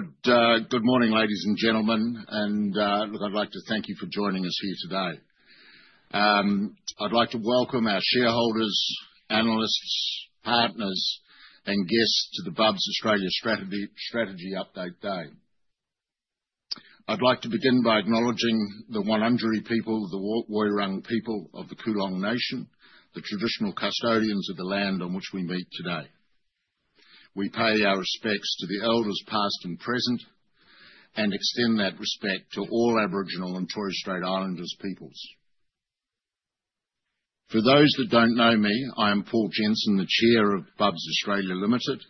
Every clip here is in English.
Good morning, ladies and gentlemen, and look, I'd like to thank you for joining us here today. I'd like to welcome our shareholders, analysts, partners, and guests to the Bubs Australia Strategy Update Day. I'd like to begin by acknowledging the Wurundjeri people, the Woi Wurrung people of the Kulin nation, the traditional custodians of the land on which we meet today. We pay our respects to the elders past and present, and extend that respect to all Aboriginal and Torres Strait Islander peoples. For those that don't know me, I am Paul Jensen, the Chair of Bubs Australia Limited.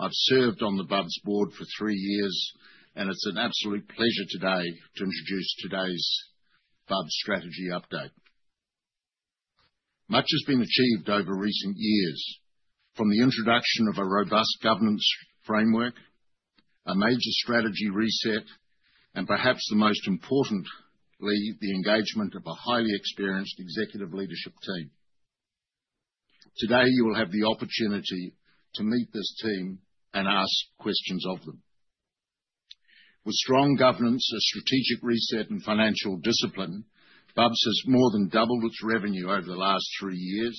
I've served on the Bubs board for three years, and it's an absolute pleasure today to introduce today's Bubs Strategy Update. Much has been achieved over recent years, from the introduction of a robust governance framework, a major strategy reset, and perhaps the most importantly, the engagement of a highly experienced executive leadership team. Today, you will have the opportunity to meet this team and ask questions of them. With strong governance, a strategic reset, and financial discipline, Bubs has more than doubled its revenue over the last three years,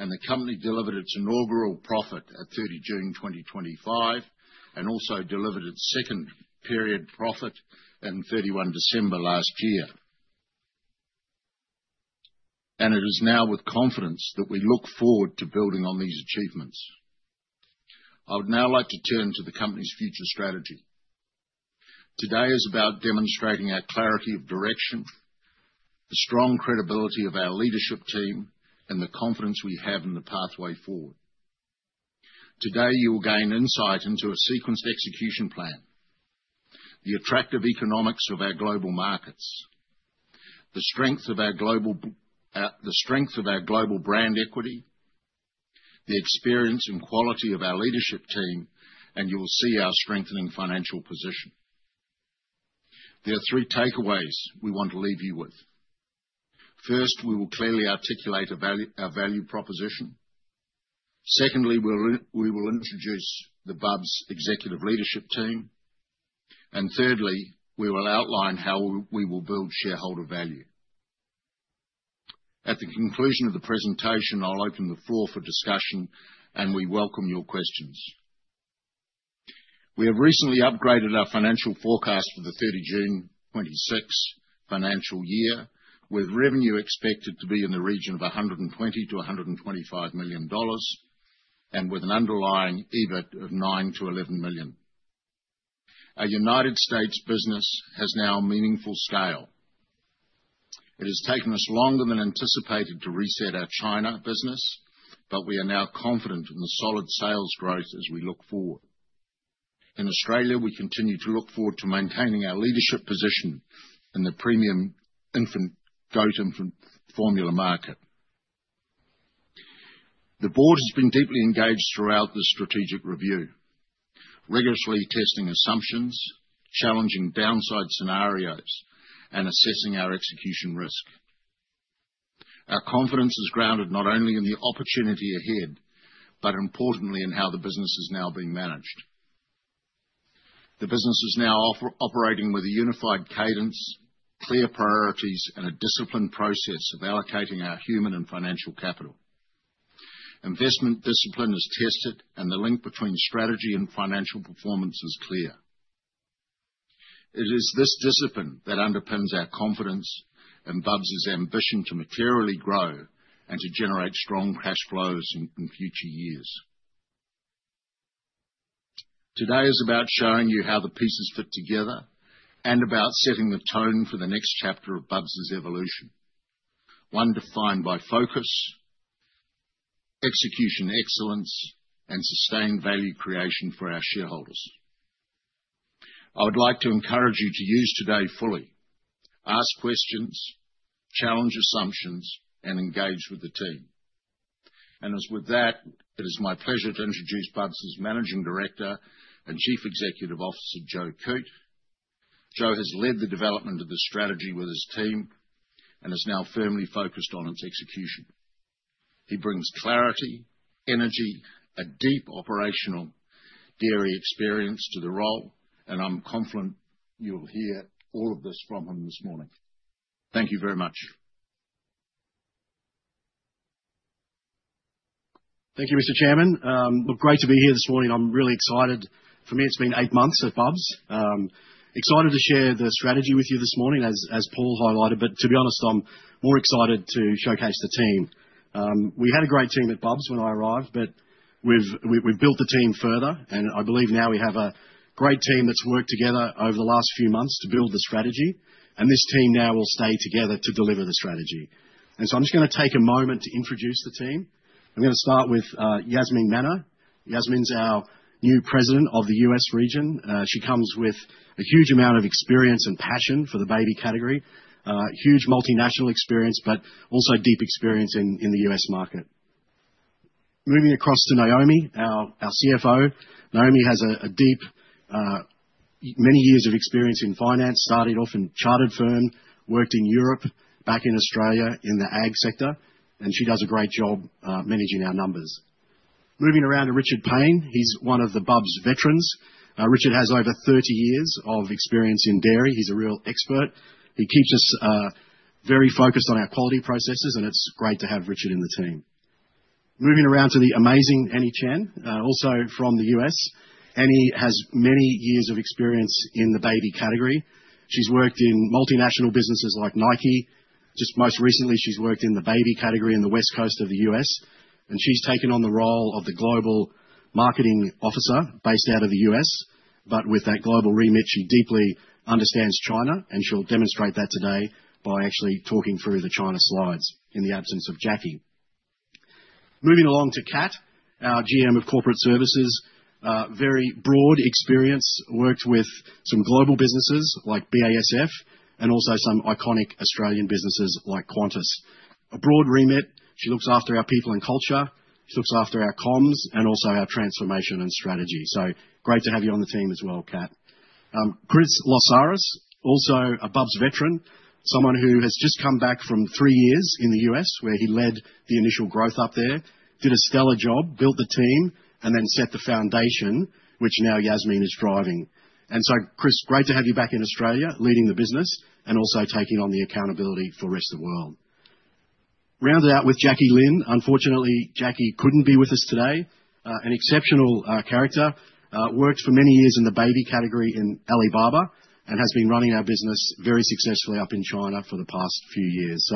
and the company delivered its inaugural profit at 30 June 2025, and also delivered its second period profit in 31 December last year. It is now with confidence that we look forward to building on these achievements. I would now like to turn to the company's future strategy. Today is about demonstrating our clarity of direction, the strong credibility of our leadership team, and the confidence we have in the pathway forward. Today, you will gain insight into a sequenced execution plan, the attractive economics of our global markets, the strength of our global brand equity, the experience and quality of our leadership team, and you will see our strengthening financial position. There are three takeaways we want to leave you with. First, we will clearly articulate a value, our value proposition. Secondly, we will introduce the Bubs' executive leadership team. Thirdly, we will outline how we will build shareholder value. At the conclusion of the presentation, I'll open the floor for discussion and we welcome your questions. We have recently upgraded our financial forecast for the 30 June 2026 financial year with revenue expected to be in the region of 120 million-125 million dollars, and with an underlying EBIT of 9 million-11 million. Our United States business has now meaningful scale. It has taken us longer than anticipated to reset our China business, but we are now confident in the solid sales growth as we look forward. In Australia, we continue to look forward to maintaining our leadership position in the premium infant, goat infant formula market. The board has been deeply engaged throughout this strategic review, rigorously testing assumptions, challenging downside scenarios, and assessing our execution risk. Our confidence is grounded not only in the opportunity ahead, but importantly, in how the business is now being managed. The business is now operating with a unified cadence, clear priorities, and a disciplined process of allocating our human and financial capital. Investment discipline is tested, and the link between strategy and financial performance is clear. It is this discipline that underpins our confidence and Bubs' ambition to materially grow and to generate strong cash flows in future years. Today is about showing you how the pieces fit together and about setting the tone for the next chapter of Bubs' evolution, one defined by focus, execution excellence, and sustained value creation for our shareholders. I would like to encourage you to use today fully. Ask questions, challenge assumptions, and engage with the team. With that, it is my pleasure to introduce Bubs' Managing Director and Chief Executive Officer, Joe Coote. Joe has led the development of this strategy with his team and is now firmly focused on its execution. He brings clarity, energy, a deep operational dairy experience to the role, and I'm confident you'll hear all of this from him this morning. Thank you very much. Thank you, Mr. Chairman. Look, great to be here this morning. I'm really excited. For me, it's been eight months at Bubs. Excited to share the strategy with you this morning, as Paul highlighted, but to be honest, I'm more excited to showcase the team. We had a great team at Bubs when I arrived, but we've built the team further and I believe now we have a great team that's worked together over the last few months to build the strategy, and this team now will stay together to deliver the strategy. I'm just gonna take a moment to introduce the team. I'm gonna start with Jasmin Manner. Jasmin's our new President of the U.S. region. She comes with a huge amount of experience and passion for the baby category. Huge multinational experience, but also deep experience in the U.S. market. Moving across to Naomi, our CFO. Naomi has many years of experience in finance, started off in chartered firm, worked in Europe, back in Australia in the ag sector, and she does a great job managing our numbers. Moving around to Richard Paine. He's one of the Bubs veterans. Richard has over 30 years of experience in dairy. He's a real expert. He keeps us very focused on our quality processes, and it's great to have Richard in the team. Moving around to the amazing Annie Chen, also from the U.S. Annie has many years of experience in the baby category. She's worked in multinational businesses like Nike. Just most recently, she's worked in the baby category in the West Coast of the U.S., and she's taken on the role of the global marketing officer based out of the U.S., but with that global remit, she deeply understands China, and she'll demonstrate that today by actually talking through the China slides in the absence of Jackie. Moving along to Kat, our GM of corporate services. Very broad experience. Worked with some global businesses like BASF and also some iconic Australian businesses like Qantas. A broad remit. She looks after our people and culture. She looks after our comms and also our transformation and strategy. Great to have you on the team as well, Kat. Chris Lotsaris, also a Bubs veteran, someone who has just come back from three years in the U.S. where he led the initial growth up there, did a stellar job, built the team, and then set the foundation which now Jasmin is driving. Chris, great to have you back in Australia leading the business and also taking on the accountability for Rest of World. Round it out with Jackie Lin. Unfortunately, Jackie couldn't be with us today. An exceptional character. Worked for many years in the baby category in Alibaba and has been running our business very successfully up in China for the past few years.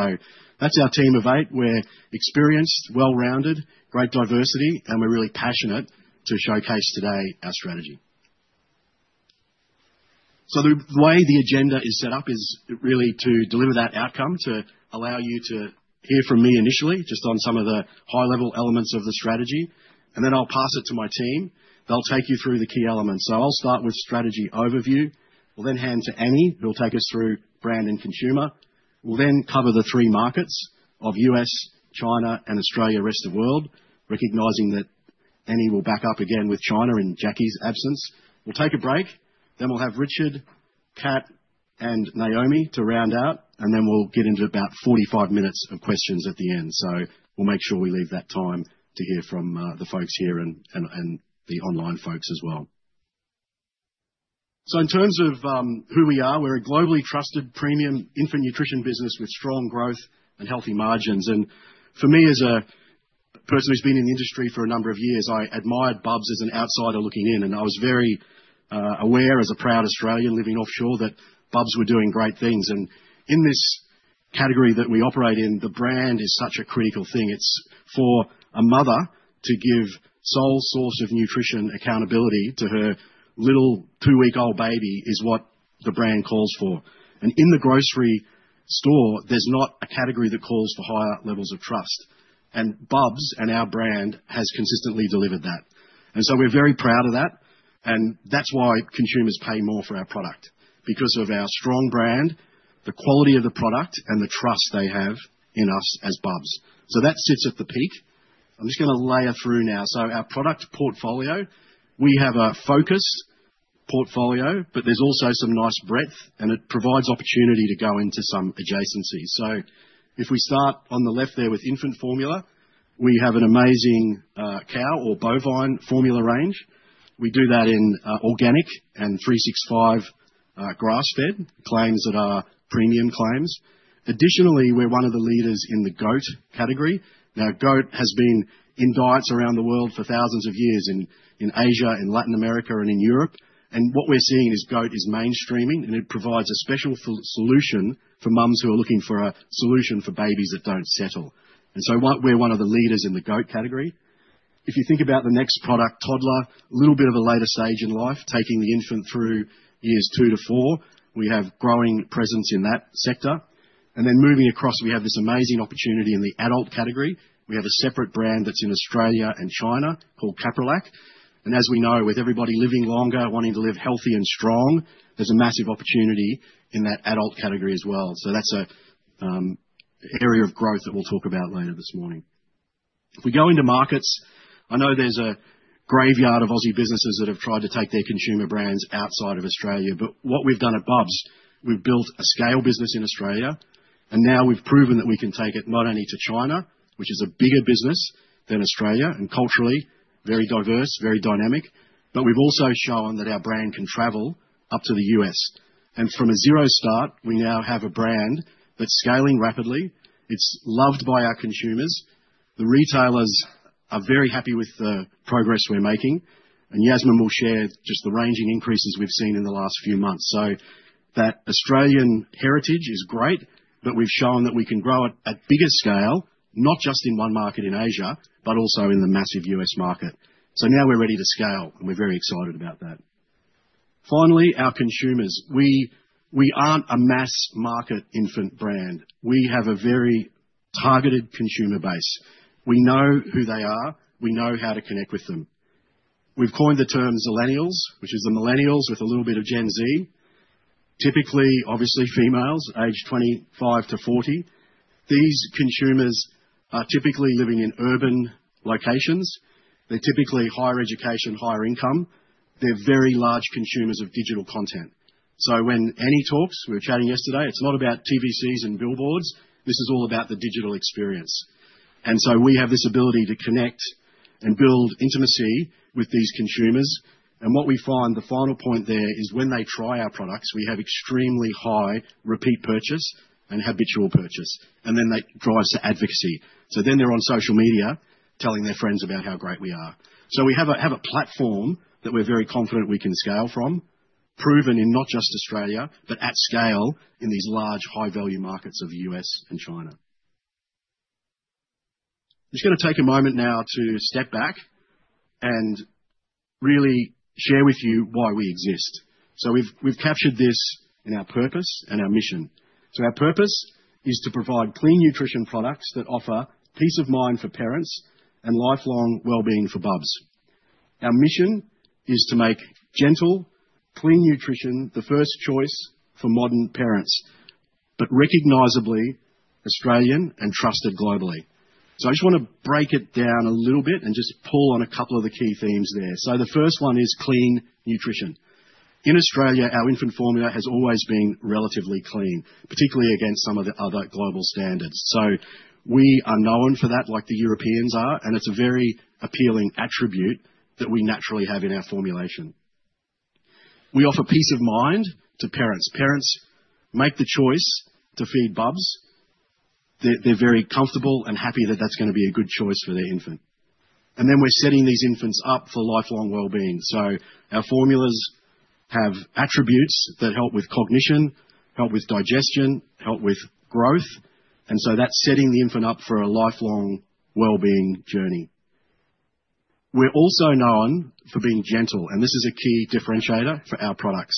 That's our team of eight. We're experienced, well-rounded, great diversity, and we're really passionate to showcase today our strategy. The way the agenda is set up is really to deliver that outcome, to allow you to hear from me initially just on some of the high-level elements of the strategy, and then I'll pass it to my team. They'll take you through the key elements. I'll start with strategy overview. We'll then hand to Annie, who'll take us through brand and consumer. We'll then cover the three markets of U.S., China, and Australia, Rest of World, recognizing that Annie will back up again with China in Jackie's absence. We'll take a break, then we'll have Richard, Kat, and Naomi to round out, and then we'll get into about 45 minutes of questions at the end. We'll make sure we leave that time to hear from the folks here and the online folks as well. In terms of who we are, we're a globally trusted premium infant nutrition business with strong growth and healthy margins. For me, as a person who's been in the industry for a number of years, I admired Bubs as an outsider looking in, and I was very aware as a proud Australian living offshore that Bubs were doing great things. In this category that we operate in, the brand is such a critical thing. It's for a mother to give sole source of nutrition accountability to her little two-week-old baby is what the brand calls for. In the grocery store, there's not a category that calls for higher levels of trust. Bubs and our brand has consistently delivered that. We're very proud of that, and that's why consumers pay more for our product, because of our strong brand, the quality of the product, and the trust they have in us as Bubs. That sits at the peak. I'm just gonna layer through now. Our product portfolio, we have a focus portfolio, but there's also some nice breadth, and it provides opportunity to go into some adjacencies. If we start on the left there with infant formula, we have an amazing cow or bovine formula range. We do that in organic and 365 grass-fed claims that are premium claims. Additionally, we're one of the leaders in the goat category. Now, goat has been in diets around the world for thousands of years in Asia and Latin America and in Europe, and what we're seeing is goat is mainstreaming, and it provides a special solution for moms who are looking for a solution for babies that don't settle. We're one of the leaders in the goat category. If you think about the next product, toddler, a little bit of a later stage in life, taking the infant through years two to four. We have growing presence in that sector. Moving across, we have this amazing opportunity in the adult category. We have a separate brand that's in Australia and China called CapriLac. As we know, with everybody living longer, wanting to live healthy and strong, there's a massive opportunity in that adult category as well. That's an area of growth that we'll talk about later this morning. If we go into markets, I know there's a graveyard of Aussie businesses that have tried to take their consumer brands outside of Australia, but what we've done at Bubs, we've built a scale business in Australia, and now we've proven that we can take it not only to China, which is a bigger business than Australia and culturally very diverse, very dynamic, but we've also shown that our brand can travel up to the U.S. From a zero start, we now have a brand that's scaling rapidly. It's loved by our consumers. The retailers are very happy with the progress we're making, and Jasmin will share just the range in increases we've seen in the last few months. That Australian heritage is great, but we've shown that we can grow at bigger scale, not just in one market in Asia, but also in the massive U.S. market. Now we're ready to scale, and we're very excited about that. Finally, our consumers. We aren't a mass market infant brand. We have a very targeted consumer base. We know who they are. We know how to connect with them. We've coined the term Zillennials, which is the millennials with a little bit of Gen Z. Typically, obviously females aged 25-40. These consumers are typically living in urban locations. They're typically higher education, higher income. They're very large consumers of digital content. When Annie talks, we were chatting yesterday, it's not about TVCs and billboards. This is all about the digital experience. We have this ability to connect and build intimacy with these consumers. What we find, the final point there is when they try our products, we have extremely high repeat purchase and habitual purchase, and then that drives to advocacy. They're on social media telling their friends about how great we are. We have a platform that we're very confident we can scale from. Proven in not just Australia, but at scale in these large high-value markets of U.S. and China. Just gonna take a moment now to step back and really share with you why we exist. We've captured this in our purpose and our mission. Our purpose is to provide clean nutrition products that offer peace of mind for parents and lifelong wellbeing for Bubs. Our mission is to make gentle, clean nutrition the first choice for modern parents, but recognizably Australian and trusted globally. I just wanna break it down a little bit and just pull on a couple of the key themes there. The first one is clean nutrition. In Australia, our infant formula has always been relatively clean, particularly against some of the other global standards. We are known for that, like the Europeans are, and it's a very appealing attribute that we naturally have in our formulation. We offer peace of mind to parents. Parents make the choice to feed Bubs. They're very comfortable and happy that that's gonna be a good choice for their infant. Then we're setting these infants up for lifelong wellbeing. Our formulas have attributes that help with cognition, help with digestion, help with growth, and so that's setting the infant up for a lifelong wellbeing journey. We're also known for being gentle, and this is a key differentiator for our products.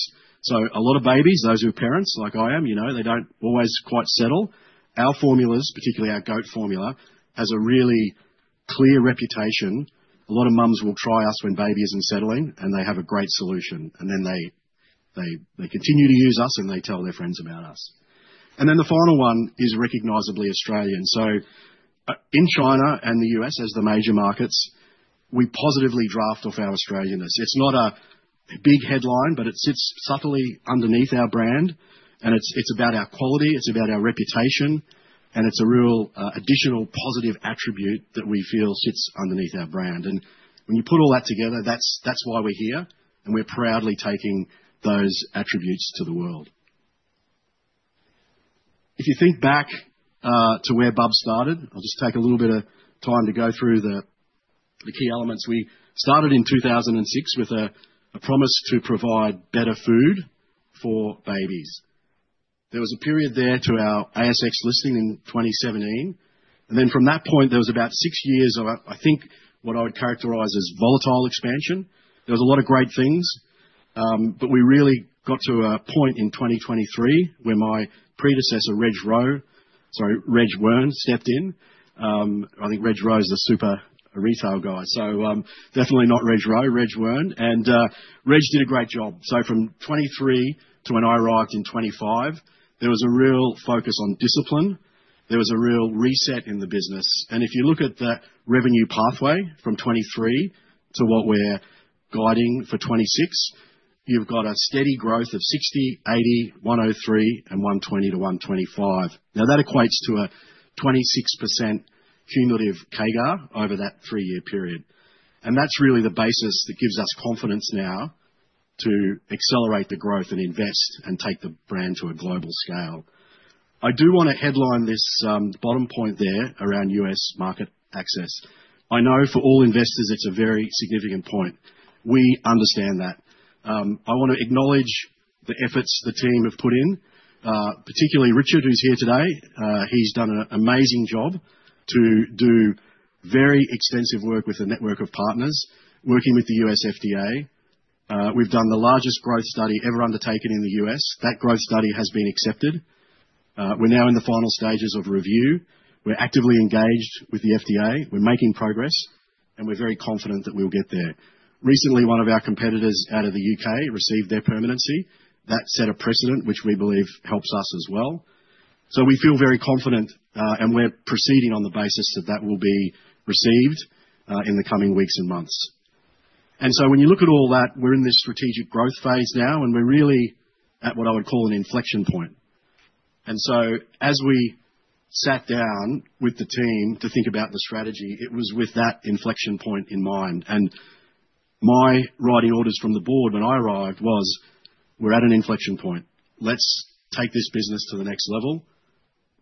A lot of babies, those who are parents like I am, you know, they don't always quite settle. Our formulas, particularly our goat formula, has a really clear reputation. A lot of moms will try us when baby isn't settling, and they have a great solution. Then they continue to use us, and they tell their friends about us. Then the final one is recognizably Australian. In China and the U.S. as the major markets, we positively draft off our Australian-ness. It's not a big headline, but it sits subtly underneath our brand, and it's about our quality, it's about our reputation, and it's a real additional positive attribute that we feel sits underneath our brand. When you put all that together, that's why we're here, and we're proudly taking those attributes to the world. If you think back to where Bubs started, I'll just take a little bit of time to go through the key elements. We started in 2006 with a promise to provide better food for babies. There was a period there to our ASX listing in 2017, and then from that point, there was about six years of, I think what I would characterize as volatile expansion. There was a lot of great things, but we really got to a point in 2023 where my predecessor, Reg Weine, stepped in. I think Reg Weine is a super retail guy. Reg Weine did a great job. From 2023 to when I arrived in 2025, there was a real focus on discipline. There was a real reset in the business. If you look at that revenue pathway from 2023 to what we're guiding for 2026, you've got a steady growth of 60 million, 80 million, 103 million, and 120 million to 125 million. Now that equates to a 26% cumulative CAGR over that three-year period. That's really the basis that gives us confidence now to accelerate the growth and invest and take the brand to a global scale. I do wanna headline this, bottom point there around U.S. market access. I know for all investors, it's a very significant point. We understand that. I wanna acknowledge the efforts the team have put in, particularly Richard, who's here today. He's done an amazing job to do very extensive work with a network of partners, working with the U.S. FDA. We've done the largest growth study ever undertaken in the U.S. That growth study has been accepted. We're now in the final stages of review. We're actively engaged with the FDA. We're making progress, and we're very confident that we'll get there. Recently, one of our competitors out of the U.K. received their permanency. That set a precedent which we believe helps us as well. We feel very confident, and we're proceeding on the basis that that will be received, in the coming weeks and months. When you look at all that, we're in this strategic growth phase now, and we're really at what I would call an inflection point. As we sat down with the team to think about the strategy, it was with that inflection point in mind. My riding orders from the board when I arrived was, "We're at an inflection point. Let's take this business to the next level.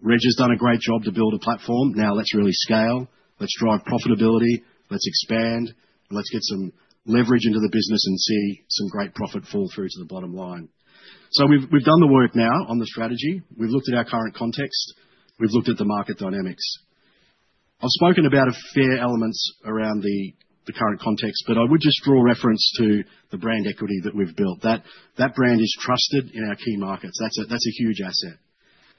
Reg has done a great job to build a platform. Now let's really scale. Let's drive profitability. Let's expand. Let's get some leverage into the business and see some great profit fall through to the bottom line." We've done the work now on the strategy. We've looked at our current context. We've looked at the market dynamics. I've spoken about a few elements around the current context, but I would just draw reference to the brand equity that we've built. That brand is trusted in our key markets. That's a huge asset.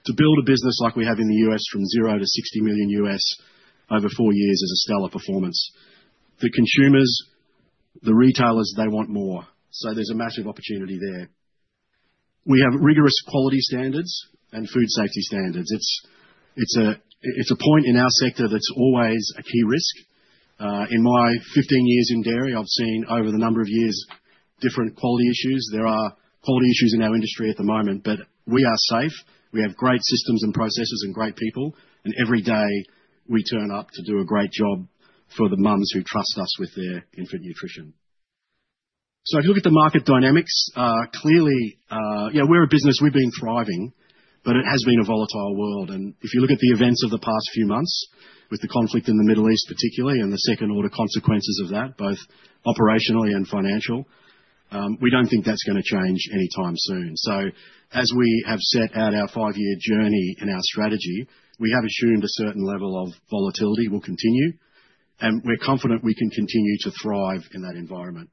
To build a business like we have in the U.S. from zero to $60 million over four years is a stellar performance. The retailers, they want more. There's a massive opportunity there. We have rigorous quality standards and food safety standards. It's a point in our sector that's always a key risk. In my 15 years in dairy, I've seen over the years different quality issues. There are quality issues in our industry at the moment, but we are safe. We have great systems and processes and great people, and every day we turn up to do a great job for the moms who trust us with their infant nutrition. If you look at the market dynamics, clearly, yeah, we're a business, we've been thriving, but it has been a volatile world. If you look at the events of the past few months, with the conflict in the Middle East particularly and the second-order consequences of that, both operationally and financial, we don't think that's gonna change anytime soon. As we have set out our five-year journey and our strategy, we have assumed a certain level of volatility will continue, and we're confident we can continue to thrive in that environment.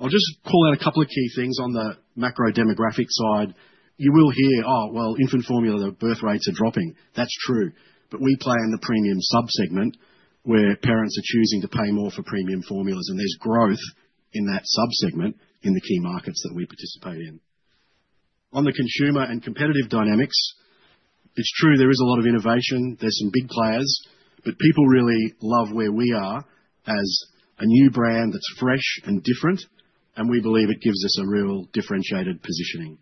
I'll just call out a couple of key things. On the macro demographic side, you will hear, "Oh, well, infant formula, the birth rates are dropping." That's true, but we play in the premium sub-segment where parents are choosing to pay more for premium formulas, and there's growth in that sub-segment in the key markets that we participate in. On the consumer and competitive dynamics, it's true there is a lot of innovation. There's some big players, but people really love where we are as a new brand that's fresh and different, and we believe it gives us a real differentiated positioning.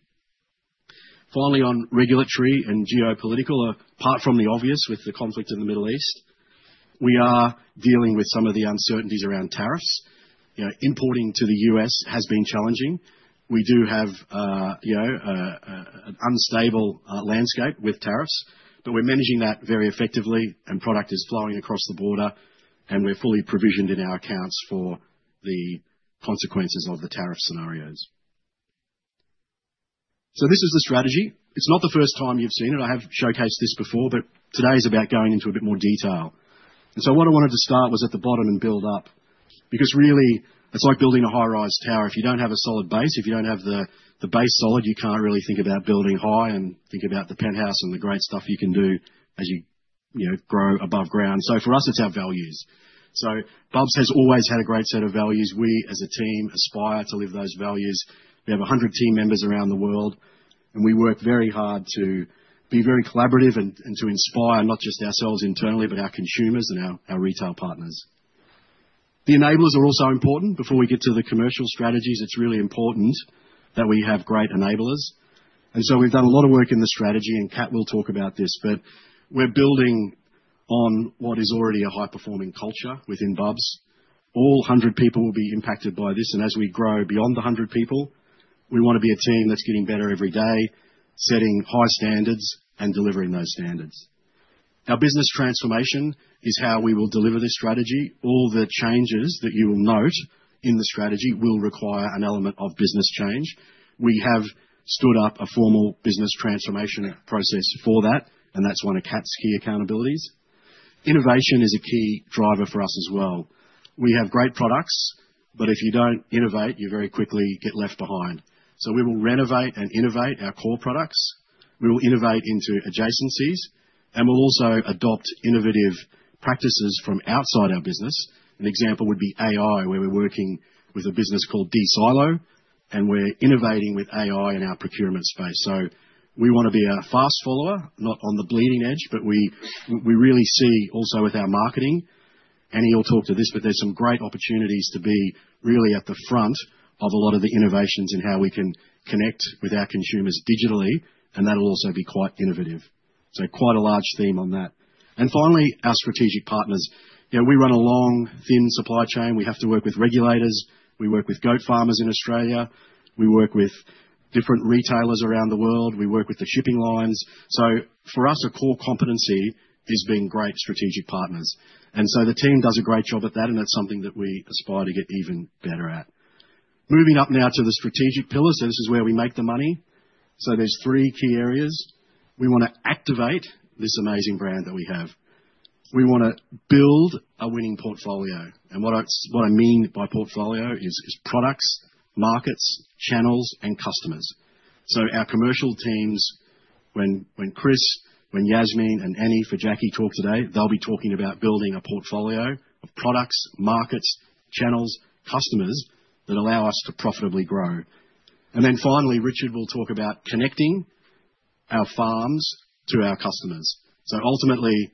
Finally, on regulatory and geopolitical, apart from the obvious with the conflict in the Middle East, we are dealing with some of the uncertainties around tariffs. You know, importing to the U.S. has been challenging. We do have, you know, an unstable landscape with tariffs, but we're managing that very effectively and product is flowing across the border, and we're fully provisioned in our accounts for the consequences of the tariff scenarios. This is the strategy. It's not the first time you've seen it. I have showcased this before, but today is about going into a bit more detail. What I wanted to start was at the bottom and build up. Because really, it's like building a high-rise tower. If you don't have a solid base, if you don't have the base solid, you can't really think about building high and think about the penthouse and the great stuff you can do as you know grow above ground. For us, it's our values. Bubs has always had a great set of values. We as a team aspire to live those values. We have 100 team members around the world, and we work very hard to be very collaborative and to inspire not just ourselves internally, but our consumers and our retail partners. The enablers are also important. Before we get to the commercial strategies, it's really important that we have great enablers. We've done a lot of work in the strategy, and Kat will talk about this, but we're building on what is already a high-performing culture within Bubs. All 100 people will be impacted by this, and as we grow beyond the 100 people, we wanna be a team that's getting better every day, setting high standards and delivering those standards. Our business transformation is how we will deliver this strategy. All the changes that you will note in the strategy will require an element of business change. We have stood up a formal business transformation process for that, and that's one of Kat's key accountabilities. Innovation is a key driver for us as well. We have great products, but if you don't innovate, you very quickly get left behind. We will renovate and innovate our core products. We will innovate into adjacencies, and we'll also adopt innovative practices from outside our business. An example would be AI, where we're working with a business called dSilo, and we're innovating with AI in our procurement space. We wanna be a fast follower, not on the bleeding edge, but we really see also with our marketing, Annie will talk to this, but there's some great opportunities to be really at the front of a lot of the innovations in how we can connect with our consumers digitally, and that'll also be quite innovative. Quite a large theme on that. Finally, our strategic partners. You know, we run a long, thin supply chain. We have to work with regulators. We work with goat farmers in Australia. We work with different retailers around the world. We work with the shipping lines. For us, a core competency is being great strategic partners. The team does a great job at that, and that's something that we aspire to get even better at. Moving up now to the strategic pillars. This is where we make the money. There's three key areas. We wanna activate this amazing brand that we have. We wanna build a winning portfolio and what I mean by portfolio is products, markets, channels, and customers. Our commercial teams, when Chris, Jasmin, Annie, and Jackie talk today, they'll be talking about building a portfolio of products, markets, channels, customers that allow us to profitably grow. Then finally, Richard will talk about connecting our farms to our customers. Ultimately,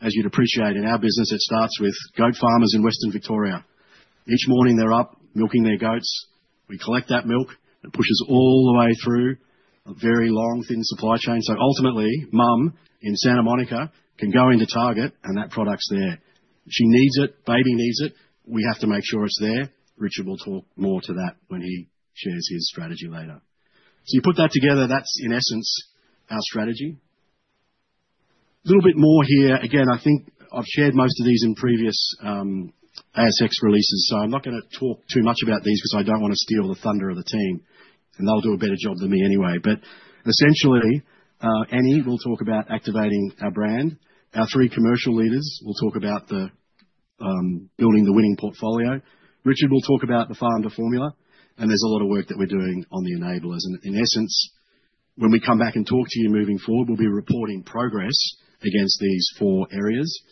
as you'd appreciate in our business, it starts with goat farmers in Western Victoria. Each morning, they're up milking their goats. We collect that milk. It pushes all the way through a very long, thin supply chain. Ultimately, mom in Santa Monica can go into Target and that product's there. She needs it. Baby needs it. We have to make sure it's there. Richard will talk more to that when he shares his strategy later. You put that together, that's in essence our strategy. Little bit more here. Again, I think I've shared most of these in previous ASX releases, so I'm not gonna talk too much about these 'cause I don't wanna steal the thunder of the team, and they'll do a better job than me anyway. Essentially, Annie will talk about activating our brand. Our three commercial leaders will talk about building the winning portfolio. Richard will talk about the farm to formula, and there's a lot of work that we're doing on the enablers. In essence, when we come back and talk to you moving forward, we'll be reporting progress against these four areas.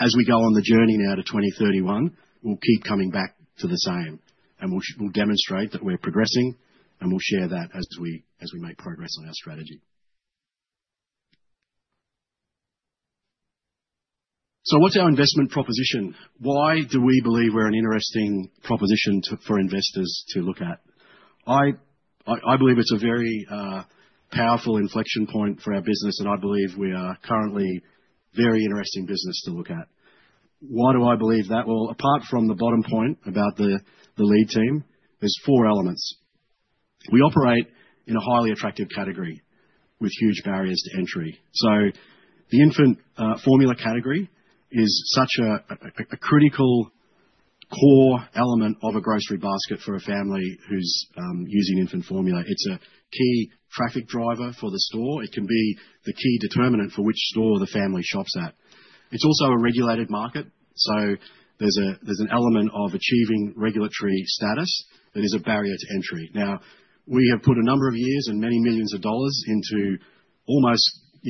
As we go on the journey now to 2031, we'll keep coming back to the same, and we'll demonstrate that we're progressing, and we'll share that as we make progress on our strategy. What's our investment proposition? Why do we believe we're an interesting proposition to, for investors to look at? I believe it's a very powerful inflection point for our business, and I believe we are currently very interesting business to look at. Why do I believe that? Well, apart from the bottom point about the lead team, there's four elements. We operate in a highly attractive category with huge barriers to entry. The infant formula category is such a critical core element of a grocery basket for a family who's using infant formula. It's a key traffic driver for the store. It can be the key determinant for which store the family shops at. It's also a regulated market, so there's an element of achieving regulatory status that is a barrier to entry. Now, we have put a number of years and many millions of dollars into, you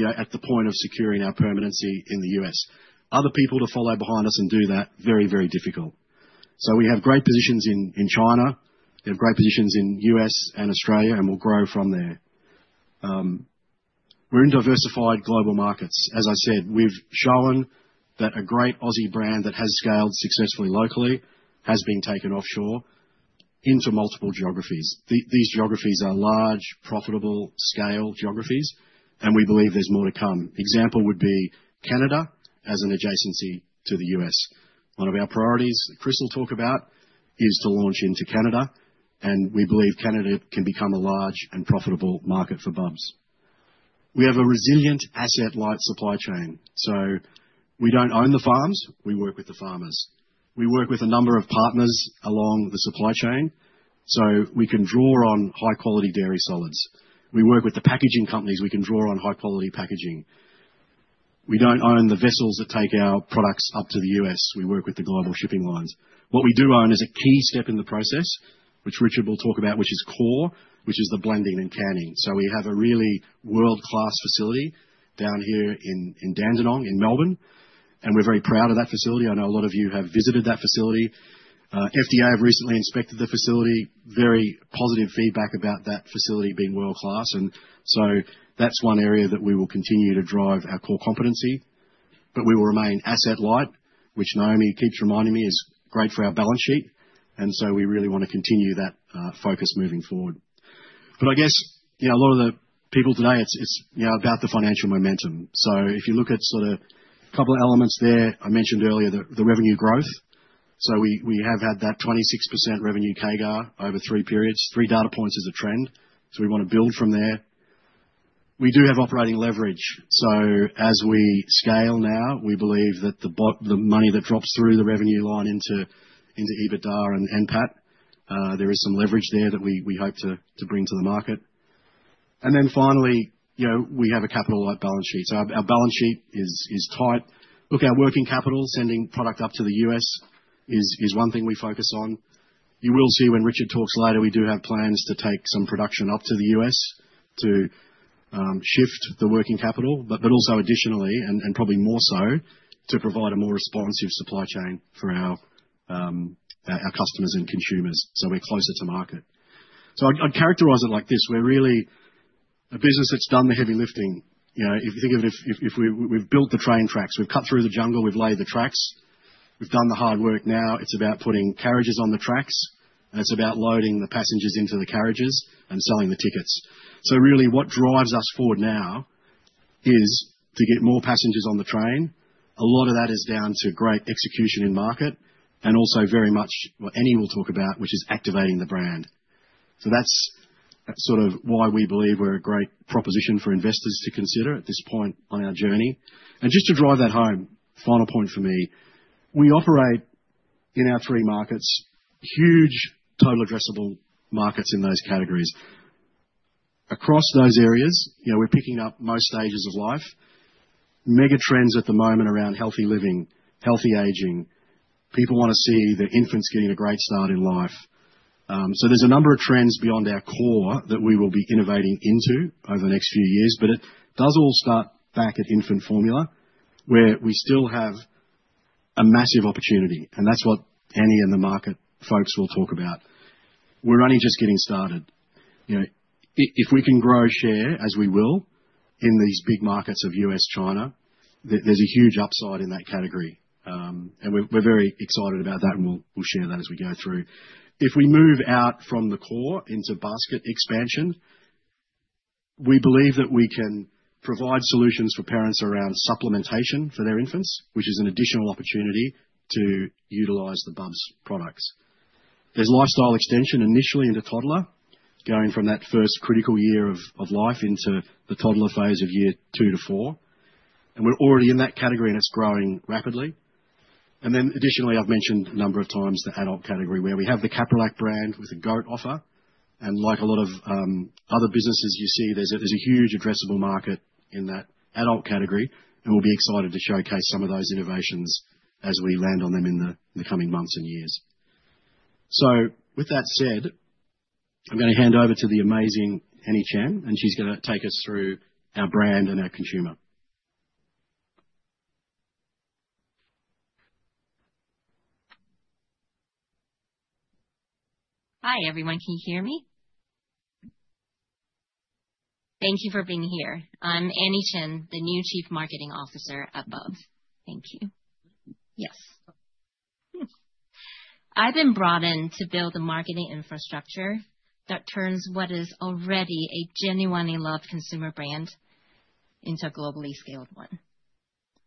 know, at the point of securing our permanency in the U.S. Other people to follow behind us and do that very, very difficult. We have great positions in China. We have great positions in U.S. and Australia, and we'll grow from there. We're in diversified global markets. As I said, we've shown that a great Aussie brand that has scaled successfully locally has been taken offshore into multiple geographies. These geographies are large, profitable scale geographies, and we believe there's more to come. Example would be Canada as an adjacency to the U.S. One of our priorities, Chris will talk about, is to launch into Canada, and we believe Canada can become a large and profitable market for Bubs. We have a resilient asset-light supply chain, so we don't own the farms. We work with the farmers. We work with a number of partners along the supply chain, so we can draw on high-quality dairy solids. We work with the packaging companies, we can draw on high-quality packaging. We don't own the vessels that take our products up to the U.S. We work with the global shipping lines. What we do own is a key step in the process, which Richard will talk about, which is core, which is the blending and canning. We have a really world-class facility down here in Dandenong in Melbourne, and we're very proud of that facility. I know a lot of you have visited that facility. FDA have recently inspected the facility. Very positive feedback about that facility being world-class, and so that's one area that we will continue to drive our core competency. We will remain asset light, which Naomi keeps reminding me is great for our balance sheet, and so we really wanna continue that focus moving forward. I guess, you know, a lot of the people today it's about the financial momentum. If you look at sort of couple elements there, I mentioned earlier the revenue growth. We have had that 26% revenue CAGR over three periods. Three data points is a trend, so we wanna build from there. We do have operating leverage, so as we scale now, we believe that the money that drops through the revenue line into EBITDA and NPAT, there is some leverage there that we hope to bring to the market. Finally, you know, we have a capital-light balance sheet. Our balance sheet is tight. Look, our working capital, sending product up to the U.S. is one thing we focus on. You will see when Richard talks later, we do have plans to take some production up to the U.S. to shift the working capital, but also additionally, and probably more so, to provide a more responsive supply chain for our customers and consumers, so we're closer to market. I'd characterize it like this. We're really a business that's done the heavy lifting. You know, if you think of it, if we've built the train tracks, we've cut through the jungle, we've laid the tracks, we've done the hard work. Now it's about putting carriages on the tracks, and it's about loading the passengers into the carriages and selling the tickets. Really what drives us forward now is to get more passengers on the train. A lot of that is down to great execution in market and also very much what Annie will talk about, which is activating the brand. That's sort of why we believe we're a great proposition for investors to consider at this point on our journey. Just to drive that home, final point for me. We operate in our three markets, huge total addressable markets in those categories. Across those areas, you know, we're picking up most stages of life. Mega trends at the moment around healthy living, healthy aging. People wanna see their infants getting a great start in life. There's a number of trends beyond our core that we will be innovating into over the next few years, but it does all start back at infant formula, where we still have a massive opportunity, and that's what Annie and the market folks will talk about. We're only just getting started. You know, if we can grow share, as we will, in these big markets of U.S., China, there's a huge upside in that category. We're very excited about that, and we'll share that as we go through. If we move out from the core into basket expansion, we believe that we can provide solutions for parents around supplementation for their infants, which is an additional opportunity to utilize the Bubs products. There's lifestyle extension initially into toddler, going from that first critical year of life into the toddler phase of year 2-4, and we're already in that category, and it's growing rapidly. Then additionally, I've mentioned a number of times the adult category where we have the CapriLac brand with a goat offer, and like a lot of other businesses you see, there's a huge addressable market in that adult category, and we'll be excited to showcase some of those innovations as we land on them in the coming months and years. With that said, I'm gonna hand over to the amazing Annie Chen, and she's gonna take us through our brand and our consumer. Hi, everyone. Can you hear me? Thank you for being here. I'm Annie Chen, the new Chief Marketing Officer at Bubs. Thank you. Yes. I've been brought in to build the marketing infrastructure that turns what is already a genuinely loved consumer brand into a globally scaled one.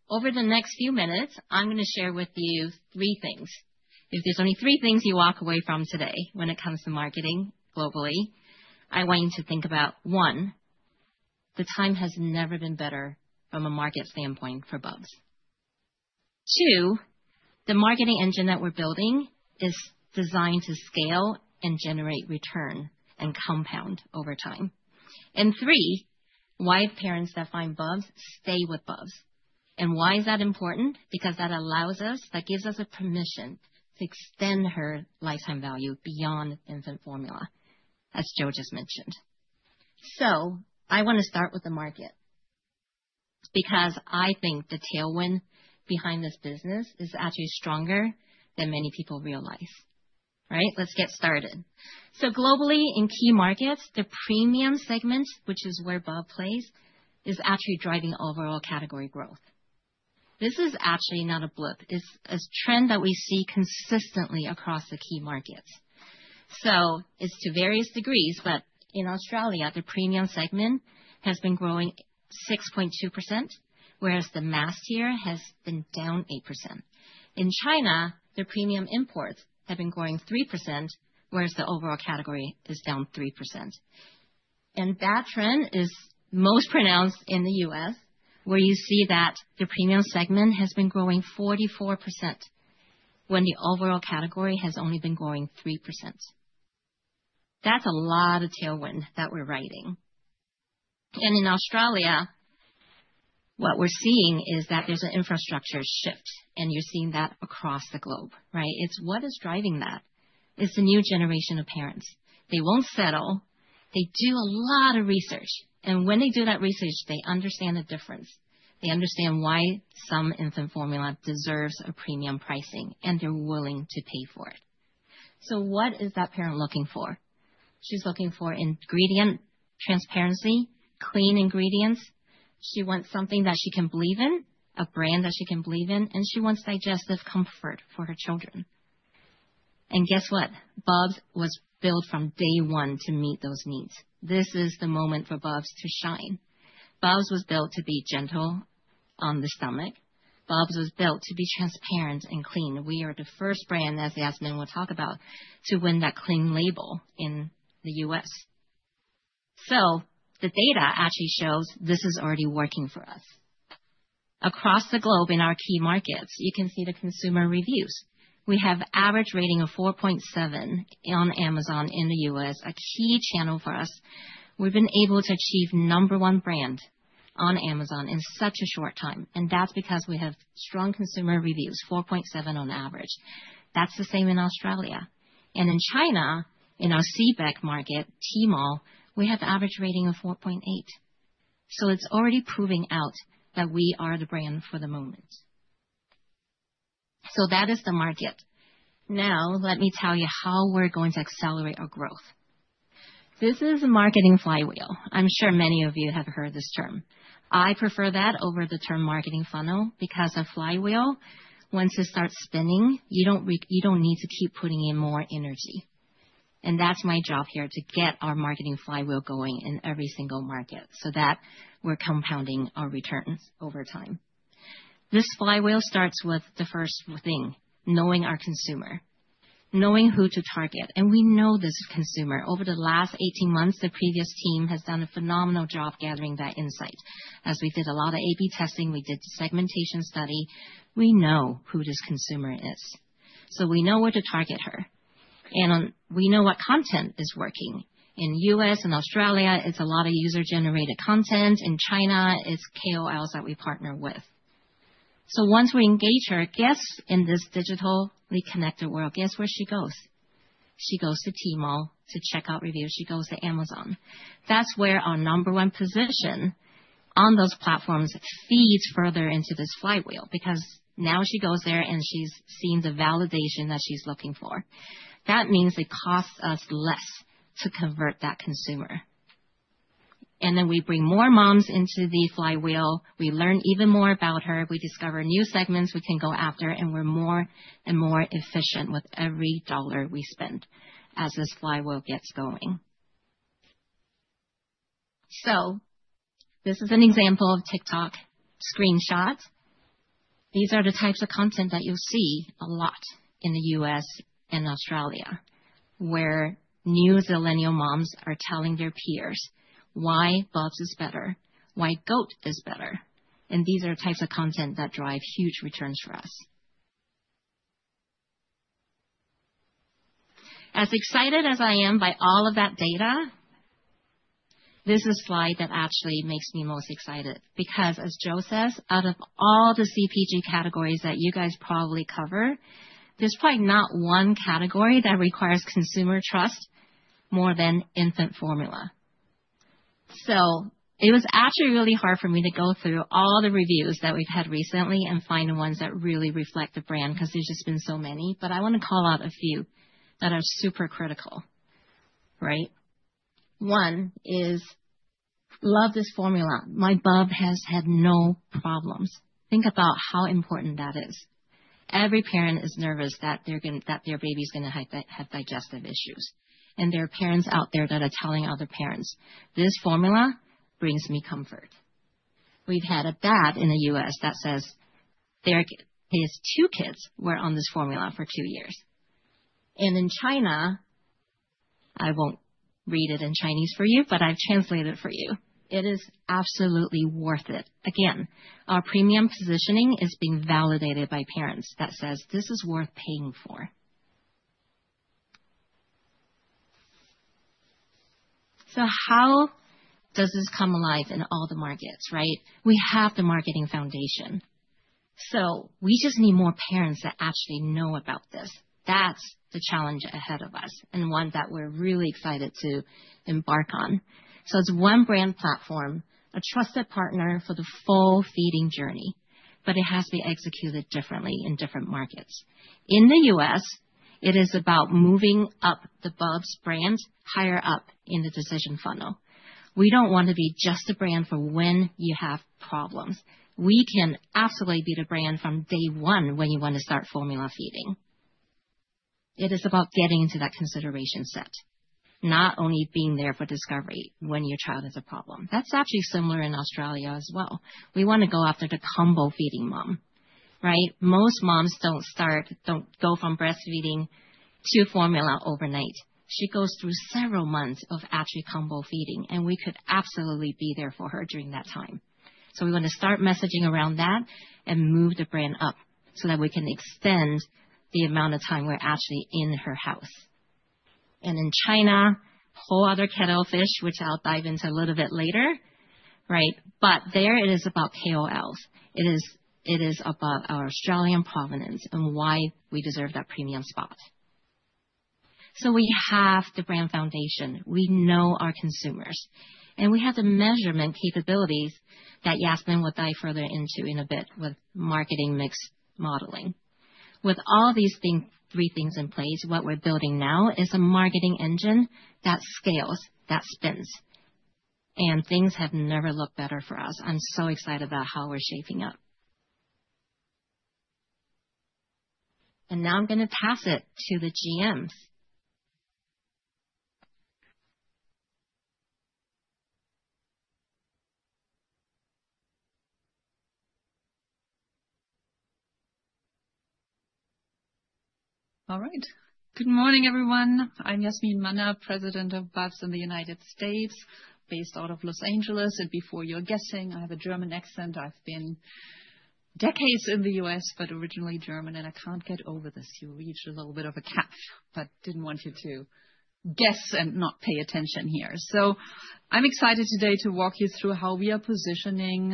Over the next few minutes, I'm gonna share with you three things. If there's only three things you walk away from today when it comes to marketing globally, I want you to think about, one, the time has never been better from a market standpoint for Bubs. Two, the marketing engine that we're building is designed to scale and generate return and compound over time. Three, why parents that find Bubs stay with Bubs. Why is that important? Because that allows us, that gives us the permission to extend her lifetime value beyond infant formula, as Joe just mentioned. I wanna start with the market, because I think the tailwind behind this business is actually stronger than many people realize. Right? Let's get started. Globally, in key markets, the premium segment, which is where Bubs plays, is actually driving overall category growth. This is actually not a blip. It's a trend that we see consistently across the key markets. It's to various degrees, but in Australia, the premium segment has been growing 6.2%, whereas the mass tier has been down 8%. In China, the premium imports have been growing 3%, whereas the overall category is down 3%. That trend is most pronounced in the U.S., where you see that the premium segment has been growing 44% when the overall category has only been growing 3%. That's a lot of tailwind that we're riding. In Australia, what we're seeing is that there's an infrastructure shift, and you're seeing that across the globe, right? It's what is driving that. It's the new generation of parents. They won't settle. They do a lot of research, and when they do that research, they understand the difference. They understand why some infant formula deserves a premium pricing, and they're willing to pay for it. What is that parent looking for? She's looking for ingredient transparency, clean ingredients. She wants something that she can believe in, a brand that she can believe in, and she wants digestive comfort for her children. Guess what? Bubs was built from day one to meet those needs. This is the moment for Bubs to shine. Bubs was built to be gentle on the stomach. Bubs was built to be transparent and clean. We are the first brand, as Jasmin will talk about, to win that Clean Label in the U.S. The data actually shows this is already working for us. Across the globe in our key markets, you can see the consumer reviews. We have average rating of 4.7 on Amazon in the U.S., a key channel for us. We've been able to achieve number one brand on Amazon in such a short time, and that's because we have strong consumer reviews, 4.7 on average. That's the same in Australia. In China, in our CBEC market, Tmall, we have average rating of 4.8. It's already proving out that we are the brand for the moment. That is the market. Now let me tell you how we're going to accelerate our growth. This is a marketing flywheel. I'm sure many of you have heard this term. I prefer that over the term marketing funnel because a flywheel, once it starts spinning, you don't need to keep putting in more energy. That's my job here, to get our marketing flywheel going in every single market so that we're compounding our returns over time. This flywheel starts with the first thing, knowing our consumer, knowing who to target, and we know this consumer. Over the last 18 months, the previous team has done a phenomenal job gathering that insight. As we did a lot of A/B testing, we did segmentation study. We know who this consumer is, so we know where to target her. We know what content is working. In U.S. and Australia, it's a lot of user-generated content. In China, it's KOLs that we partner with. Once we engage her, guess, in this digitally connected world, guess where she goes. She goes to Tmall to check out reviews. She goes to Amazon. That's where our number one position on those platforms feeds further into this flywheel because now she goes there, and she's seen the validation that she's looking for. That means it costs us less to convert that consumer. And then we bring more moms into the flywheel. We learn even more about her. We discover new segments we can go after, and we're more and more efficient with every dollar we spend as this flywheel gets going. This is an example of TikTok screenshots. These are the types of content that you'll see a lot in the U.S. and Australia, where new millennial moms are telling their peers why Bubs is better, why goat is better. These are types of content that drive huge returns for us. As excited as I am by all of that data. This is a slide that actually makes me most excited because as Joe says, out of all the CPG categories that you guys probably cover, there's probably not one category that requires consumer trust more than infant formula. It was actually really hard for me to go through all the reviews that we've had recently and find the ones that really reflect the brand because there's just been so many. I wanna call out a few that are super critical, right? One is, "Love this formula. My bub has had no problems." Think about how important that is. Every parent is nervous that they're gonna that their baby's gonna have digestive issues. There are parents out there that are telling other parents, "This formula brings me comfort." We've had a dad in the U.S. that says his two kids were on this formula for two years. In China, I won't read it in Chinese for you, but I've translated it for you. "It is absolutely worth it." Again, our premium positioning is being validated by parents that says this is worth paying for. How does this come alive in all the markets, right? We have the marketing foundation, so we just need more parents that actually know about this. That's the challenge ahead of us and one that we're really excited to embark on. It's one brand platform, a trusted partner for the full feeding journey, but it has to be executed differently in different markets. In the U.S., it is about moving up the Bubs brand higher up in the decision funnel. We don't wanna be just a brand for when you have problems. We can absolutely be the brand from day one when you wanna start formula feeding. It is about getting into that consideration set, not only being there for discovery when your child has a problem. That's actually similar in Australia as well. We wanna go after the combo feeding mom, right? Most moms don't go from breastfeeding to formula overnight. She goes through several months of actually combo feeding, and we could absolutely be there for her during that time. We wanna start messaging around that and move the brand up so that we can extend the amount of time we're actually in her house. In China, whole other kettle of fish, which I'll dive into a little bit later, right? There it is about KOLs. It is about our Australian provenance and why we deserve that premium spot. We have the brand foundation. We know our consumers, and we have the measurement capabilities that Jasmin will dive further into in a bit with marketing mix modeling. With all these things, three things in place, what we're building now is a marketing engine that scales, that spins. Things have never looked better for us. I'm so excited about how we're shaping up. Now I'm gonna pass it to the GMs. All right. Good morning, everyone. I'm Jasmin Manner, President of Bubs in the United States, based out of Los Angeles. Before you're guessing, I have a German accent. I've spent decades in the U.S., but originally German, and I can't get over this. You will hear a little bit of an accent, but didn't want you to guess and not pay attention here. I'm excited today to walk you through how we are positioning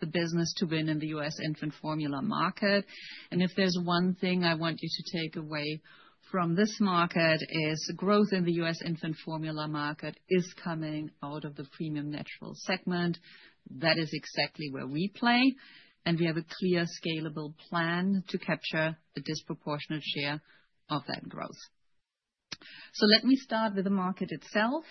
the business to win in the U.S. infant formula market. If there's one thing I want you to take away from this market is growth in the U.S. infant formula market is coming out of the premium natural segment. That is exactly where we play, and we have a clear scalable plan to capture a disproportionate share of that growth. Let me start with the market itself.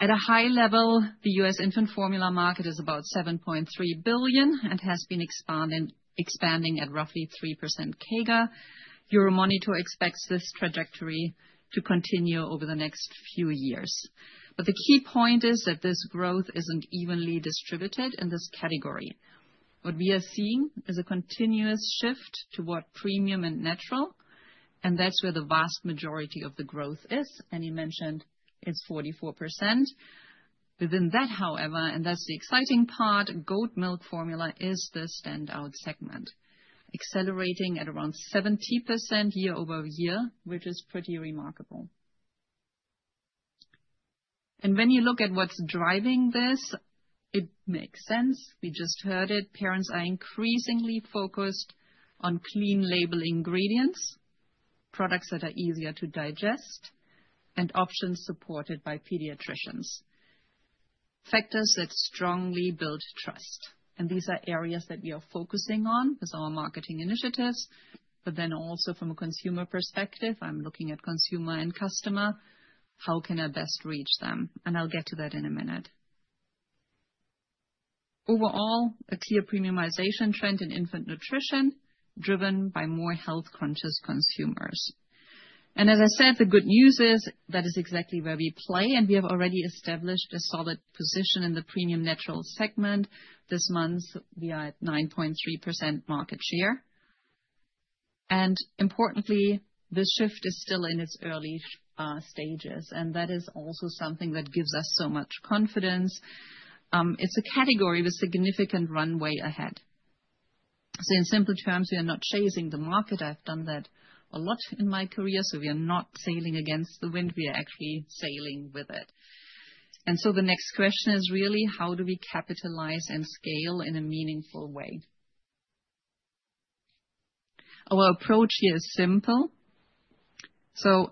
At a high level, the US infant formula market is about $7.3 billion and has been expanding at roughly 3% CAGR. Euromonitor expects this trajectory to continue over the next few years. The key point is that this growth isn't evenly distributed in this category. What we are seeing is a continuous shift toward premium and natural, and that's where the vast majority of the growth is, and you mentioned it's 44%. Within that, however, and that's the exciting part, goat milk formula is the standout segment, accelerating at around 70% year-over-year, which is pretty remarkable. When you look at what's driving this, it makes sense. We just heard it. Parents are increasingly focused on clean label ingredients, products that are easier to digest, and options supported by pediatricians, factors that strongly build trust. These are areas that we are focusing on with our marketing initiatives, but then also from a consumer perspective, I'm looking at consumer and customer, how can I best reach them? I'll get to that in a minute. Overall, a clear premiumization trend in infant nutrition driven by more health-conscious consumers. As I said, the good news is that is exactly where we play, and we have already established a solid position in the premium natural segment. This month, we are at 9.3% market share. Importantly, this shift is still in its early stages, and that is also something that gives us so much confidence. It's a category with significant runway ahead. In simple terms, we are not chasing the market. I've done that a lot in my career. We are not sailing against the wind. We are actually sailing with it. The next question is really how do we capitalize and scale in a meaningful way? Our approach here is simple. It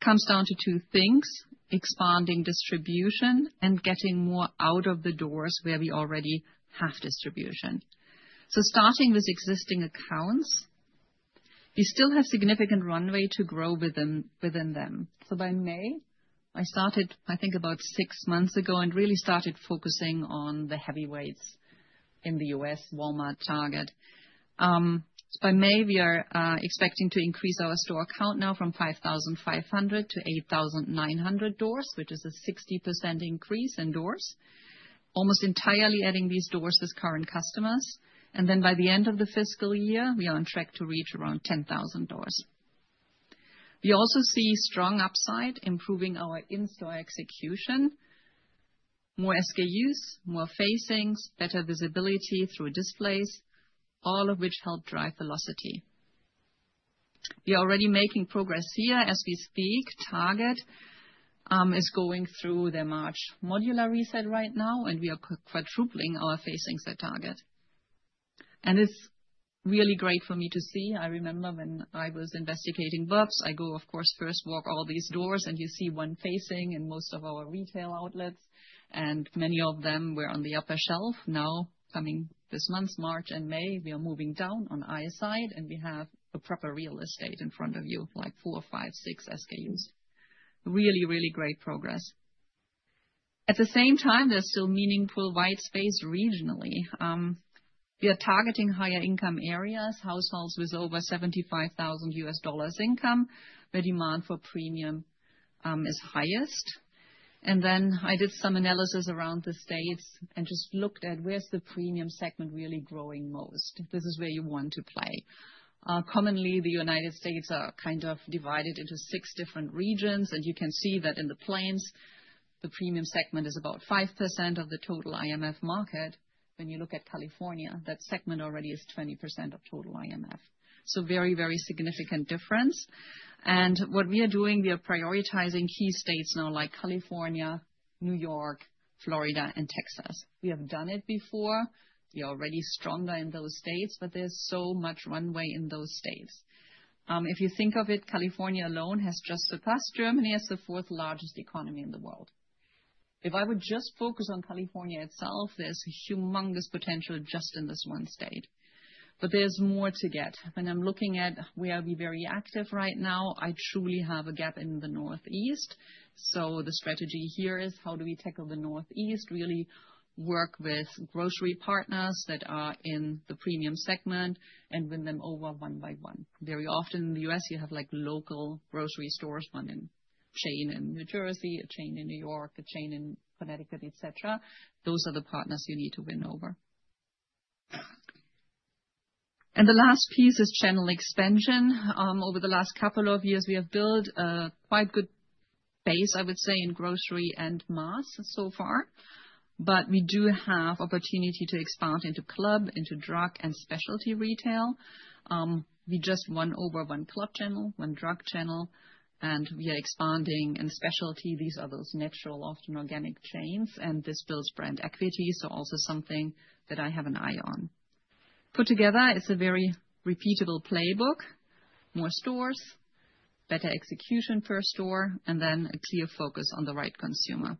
comes down to two things, expanding distribution and getting more out of the doors where we already have distribution. Starting with existing accounts, we still have significant runway to grow with them, within them. I think about six months ago, and really started focusing on the heavyweights in the U.S., Walmart, Target. By May, we are expecting to increase our store count now from 5,500 to 8,900 doors, which is a 60% increase in doors, almost entirely adding these doors as current customers. By the end of the fiscal year, we are on track to reach around 10,000 doors. We also see strong upside improving our in-store execution, more SKUs, more facings, better visibility through displays, all of which help drive velocity. We are already making progress here as we speak. Target is going through their March modular reset right now, and we are quadrupling our facings at Target. It's really great for me to see. I remember when I was investigating Bubs, I go, of course, first walk all these doors, and you see one facing in most of our retail outlets, and many of them were on the upper shelf. Now, coming this month, March and May, we are moving down on eye level, and we have a proper real estate in front of you, like four, five, six SKUs. Really, really great progress. At the same time, there's still meaningful white space regionally. We are targeting higher income areas, households with over $75,000 income, where demand for premium is highest. I did some analysis around the States and just looked at where's the premium segment really growing most. This is where you want to play. Commonly, the United States are kind of divided into 6 different regions. You can see that in the plains, the premium segment is about 5% of the total IMF market. When you look at California, that segment already is 20% of total IMF. Very, very significant difference. What we are doing, we are prioritizing key states now like California, New York, Florida, and Texas. We have done it before. We are already stronger in those states, but there's so much runway in those states. If you think of it, California alone has just surpassed Germany as the fourth largest economy in the world. If I would just focus on California itself, there's a humongous potential just in this one state. There's more to get. When I'm looking at where are we very active right now, I truly have a gap in the Northeast. The strategy here is how do we tackle the Northeast, really work with grocery partners that are in the premium segment and win them over one by one. Very often in the U.S., you have, like, local grocery stores, one chain in New Jersey, a chain in New York, a chain in Connecticut, et cetera. Those are the partners you need to win over. The last piece is channel expansion. Over the last couple of years, we have built a quite good base, I would say, in grocery and mass so far, but we do have opportunity to expand into club, into drug and specialty retail. We just won over one club channel, one drug channel, and we are expanding in specialty. These are those natural, often organic chains, and this builds brand equity, so also something that I have an eye on. Put together, it's a very repeatable playbook. More stores, better execution per store, and then a clear focus on the right consumer.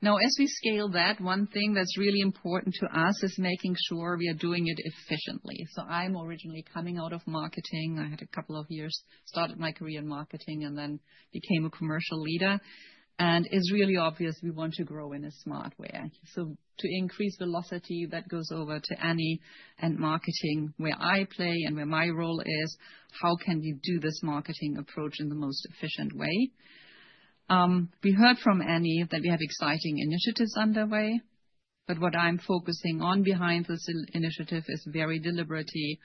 Now, as we scale that, one thing that's really important to us is making sure we are doing it efficiently. I'm originally coming out of marketing. I had a couple of years, started my career in marketing and then became a commercial leader. It's really obvious we want to grow in a smart way. To increase velocity, that goes over to Annie and marketing, where I play and where my role is how can you do this marketing approach in the most efficient way? We heard from Annie that we have exciting initiatives underway, but what I'm focusing on behind this initiative is very deliberately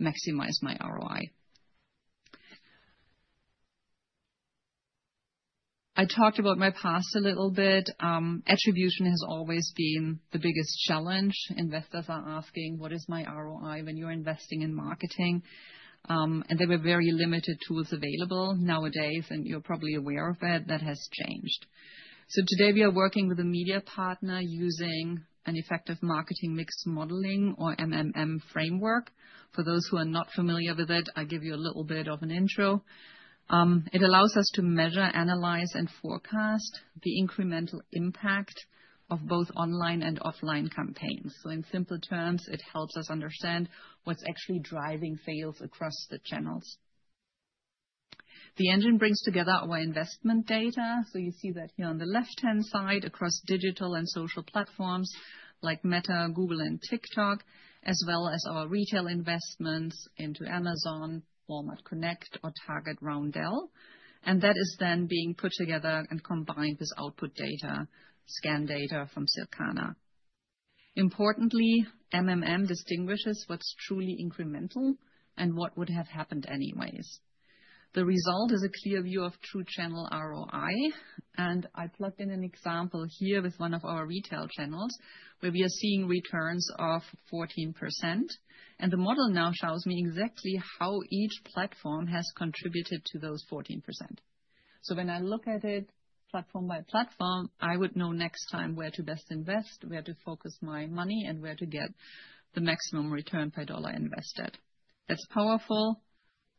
maximize my ROI. I talked about my past a little bit. Attribution has always been the biggest challenge. Investors are asking, what is my ROI when you're investing in marketing? There were very limited tools available. Nowadays, and you're probably aware of it, that has changed. Today, we are working with a media partner using an effective marketing mix modeling or MMM framework. For those who are not familiar with it, I'll give you a little bit of an intro. It allows us to measure, analyze, and forecast the incremental impact of both online and offline campaigns. In simpler terms, it helps us understand what's actually driving sales across the channels. The engine brings together our investment data. You see that here on the left-hand side across digital and social platforms like Meta, Google, and TikTok, as well as our retail investments into Amazon, Walmart Connect, or Target Roundel. That is then being put together and combined with output data, scan data from Circana. Importantly, MMM distinguishes what's truly incremental and what would have happened anyways. The result is a clear view of true channel ROI. I plugged in an example here with one of our retail channels, where we are seeing returns of 14%. The model now shows me exactly how each platform has contributed to those 14%. When I look at it platform by platform, I would know next time where to best invest, where to focus my money, and where to get the maximum return per dollar invested. That's powerful.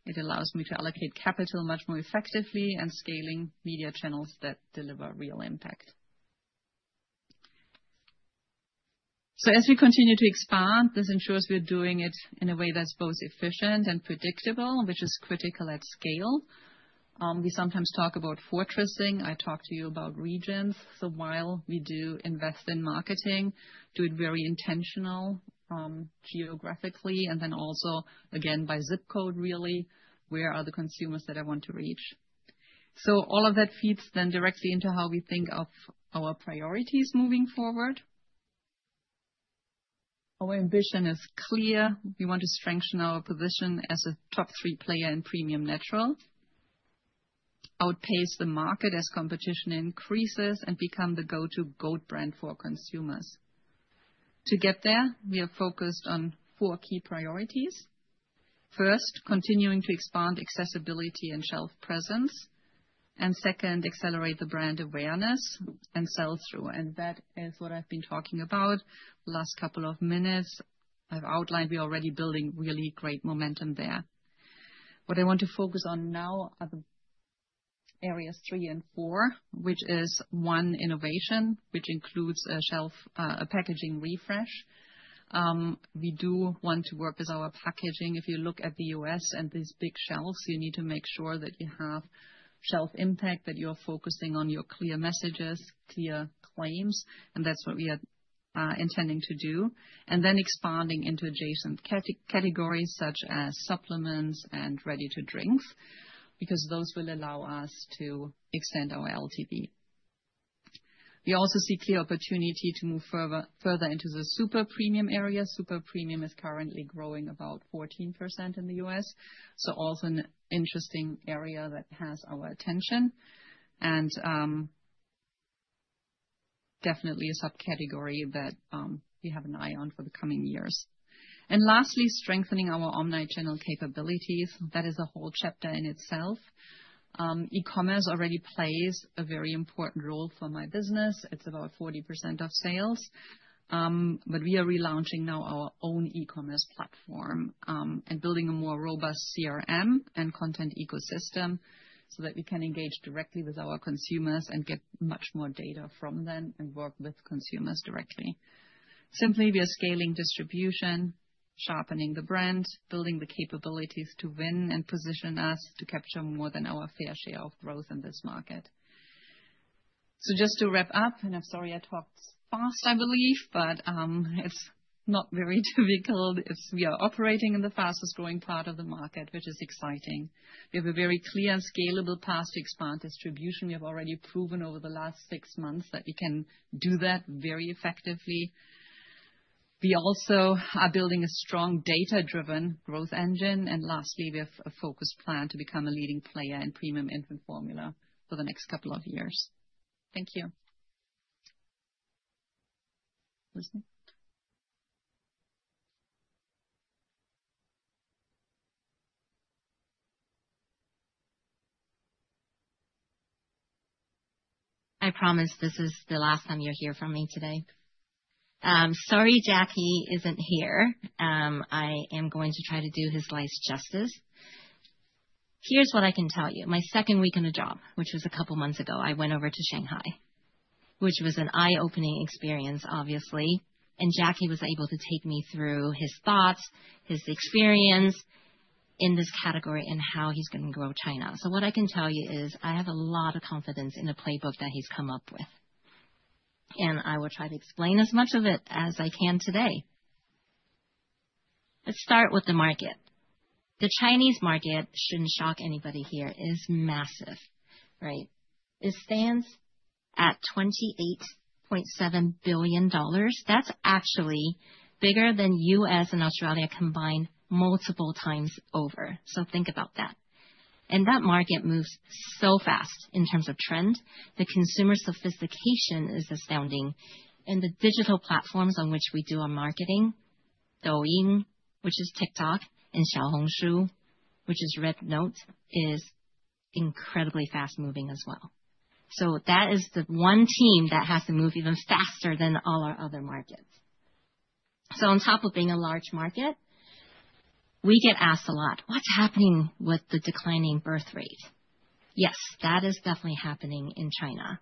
It allows me to allocate capital much more effectively and scaling media channels that deliver real impact. As we continue to expand, this ensures we're doing it in a way that's both efficient and predictable, which is critical at scale. We sometimes talk about fortressing. I talked to you about regions. While we do invest in marketing, do it very intentional, geographically, and then also again by zip code, really, where are the consumers that I want to reach. All of that feeds then directly into how we think of our priorities moving forward. Our ambition is clear. We want to strengthen our position as a top three player in premium natural, outpace the market as competition increases, and become the go-to goat brand for consumers. To get there, we are focused on four key priorities. First, continuing to expand accessibility and shelf presence. Second, accelerate the brand awareness and sell-through, and that is what I've been talking about last couple of minutes. I've outlined we're already building really great momentum there. What I want to focus on now are the areas three and four, which is, one, innovation, which includes a packaging refresh. We do want to work with our packaging. If you look at the U.S. and these big shelves, you need to make sure that you have shelf impact, that you're focusing on your clear messages, clear claims, and that's what we are intending to do. Expanding into adjacent categories such as supplements and ready-to-drinks, because those will allow us to extend our LTV. We also see clear opportunity to move further into the super premium area. Super premium is currently growing about 14% in the U.S. Also an interesting area that has our attention and, definitely a subcategory that, we have an eye on for the coming years. Lastly, strengthening our omni-channel capabilities. That is a whole chapter in itself. E-commerce already plays a very important role for my business. It's about 40% of sales. We are relaunching now our own e-commerce platform, and building a more robust CRM and content ecosystem, so that we can engage directly with our consumers and get much more data from them and work with consumers directly. Simply, we are scaling distribution, sharpening the brand, building the capabilities to win and position us to capture more than our fair share of growth in this market. Just to wrap up, and I'm sorry I talked fast, I believe, but, it's not very typical as we are operating in the fastest growing part of the market, which is exciting. We have a very clear scalable path to expand distribution. We have already proven over the last six months that we can do that very effectively. We also are building a strong data-driven growth engine. Lastly, we have a focused plan to become a leading player in premium infant formula for the next couple of years. Thank you. Lucy? I promise this is the last time you'll hear from me today. Sorry Jackie isn't here. I am going to try to do his life justice. Here's what I can tell you. My second week in the job, which was a couple months ago, I went over to Shanghai, which was an eye-opening experience, obviously, and Jackie was able to take me through his thoughts, his experience in this category and how he's gonna grow China. What I can tell you is I have a lot of confidence in the playbook that he's come up with, and I will try to explain as much of it as I can today. Let's start with the market. The Chinese market shouldn't shock anybody here. It is massive, right? It stands at $28.7 billion. That's actually bigger than U.S. and Australia combined multiple times over. Think about that. That market moves so fast in terms of trend. The consumer sophistication is astounding. The digital platforms on which we do our marketing, Douyin, which is TikTok, and Xiaohongshu, which is RedNote, is incredibly fast-moving as well. That is the one team that has to move even faster than all our other markets. On top of being a large market, we get asked a lot: What's happening with the declining birth rate? Yes, that is definitely happening in China.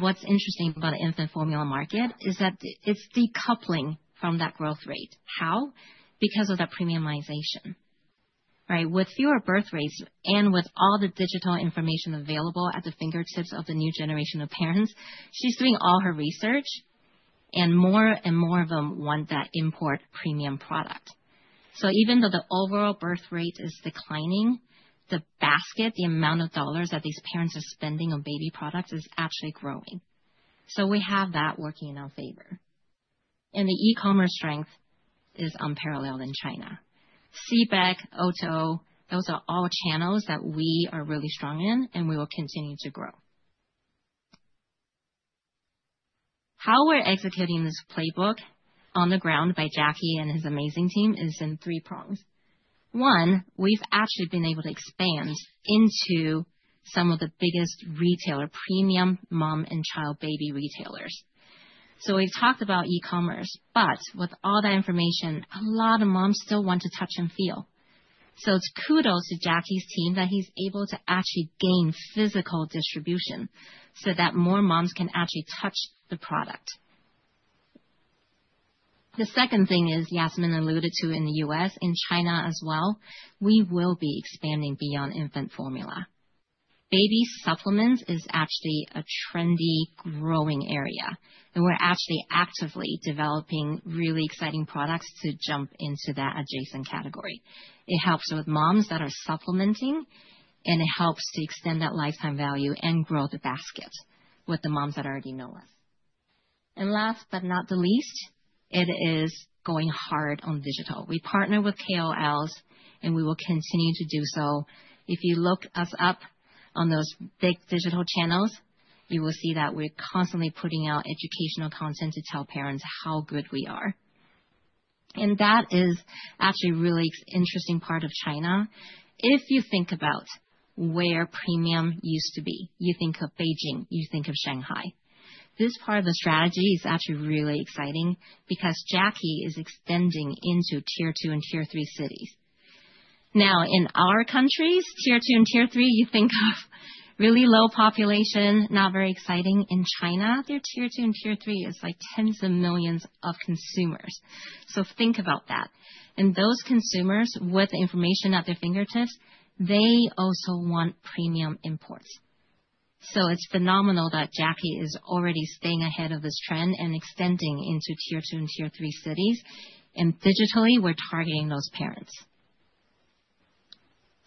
What's interesting about the infant formula market is that it's decoupling from that growth rate. How? Because of the premiumization, right? With fewer birth rates and with all the digital information available at the fingertips of the new generation of parents, she's doing all her research, and more and more of them want that import premium product. Even though the overall birth rate is declining, the basket, the amount of dollars that these parents are spending on baby products is actually growing. We have that working in our favor. The e-commerce strength is unparalleled in China. CBEC, O2O, those are all channels that we are really strong in, and we will continue to grow. How we're executing this playbook on the ground by Jackie and his amazing team is in three prongs. One, we've actually been able to expand into some of the biggest retailer premium mom and child baby retailers. We've talked about e-commerce, but with all that information, a lot of moms still want to touch and feel. It's kudos to Jackie's team that he's able to actually gain physical distribution so that more moms can actually touch the product. The second thing is, Jasmin alluded to in the U.S., in China as well, we will be expanding beyond infant formula. Baby supplements is actually a trendy, growing area, and we're actually actively developing really exciting products to jump into that adjacent category. It helps with moms that are supplementing, and it helps to extend that lifetime value and grow the basket with the moms that already know us. Last but not the least, it is going hard on digital. We partner with KOLs, and we will continue to do so. If you look us up on those big digital channels, you will see that we're constantly putting out educational content to tell parents how good we are. That is actually a really interesting part of China. If you think about where premium used to be, you think of Beijing, you think of Shanghai. This part of the strategy is actually really exciting because Jackie is extending into tier 2 and tier 3 cities. Now, in our countries, tier 2 and tier 3, you think of really low population, not very exciting. In China, their tier 2 and tier 3 is like tens of millions of consumers. Think about that. Those consumers, with information at their fingertips, they also want premium imports. It's phenomenal that Jackie is already staying ahead of this trend and extending into tier 2 and tier 3 cities. Digitally, we're targeting those parents.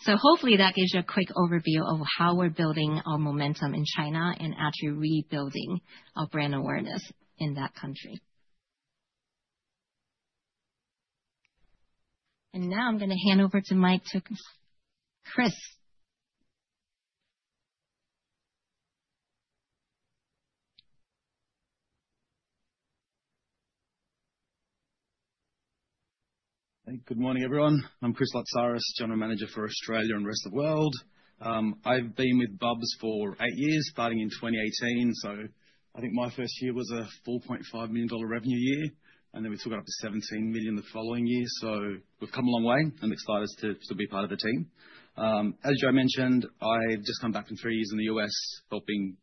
Hopefully that gives you a quick overview of how we're building our momentum in China and actually rebuilding our brand awareness in that country. Now I'm gonna hand over the mic to Chris. Good morning, everyone. I'm Chris Lotsaris, General Manager for Australia and the rest of the world. I've been with Bubs for eight years, starting in 2018. I think my first year was a 4.5 million dollar revenue year, and then we took it up to 17 million the following year. We've come a long way. I'm excited to be part of the team. As Joe mentioned, I've just come back from three years in the U.S. helping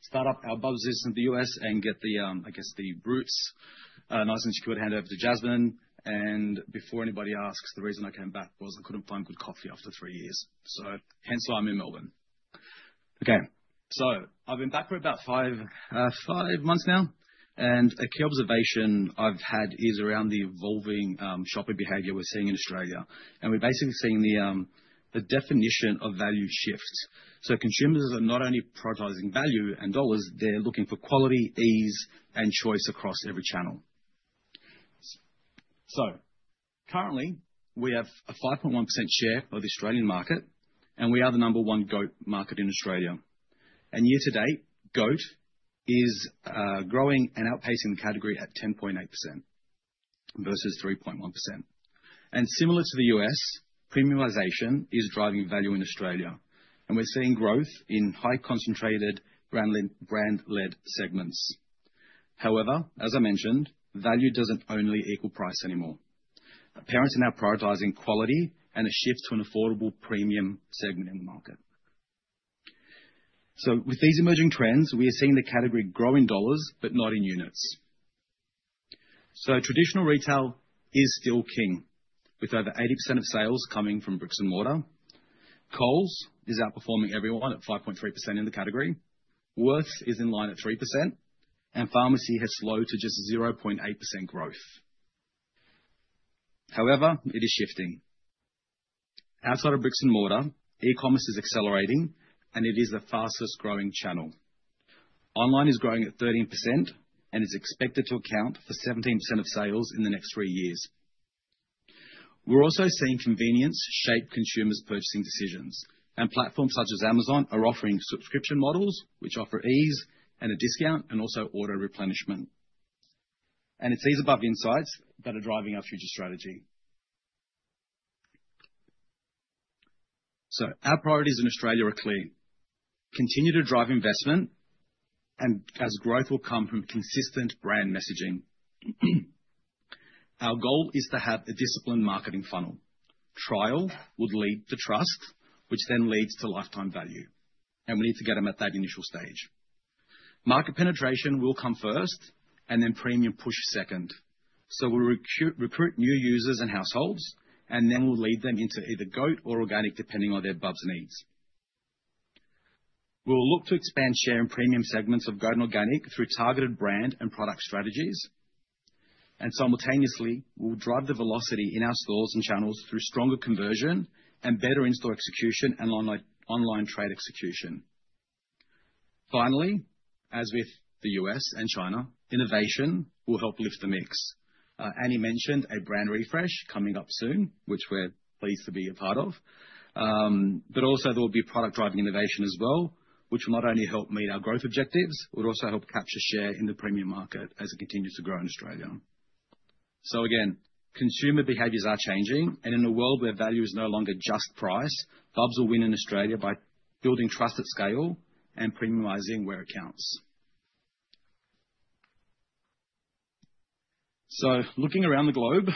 start up our Bubs business in the U.S. and get the roots nice and secured, hand over to Jasmin. Before anybody asks, the reason I came back was I couldn't find good coffee after three years. Hence why I'm in Melbourne. Okay. I've been back for about 5 months now, and a key observation I've had is around the evolving shopping behavior we're seeing in Australia. We're basically seeing the definition of value shifts. Consumers are not only prioritizing value and dollars, they're looking for quality, ease, and choice across every channel. Currently, we have a 5.1% share of the Australian market, and we are the number one goat market in Australia. Year-to-date, goat is growing and outpacing the category at 10.8% versus 3.1%. Similar to the U.S., premiumization is driving value in Australia, and we're seeing growth in high concentrated brand-led segments. However, as I mentioned, value doesn't only equal price anymore. Parents are now prioritizing quality and a shift to an affordable premium segment in the market. With these emerging trends, we are seeing the category grow in dollars, but not in units. Traditional retail is still king, with over 80% of sales coming from bricks and mortar. Coles is outperforming everyone at 5.3% in the category. Woolworths is in line at 3%, and pharmacy has slowed to just 0.8% growth. However, it is shifting. Outside of bricks and mortar, e-commerce is accelerating, and it is the fastest-growing channel. Online is growing at 13% and is expected to account for 17% of sales in the next three years. We're also seeing convenience shape consumers' purchasing decisions, and platforms such as Amazon are offering subscription models which offer ease and a discount and also auto-replenishment. It's these above insights that are driving our future strategy. Our priorities in Australia are clear: continue to drive investment and as growth will come from consistent brand messaging. Our goal is to have a disciplined marketing funnel. Trial would lead to trust, which then leads to lifetime value, and we need to get them at that initial stage. Market penetration will come first and then premium push second. We'll recruit new users and households, and then we'll lead them into either goat or organic, depending on their Bubs' needs. We will look to expand share in premium segments of goat and organic through targeted brand and product strategies. Simultaneously, we'll drive the velocity in our stores and channels through stronger conversion and better in-store execution and online trade execution. Finally, as with the U.S. and China, innovation will help lift the mix. Annie mentioned a brand refresh coming up soon, which we're pleased to be a part of. There will be product-driving innovation as well, which will not only help meet our growth objectives. It would also help capture share in the premium market as it continues to grow in Australia. Again, consumer behaviors are changing, and in a world where value is no longer just price, Bubs will win in Australia by building trust at scale and premiumizing where it counts. Looking around the globe,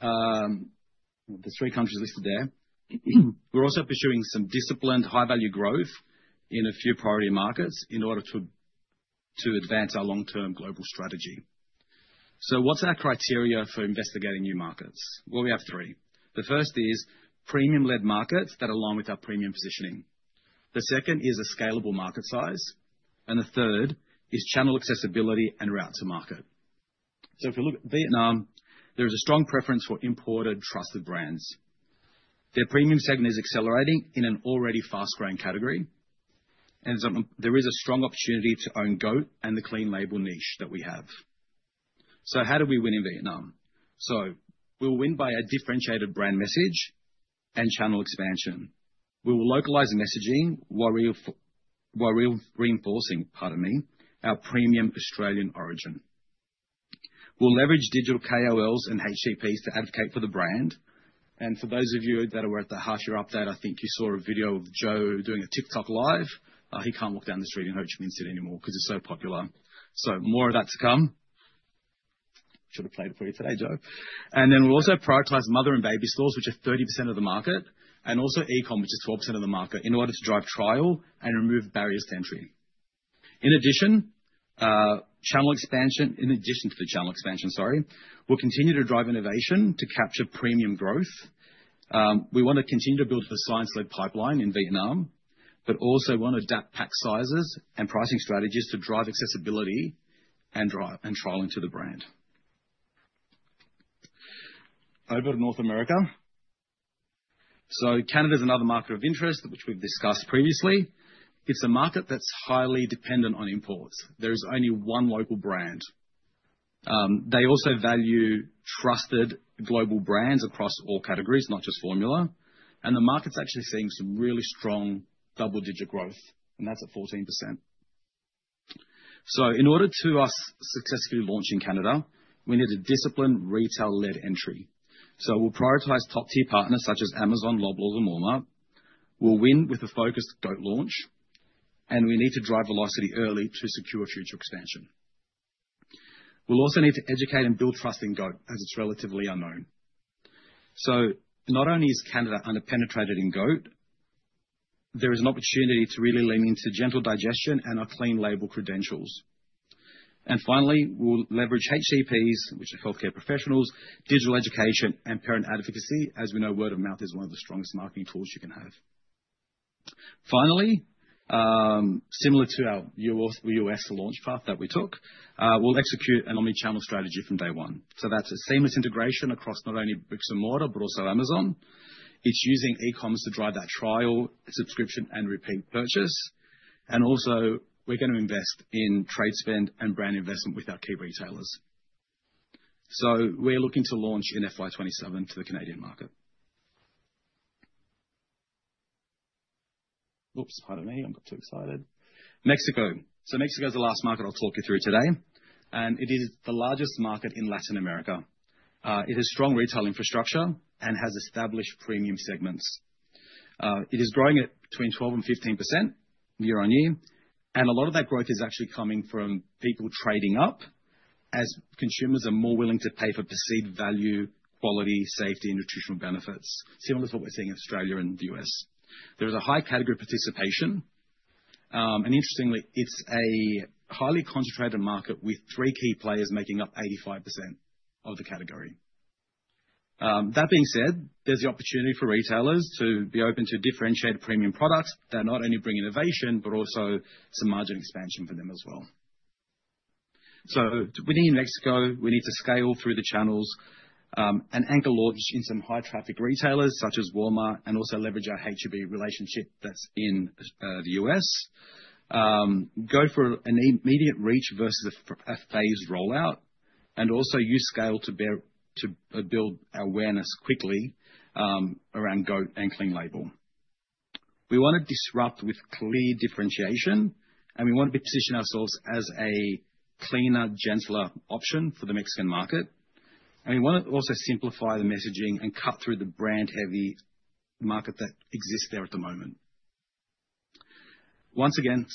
the three countries listed there, we're also pursuing some disciplined high-value growth in a few priority markets in order to advance our long-term global strategy. What's our criteria for investigating new markets? Well, we have three. The first is premium-led markets that align with our premium positioning. The second is a scalable market size, and the third is channel accessibility and route to market. If you look at Vietnam, there is a strong preference for imported trusted brands. Their premium segment is accelerating in an already fast-growing category, and there's a strong opportunity to own goat and the Clean Label niche that we have. How do we win in Vietnam? We'll win by a differentiated brand message and channel expansion. We will localize messaging while reinforcing, pardon me, our premium Australian origin. We'll leverage digital KOLs and HCPs to advocate for the brand. For those of you that were at the half year update, I think you saw a video of Joe doing a TikTok Live. He can't walk down the street in Ho Chi Minh City anymore 'cause it's so popular. More of that to come. Should've played it for you today, Joe. Then we'll also prioritize mother and baby stores, which are 30% of the market, and also e-com, which is 12% of the market, in order to drive trial and remove barriers to entry. In addition to the channel expansion, sorry, we'll continue to drive innovation to capture premium growth. We wanna continue to build the science-led pipeline in Vietnam, but also wanna adapt pack sizes and pricing strategies to drive accessibility and trialing to the brand. Over to North America. Canada is another market of interest which we've discussed previously. It's a market that's highly dependent on imports. There is only one local brand. They also value trusted global brands across all categories, not just formula. The market's actually seeing some really strong double-digit growth, and that's at 14%. In order to successfully launch in Canada, we need a disciplined retail-led entry. We'll prioritize top-tier partners such as Amazon, Loblaws and Walmart. We'll win with a focused goat launch, and we need to drive velocity early to secure future expansion. We'll also need to educate and build trust in goat as it's relatively unknown. Not only is Canada underpenetrated in goat, there is an opportunity to really lean into gentle digestion and our Clean Label credentials. Finally, we'll leverage HCPs, which are healthcare professionals, digital education, and parent advocacy. As we know, word of mouth is one of the strongest marketing tools you can have. Finally, similar to our US launch path that we took, we'll execute an omni-channel strategy from day one. That's a seamless integration across not only bricks and mortar, but also Amazon. It's using e-coms to drive that trial, subscription, and repeat purchase. Also we're gonna invest in trade spend and brand investment with our key retailers. We're looking to launch in FY 2027 to the Canadian market. Oops, pardon me. I got too excited. Mexico. Mexico is the last market I'll talk you through today, and it is the largest market in Latin America. It has strong retail infrastructure and has established premium segments. It is growing at between 12% and 15% year-on-year, and a lot of that growth is actually coming from people trading up as consumers are more willing to pay for perceived value, quality, safety, and nutritional benefits. Similar to what we're seeing in Australia and the U.S. There is a high category participation. Interestingly, it's a highly concentrated market with three key players making up 85% of the category. That being said, there's the opportunity for retailers to be open to differentiated premium products that not only bring innovation but also some margin expansion for them as well. To win in Mexico, we need to scale through the channels, and anchor launch in some high-traffic retailers such as Walmart, and also leverage our H-E-B relationship that's in the U.S. Go for an immediate reach versus a phased rollout, and also use scale to build awareness quickly around goat and Clean Label. We wanna disrupt with clear differentiation, and we wanna position ourselves as a cleaner, gentler option for the Mexican market. We wanna also simplify the messaging and cut through the brand-heavy market that exists there at the moment. Once again,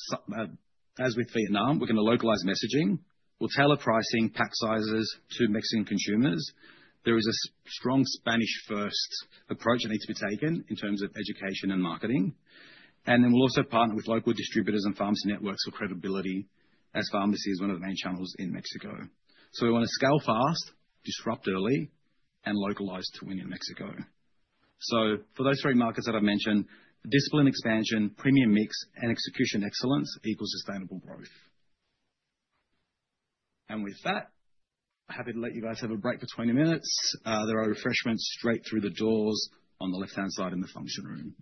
as with Vietnam, we're gonna localize messaging. We'll tailor pricing, pack sizes to Mexican consumers. There is a strong Spanish first approach that needs to be taken in terms of education and marketing. We'll also partner with local distributors and pharmacy networks for credibility as pharmacy is one of the main channels in Mexico. We wanna scale fast, disrupt early, and localize to win in Mexico. For those three markets that I mentioned, discipline expansion, premium mix, and execution excellence equals sustainable growth. With that, happy to let you guys have a break for 20 minutes. There are refreshments straight through the doors on the left-hand side in the function room.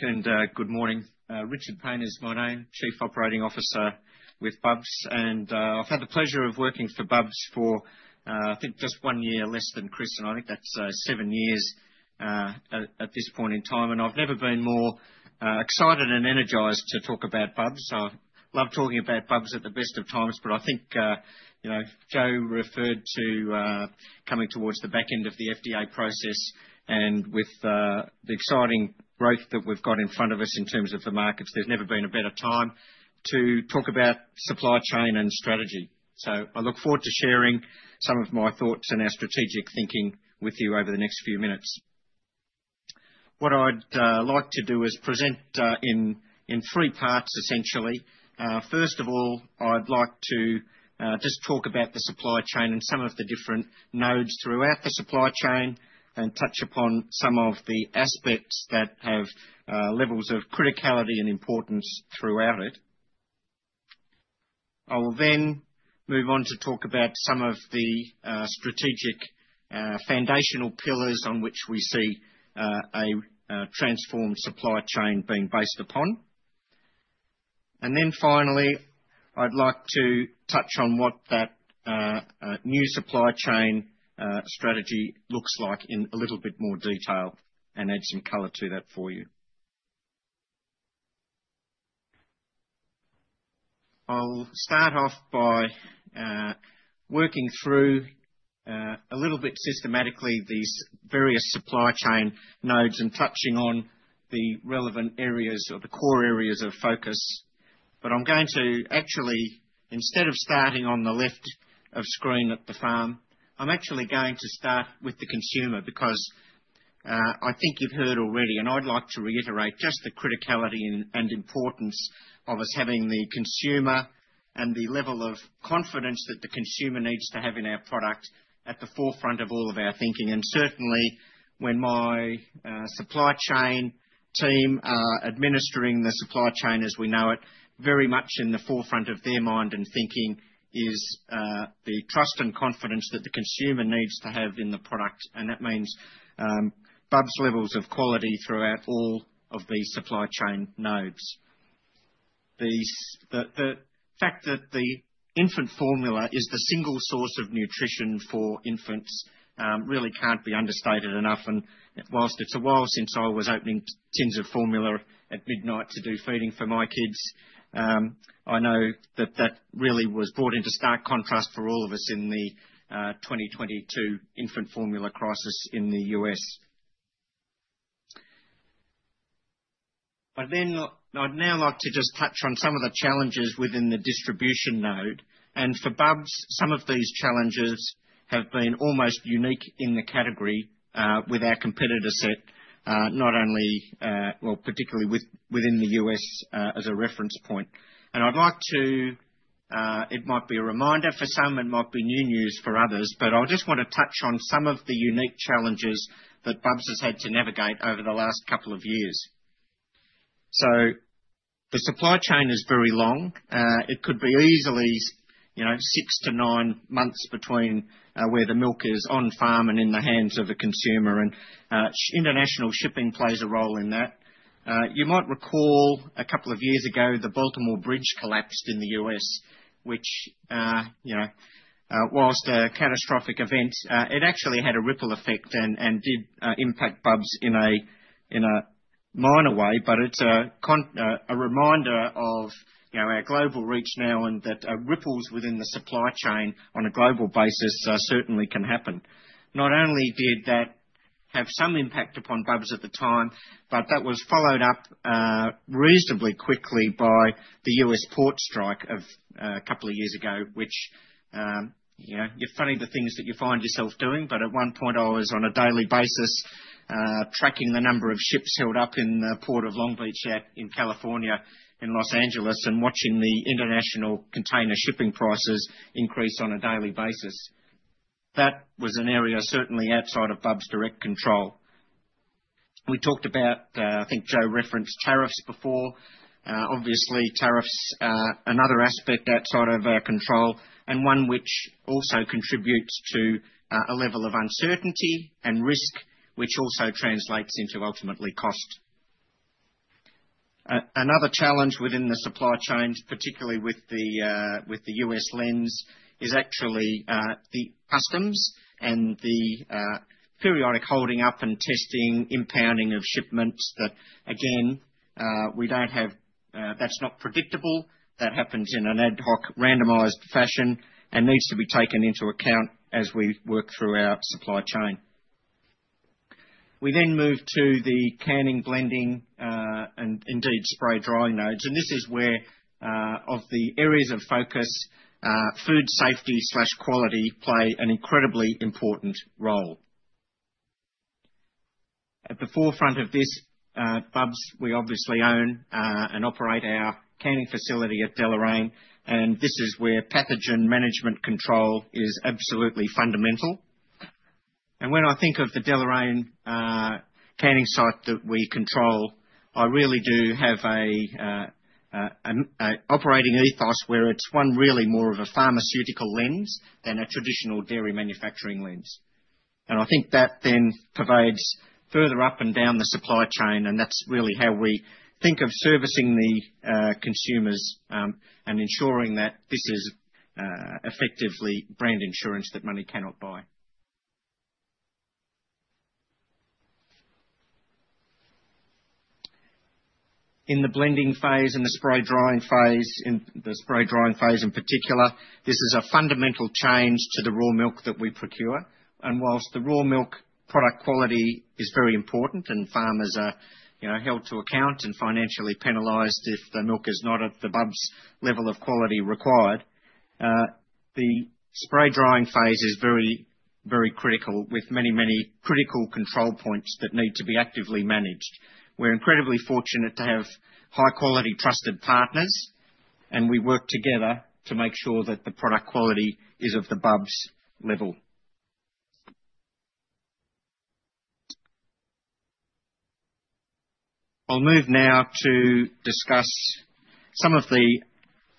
Welcome back and good morning. Richard Paine is my name, Chief Operating Officer with Bubs. I've had the pleasure of working for Bubs for I think just one year less than Chris, and I think that's seven years at this point in time. I've never been more excited and energized to talk about Bubs. I love talking about Bubs at the best of times, but I think you know Joe referred to coming towards the back end of the FDA process and with the exciting growth that we've got in front of us in terms of the markets, there's never been a better time to talk about supply chain and strategy. I look forward to sharing some of my thoughts and our strategic thinking with you over the next few minutes. What I'd like to do is present in three parts, essentially. First of all, I'd like to just talk about the supply chain and some of the different nodes throughout the supply chain and touch upon some of the aspects that have levels of criticality and importance throughout it. I will then move on to talk about some of the strategic foundational pillars on which we see a transformed supply chain being based upon. Then finally, I'd like to touch on what that new supply chain strategy looks like in a little bit more detail and add some color to that for you. I'll start off by working through a little bit systematically these various supply chain nodes and touching on the relevant areas or the core areas of focus. I'm going to actually, instead of starting on the left of screen at the farm, I'm actually going to start with the consumer because I think you've heard already, and I'd like to reiterate just the criticality and importance of us having the consumer and the level of confidence that the consumer needs to have in our product at the forefront of all of our thinking. Certainly when my supply chain team are administering the supply chain as we know it, very much in the forefront of their mind and thinking is the trust and confidence that the consumer needs to have in the product. That means Bubs levels of quality throughout all of these supply chain nodes. The fact that the infant formula is the single source of nutrition for infants really can't be understated enough. While it's a while since I was opening tins of formula at midnight to do feeding for my kids, I know that really was brought into stark contrast for all of us in the 2022 infant formula crisis in the U.S. I'd now like to just touch on some of the challenges within the distribution node. For Bubs, some of these challenges have been almost unique in the category with our competitor set, not only, well, particularly within the U.S., as a reference point. I'd like to, it might be a reminder for some, it might be new news for others, but I just wanna touch on some of the unique challenges that Bubs has had to navigate over the last couple of years. The supply chain is very long. It could be easily, you know, six to nine months between where the milk is on farm and in the hands of a consumer. International shipping plays a role in that. You might recall a couple of years ago, the Baltimore Bridge collapsed in the U.S., which, you know, while a catastrophic event, it actually had a ripple effect and did impact Bubs in a minor way. It's a reminder of, you know, our global reach now and that ripples within the supply chain on a global basis certainly can happen. Not only did that have some impact upon Bubs at the time, but that was followed up reasonably quickly by the U.S. port strike of a couple of years ago. Which, you know, you're funny, the things that you find yourself doing, but at one point I was, on a daily basis, tracking the number of ships held up in the Port of Long Beach out in California, in Los Angeles, and watching the international container shipping prices increase on a daily basis. That was an area certainly outside of Bubs' direct control. We talked about, I think Joe referenced tariffs before. Obviously tariffs are another aspect outside of our control and one which also contributes to a level of uncertainty and risk which also translates into ultimately cost. Another challenge within the supply chains, particularly with the U.S. lens, is actually the customs and the periodic holding up and testing, impounding of shipments that again we don't have. That's not predictable. That happens in an ad hoc, randomized fashion and needs to be taken into account as we work through our supply chain. We then move to the canning, blending, and indeed spray drying nodes. This is where, of the areas of focus, food safety/quality play an incredibly important role. At the forefront of this, Bubs, we obviously own and operate our canning facility at Deloraine, and this is where pathogen management control is absolutely fundamental. When I think of the Deloraine canning site that we control, I really do have an operating ethos where it's one really more of a pharmaceutical lens than a traditional dairy manufacturing lens. I think that then provides further up and down the supply chain, and that's really how we think of servicing the consumers, and ensuring that this is effectively brand insurance that money cannot buy. In the blending phase and the spray drying phase, in the spray drying phase in particular, this is a fundamental change to the raw milk that we procure. While the raw milk product quality is very important and farmers are, you know, held to account and financially penalized if the milk is not at the Bubs level of quality required, the spray drying phase is very, very critical with many, many critical control points that need to be actively managed. We're incredibly fortunate to have high quality trusted partners, and we work together to make sure that the product quality is of the Bubs level. I'll move now to discuss some of the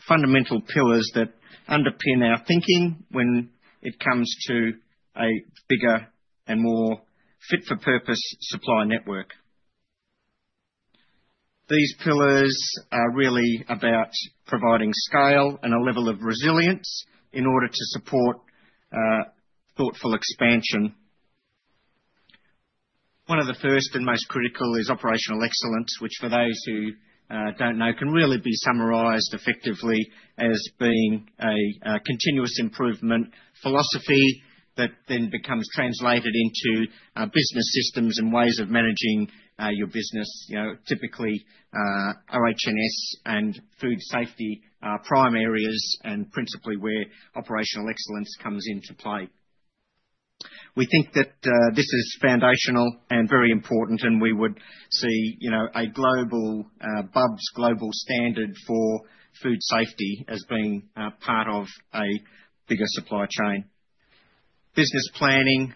fundamental pillars that underpin our thinking when it comes to a bigger and more fit for purpose supply network. These pillars are really about providing scale and a level of resilience in order to support thoughtful expansion. One of the first and most critical is operational excellence, which for those who don't know, can really be summarized effectively as being a continuous improvement philosophy that then becomes translated into business systems and ways of managing your business. You know, typically, RHNS and food safety are prime areas and principally where operational excellence comes into play. We think that this is foundational and very important and we would see, you know, a global Bubs global standard for food safety as being part of a bigger supply chain. Business planning,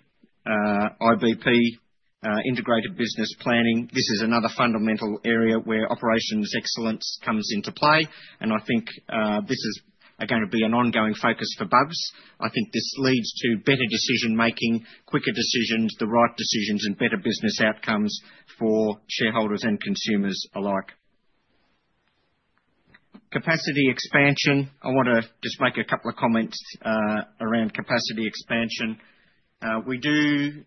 IBP, integrated business planning. This is another fundamental area where operations excellence comes into play, and I think, this is gonna be an ongoing focus for Bubs. I think this leads to better decision-making, quicker decisions, the right decisions, and better business outcomes for shareholders and consumers alike. Capacity expansion. I wanna just make a couple of comments, around capacity expansion. We do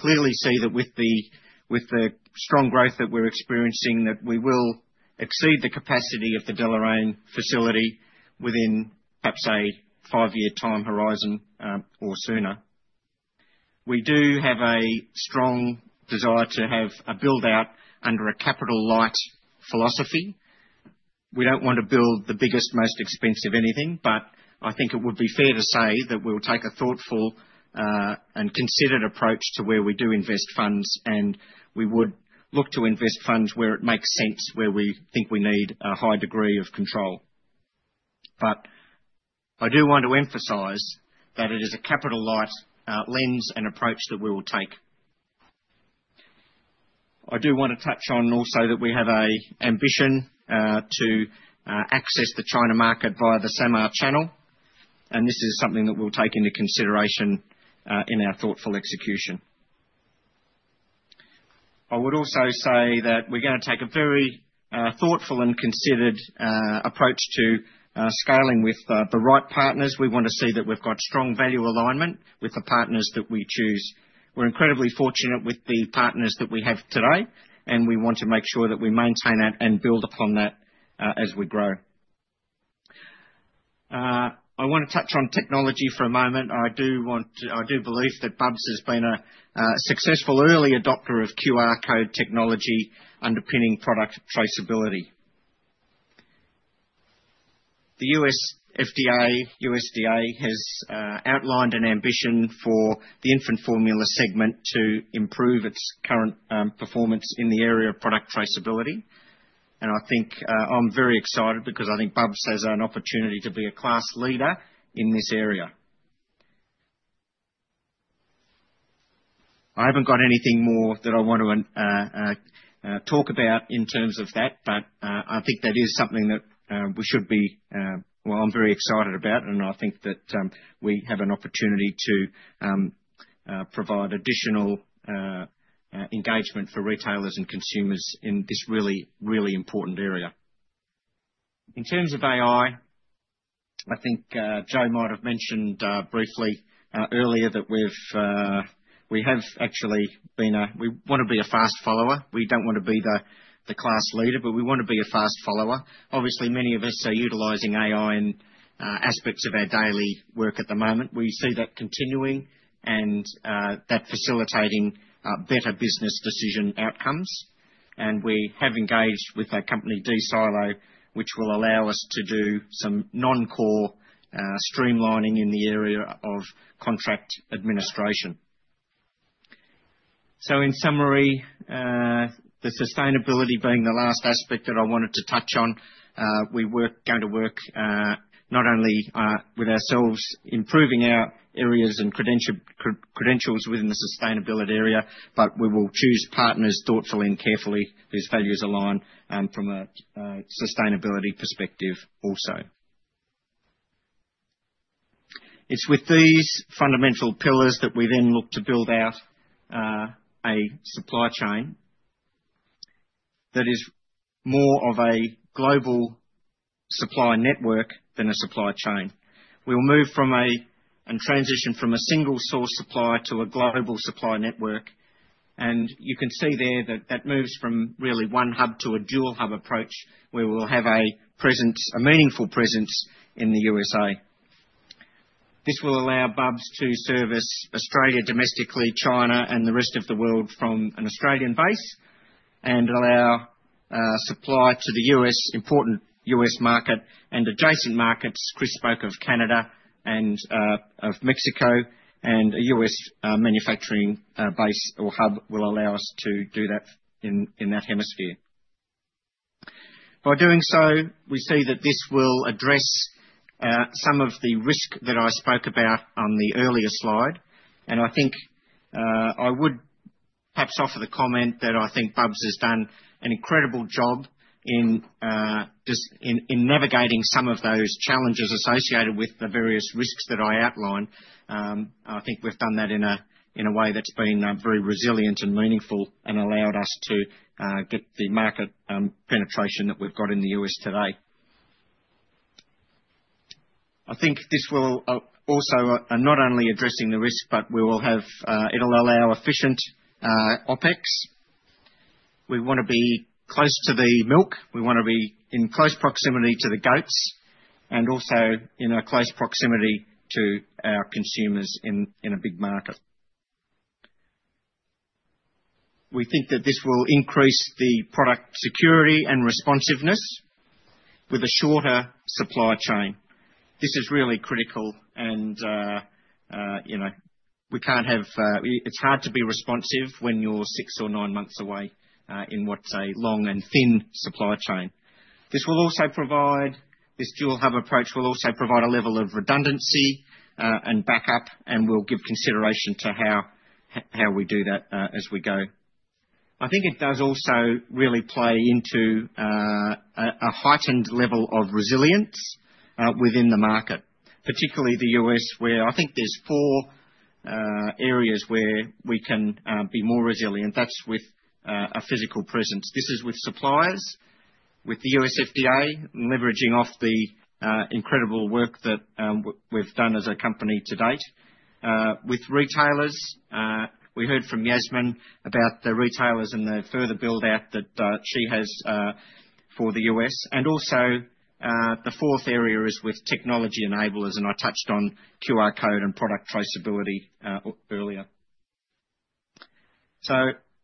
clearly see that with the strong growth that we're experiencing, that we will exceed the capacity of the Deloraine facility within perhaps a five-year time horizon, or sooner. We do have a strong desire to have a build-out under a capital-light philosophy. We don't want to build the biggest, most expensive anything, but I think it would be fair to say that we'll take a thoughtful and considered approach to where we do invest funds, and we would look to invest funds where it makes sense, where we think we need a high degree of control. I do want to emphasize that it is a capital-light lens and approach that we will take. I do wanna touch on also that we have an ambition to access the China market via the SAMR channel, and this is something that we'll take into consideration in our thoughtful execution. I would also say that we're gonna take a very thoughtful and considered approach to scaling with the right partners. We wanna see that we've got strong value alignment with the partners that we choose. We're incredibly fortunate with the partners that we have today, and we want to make sure that we maintain that and build upon that, as we grow. I wanna touch on technology for a moment. I do believe that Bubs has been a successful early adopter of QR code technology underpinning product traceability. The U.S. FDA, USDA has outlined an ambition for the infant formula segment to improve its current performance in the area of product traceability. I think I'm very excited because I think Bubs has an opportunity to be a class leader in this area. I haven't got anything more that I want to talk about in terms of that, but I think that is something that we should be. Well, I'm very excited about, and I think that we have an opportunity to provide additional engagement for retailers and consumers in this really important area. In terms of AI, I think Joe might have mentioned briefly earlier that we have actually been a fast follower. We don't want to be the class leader, but we want to be a fast follower. Obviously, many of us are utilizing AI in aspects of our daily work at the moment. We see that continuing and that facilitating better business decision outcomes. We have engaged with a company, dSilo, which will allow us to do some non-core streamlining in the area of contract administration. In summary, the sustainability being the last aspect that I wanted to touch on, we are going to work not only with ourselves, improving our areas and credentials within the sustainability area, but we will choose partners thoughtfully and carefully whose values align from a sustainability perspective also. It's with these fundamental pillars that we then look to build out a supply chain that is more of a global supply network than a supply chain. We'll move and transition from a single source supplier to a global supply network. You can see there that moves from really one hub to a dual hub approach, where we'll have a presence, a meaningful presence in the USA. This will allow Bubs to service Australia domestically, China and the rest of the world from an Australian base, and allow supply to the U.S., important U.S. market and adjacent markets. Chris spoke of Canada and of Mexico, and a U.S. manufacturing base or hub will allow us to do that in that hemisphere. By doing so, we see that this will address some of the risk that I spoke about on the earlier slide, and I think I would perhaps offer the comment that I think Bubs has done an incredible job in just navigating some of those challenges associated with the various risks that I outlined. I think we've done that in a way that's been very resilient and meaningful and allowed us to get the market penetration that we've got in the U.S. today. I think this will also not only addressing the risk, but we will have, it'll allow efficient OpEx. We wanna be close to the milk. We wanna be in close proximity to the goats and also in a close proximity to our consumers in a big market. We think that this will increase the product security and responsiveness with a shorter supply chain. This is really critical and you know, we can't have. It's hard to be responsive when you're six or nine months away in what's a long and thin supply chain. This will also provide. This dual hub approach will also provide a level of redundancy and backup, and we'll give consideration to how we do that as we go. I think it does also really play into a heightened level of resilience within the market, particularly the U.S., where I think there's 4 areas where we can be more resilient. That's with a physical presence. This is with suppliers, with the U.S. FDA, leveraging off the incredible work that we've done as a company to date. With retailers, we heard from Jasmin about the retailers and the further build out that she has for the U.S. Also, the fourth area is with technology enablers, and I touched on QR code and product traceability earlier.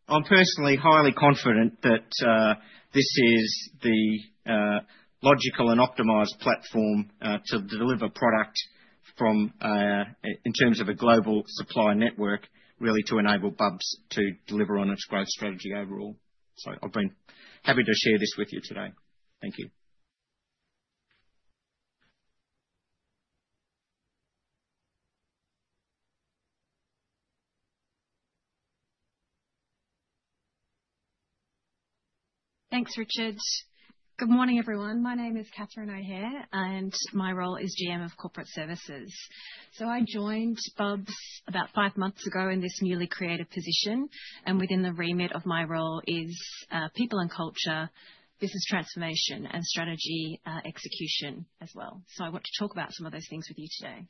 I'm personally highly confident that this is the logical and optimized platform to deliver product from in terms of a global supply network, really to enable Bubs to deliver on its growth strategy overall. I've been happy to share this with you today. Thank you. Thanks, Richard. Good morning, everyone. My name is Katherine O'Hehir, and my role is GM of corporate services. I joined Bubs about five months ago in this newly created position, and within the remit of my role is people and culture, business transformation and strategy execution as well. I want to talk about some of those things with you today.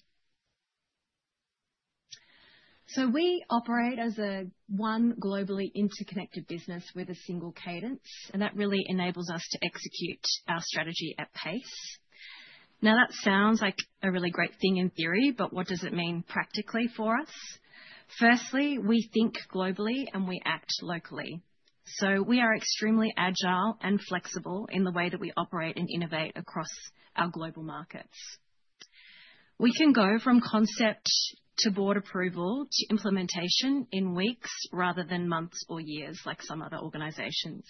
We operate as a one globally interconnected business with a single cadence, and that really enables us to execute our strategy at pace. Now, that sounds like a really great thing in theory, but what does it mean practically for us? Firstly, we think globally, and we act locally. We are extremely agile and flexible in the way that we operate and innovate across our global markets. We can go from concept to board approval to implementation in weeks rather than months or years like some other organizations.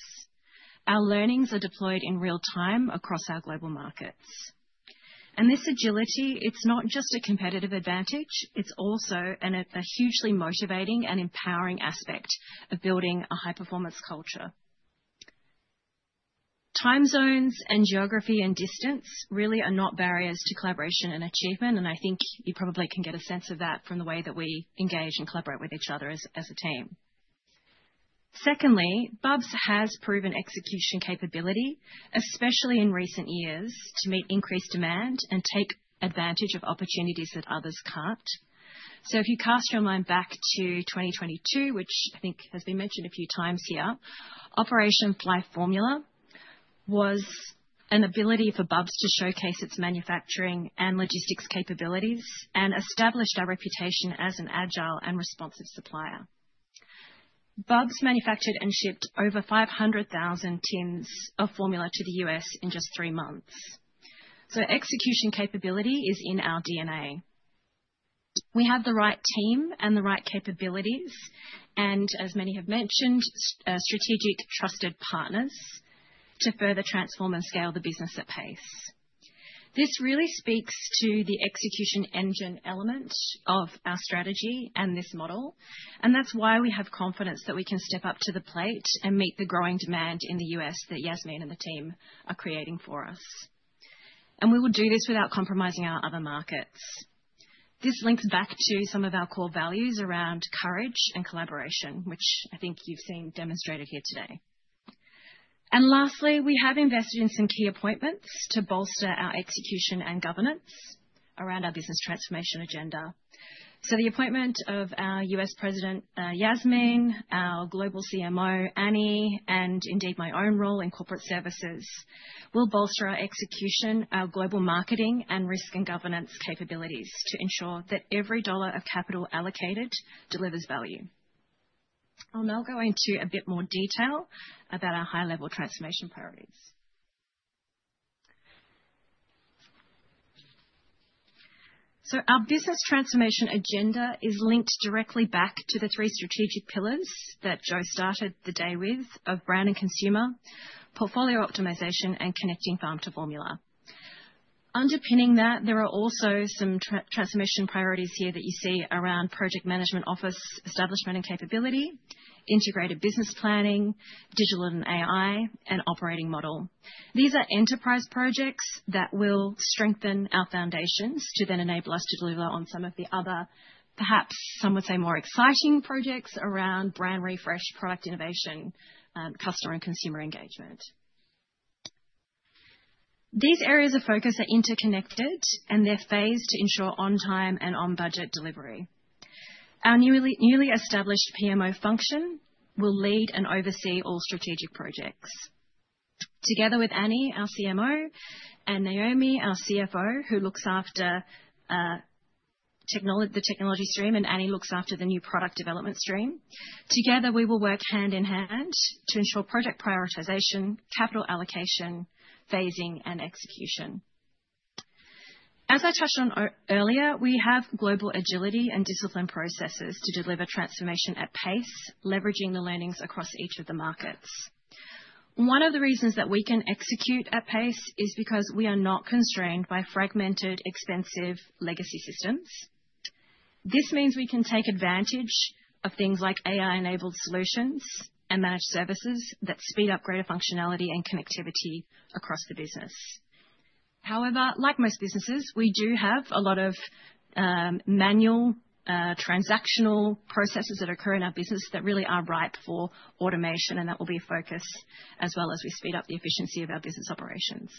Our learnings are deployed in real time across our global markets. This agility, it's not just a competitive advantage, it's also a hugely motivating and empowering aspect of building a high-performance culture. Time zones and geography and distance really are not barriers to collaboration and achievement, and I think you probably can get a sense of that from the way that we engage and collaborate with each other as a team. Secondly, Bubs has proven execution capability, especially in recent years, to meet increased demand and take advantage of opportunities that others can't. If you cast your mind back to 2022, which I think has been mentioned a few times here, Operation Fly Formula was an ability for Bubs to showcase its manufacturing and logistics capabilities and established our reputation as an agile and responsive supplier. Bubs manufactured and shipped over 500,000 tins of formula to the U.S. in just three months. Execution capability is in our DNA. We have the right team and the right capabilities, and as many have mentioned, strategic trusted partners to further transform and scale the business at pace. This really speaks to the execution engine element of our strategy and this model, and that's why we have confidence that we can step up to the plate and meet the growing demand in the U.S. that Jasmin and the team are creating for us. We will do this without compromising our other markets. This links back to some of our core values around courage and collaboration, which I think you've seen demonstrated here today. Lastly, we have invested in some key appointments to bolster our execution and governance around our business transformation agenda. The appointment of our U.S. president, Jasmin, our global CMO, Annie, and indeed my own role in corporate services, will bolster our execution, our global marketing and risk and governance capabilities to ensure that every dollar of capital allocated delivers value. I'll now go into a bit more detail about our high-level transformation priorities. Our business transformation agenda is linked directly back to the three strategic pillars that Joe started the day with of brand and consumer, portfolio optimization, and connecting farm to formula. Underpinning that, there are also some transformation priorities here that you see around project management office establishment and capability, integrated business planning, digital and AI, and operating model. These are enterprise projects that will strengthen our foundations to then enable us to deliver on some of the other, perhaps some would say, more exciting projects around brand refresh, product innovation, customer and consumer engagement. These areas of focus are interconnected, and they're phased to ensure on time and on budget delivery. Our newly established PMO function will lead and oversee all strategic projects. Together with Annie, our CMO, and Naomi, our CFO, who looks after the technology stream, and Annie looks after the new product development stream. Together, we will work hand in hand to ensure project prioritization, capital allocation, phasing and execution. As I touched on earlier, we have global agility and discipline processes to deliver transformation at pace, leveraging the learnings across each of the markets. One of the reasons that we can execute at pace is because we are not constrained by fragmented, expensive legacy systems. This means we can take advantage of things like AI-enabled solutions and managed services that speed up greater functionality and connectivity across the business. However, like most businesses, we do have a lot of manual, transactional processes that occur in our business that really are ripe for automation, and that will be a focus as well as we speed up the efficiency of our business operations.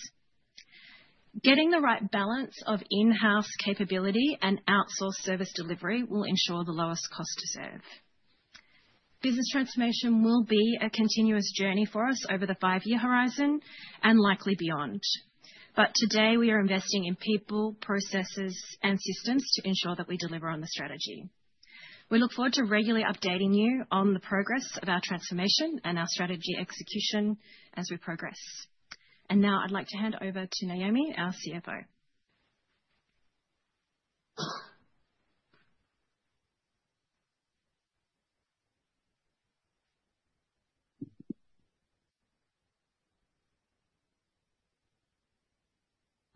Getting the right balance of in-house capability and outsourced service delivery will ensure the lowest cost to serve. Business transformation will be a continuous journey for us over the five-year horizon and likely beyond. Today we are investing in people, processes, and systems to ensure that we deliver on the strategy. We look forward to regularly updating you on the progress of our transformation and our strategy execution as we progress. Now I'd like to hand over to Naomi, our CFO.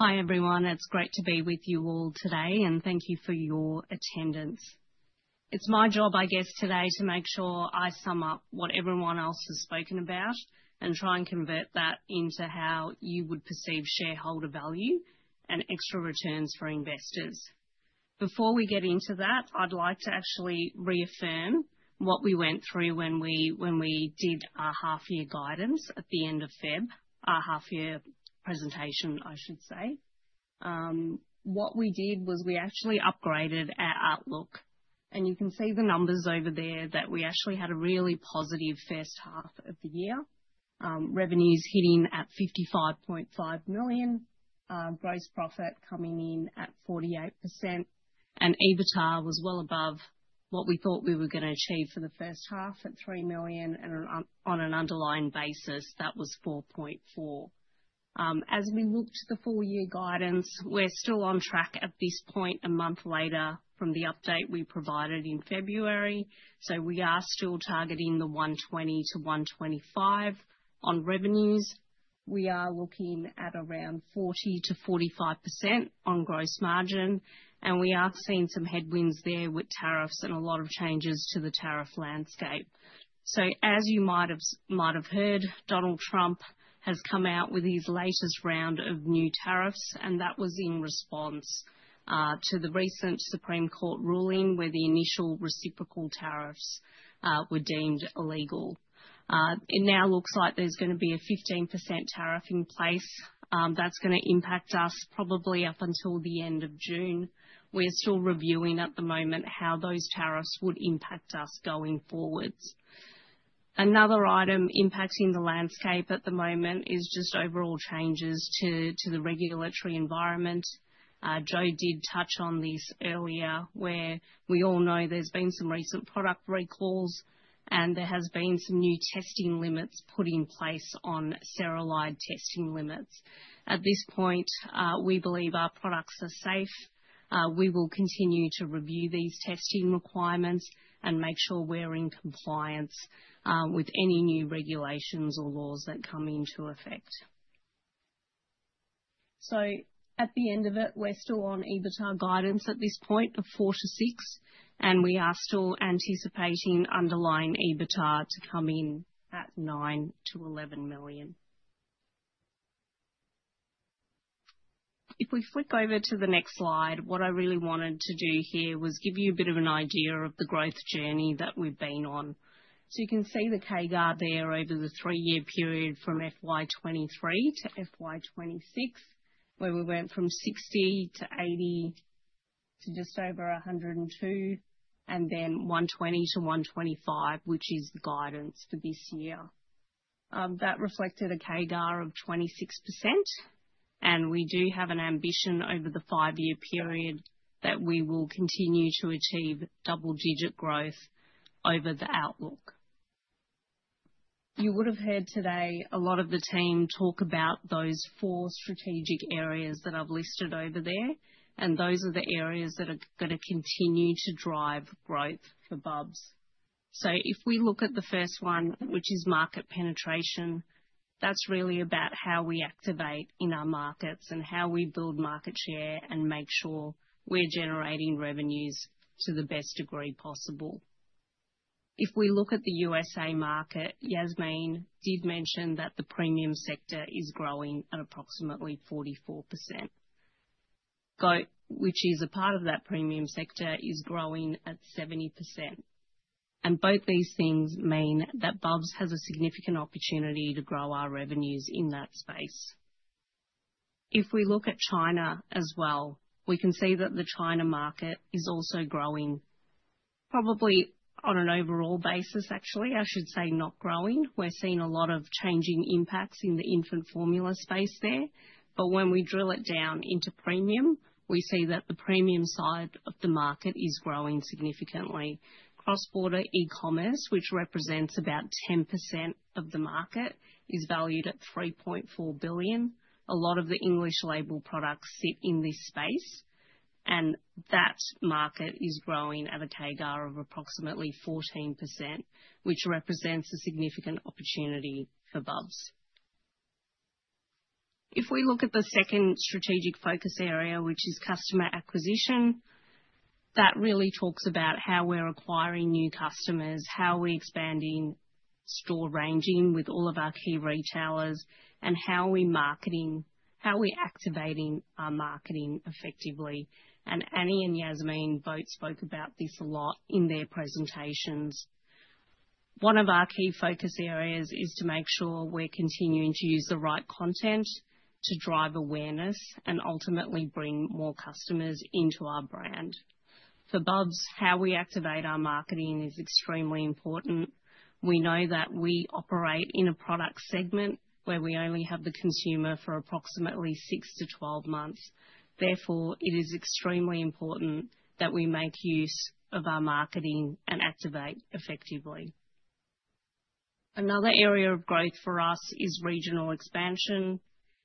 Hi, everyone. It's great to be with you all today, and thank you for your attendance. It's my job, I guess, today to make sure I sum up what everyone else has spoken about and try and convert that into how you would perceive shareholder value and extra returns for investors. Before we get into that, I'd like to actually reaffirm what we went through when we did our half year guidance at the end of February. Our half year presentation, I should say. What we did was we actually upgraded our outlook, and you can see the numbers over there that we actually had a really positive first half of the year. Revenues hitting at 55.5 million. Gross profit coming in at 48%. EBITDA was well above what we thought we were gonna achieve for the first half at 3 million. On an underlying basis, that was 4.4. As we look to the full year guidance, we're still on track at this point, a month later from the update we provided in February. We are still targeting the 120 million-125 million on revenues. We are looking at around 40%-45% on gross margin, and we are seeing some headwinds there with tariffs and a lot of changes to the tariff landscape. As you might have heard, Donald Trump has come out with his latest round of new tariffs, and that was in response to the recent Supreme Court ruling, where the initial reciprocal tariffs were deemed illegal. It now looks like there's gonna be a 15% tariff in place. That's gonna impact us probably up until the end of June. We're still reviewing at the moment how those tariffs would impact us going forwards. Another item impacting the landscape at the moment is just overall changes to the regulatory environment. Joe did touch on this earlier, where we all know there's been some recent product recalls and there has been some new testing limits put in place on cerelide. At this point, we believe our products are safe. We will continue to review these testing requirements and make sure we're in compliance with any new regulations or laws that come into effect. At the end of it, we're still on EBITDA guidance at this point of 4 million-6 million, and we are still anticipating underlying EBITDA to come in at 9 million-11 million. If we flip over to the next slide, what I really wanted to do here was give you a bit of an idea of the growth journey that we've been on. You can see the CAGR there over the three-year period from FY 2023 to FY 2026, where we went from 60 million to 80 million to just over 102 million and then 120 million-125 million, which is the guidance for this year. That reflected a CAGR of 26%. We do have an ambition over the five-year period that we will continue to achieve double-digit growth over the outlook. You would have heard today a lot of the team talk about those four strategic areas that I've listed over there, and those are the areas that are gonna continue to drive growth for Bubs. If we look at the first one, which is market penetration, that's really about how we activate in our markets and how we build market share and make sure we're generating revenues to the best degree possible. If we look at the U.S. market, Jasmin did mention that the premium sector is growing at approximately 44%. Goat, which is a part of that premium sector, is growing at 70%. Both these things mean that Bubs has a significant opportunity to grow our revenues in that space. If we look at China as well, we can see that the China market is also growing probably on an overall basis. Actually, I should say not growing. We're seeing a lot of changing impacts in the infant formula space there. When we drill it down into premium, we see that the premium side of the market is growing significantly. Cross-border e-commerce, which represents about 10% of the market, is valued at 3.4 billion. A lot of the English label products sit in this space, and that market is growing at a CAGR of approximately 14%, which represents a significant opportunity for Bubs. If we look at the second strategic focus area, which is customer acquisition, that really talks about how we're acquiring new customers, how we're expanding store ranging with all of our key retailers, and how we're marketing, how we're activating our marketing effectively. Annie and Jasmin both spoke about this a lot in their presentations. One of our key focus areas is to make sure we're continuing to use the right content to drive awareness and ultimately bring more customers into our brand. For Bubs, how we activate our marketing is extremely important. We know that we operate in a product segment where we only have the consumer for approximately six to 12 months. Therefore, it is extremely important that we make use of our marketing and activate effectively. Another area of growth for us is regional expansion.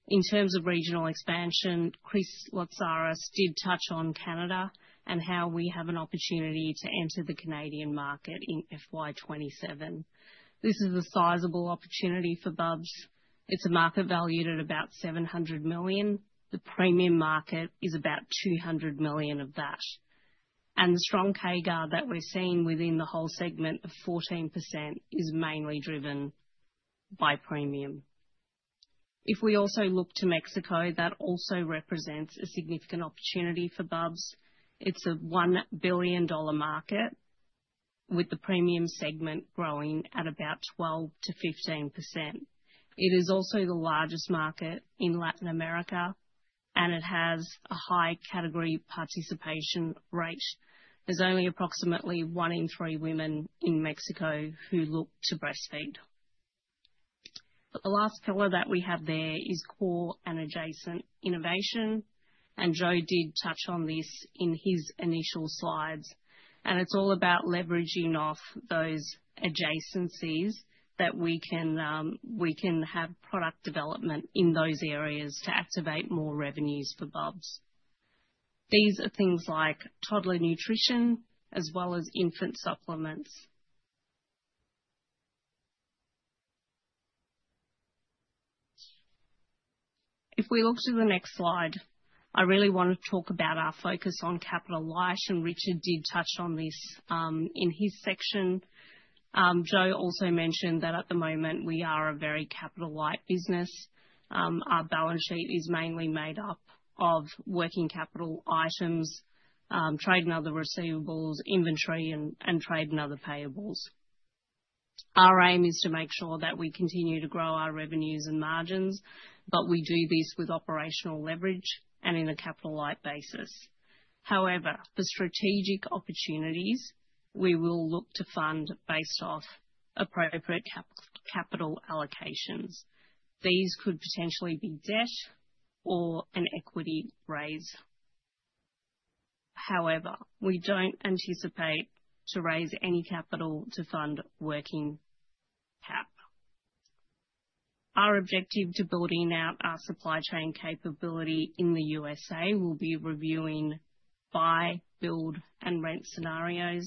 In terms of regional expansion, Chris Lotsaris did touch on Canada and how we have an opportunity to enter the Canadian market in FY 2027. This is a sizable opportunity for Bubs. It's a market valued at about 700 million. The premium market is about 200 million of that. The strong CAGR that we're seeing within the whole segment of 14% is mainly driven by premium. If we also look to Mexico, that also represents a significant opportunity for Bubs. It's a $1 billion market with the premium segment growing at about 12%-15%. It is also the largest market in Latin America, and it has a high category participation rate. There's only approximately one in three women in Mexico who look to breastfeed. The last pillar that we have there is core and adjacent innovation. Joe did touch on this in his initial slides, and it's all about leveraging off those adjacencies that we can have product development in those areas to activate more revenues for Bubs. These are things like toddler nutrition as well as infant supplements. If we look to the next slide, I really want to talk about our focus on capital-light, and Richard did touch on this, in his section. Joe also mentioned that at the moment we are a very capital-light business. Our balance sheet is mainly made up of working capital items, trade and other receivables, inventory, and trade and other payables. Our aim is to make sure that we continue to grow our revenues and margins, but we do this with operational leverage and in a capital-light basis. However, for strategic opportunities, we will look to fund based off appropriate capital allocations. These could potentially be debt or an equity raise. However, we don't anticipate to raise any capital to fund working cap. Our objective to building out our supply chain capability in the USA will be reviewing buy, build and rent scenarios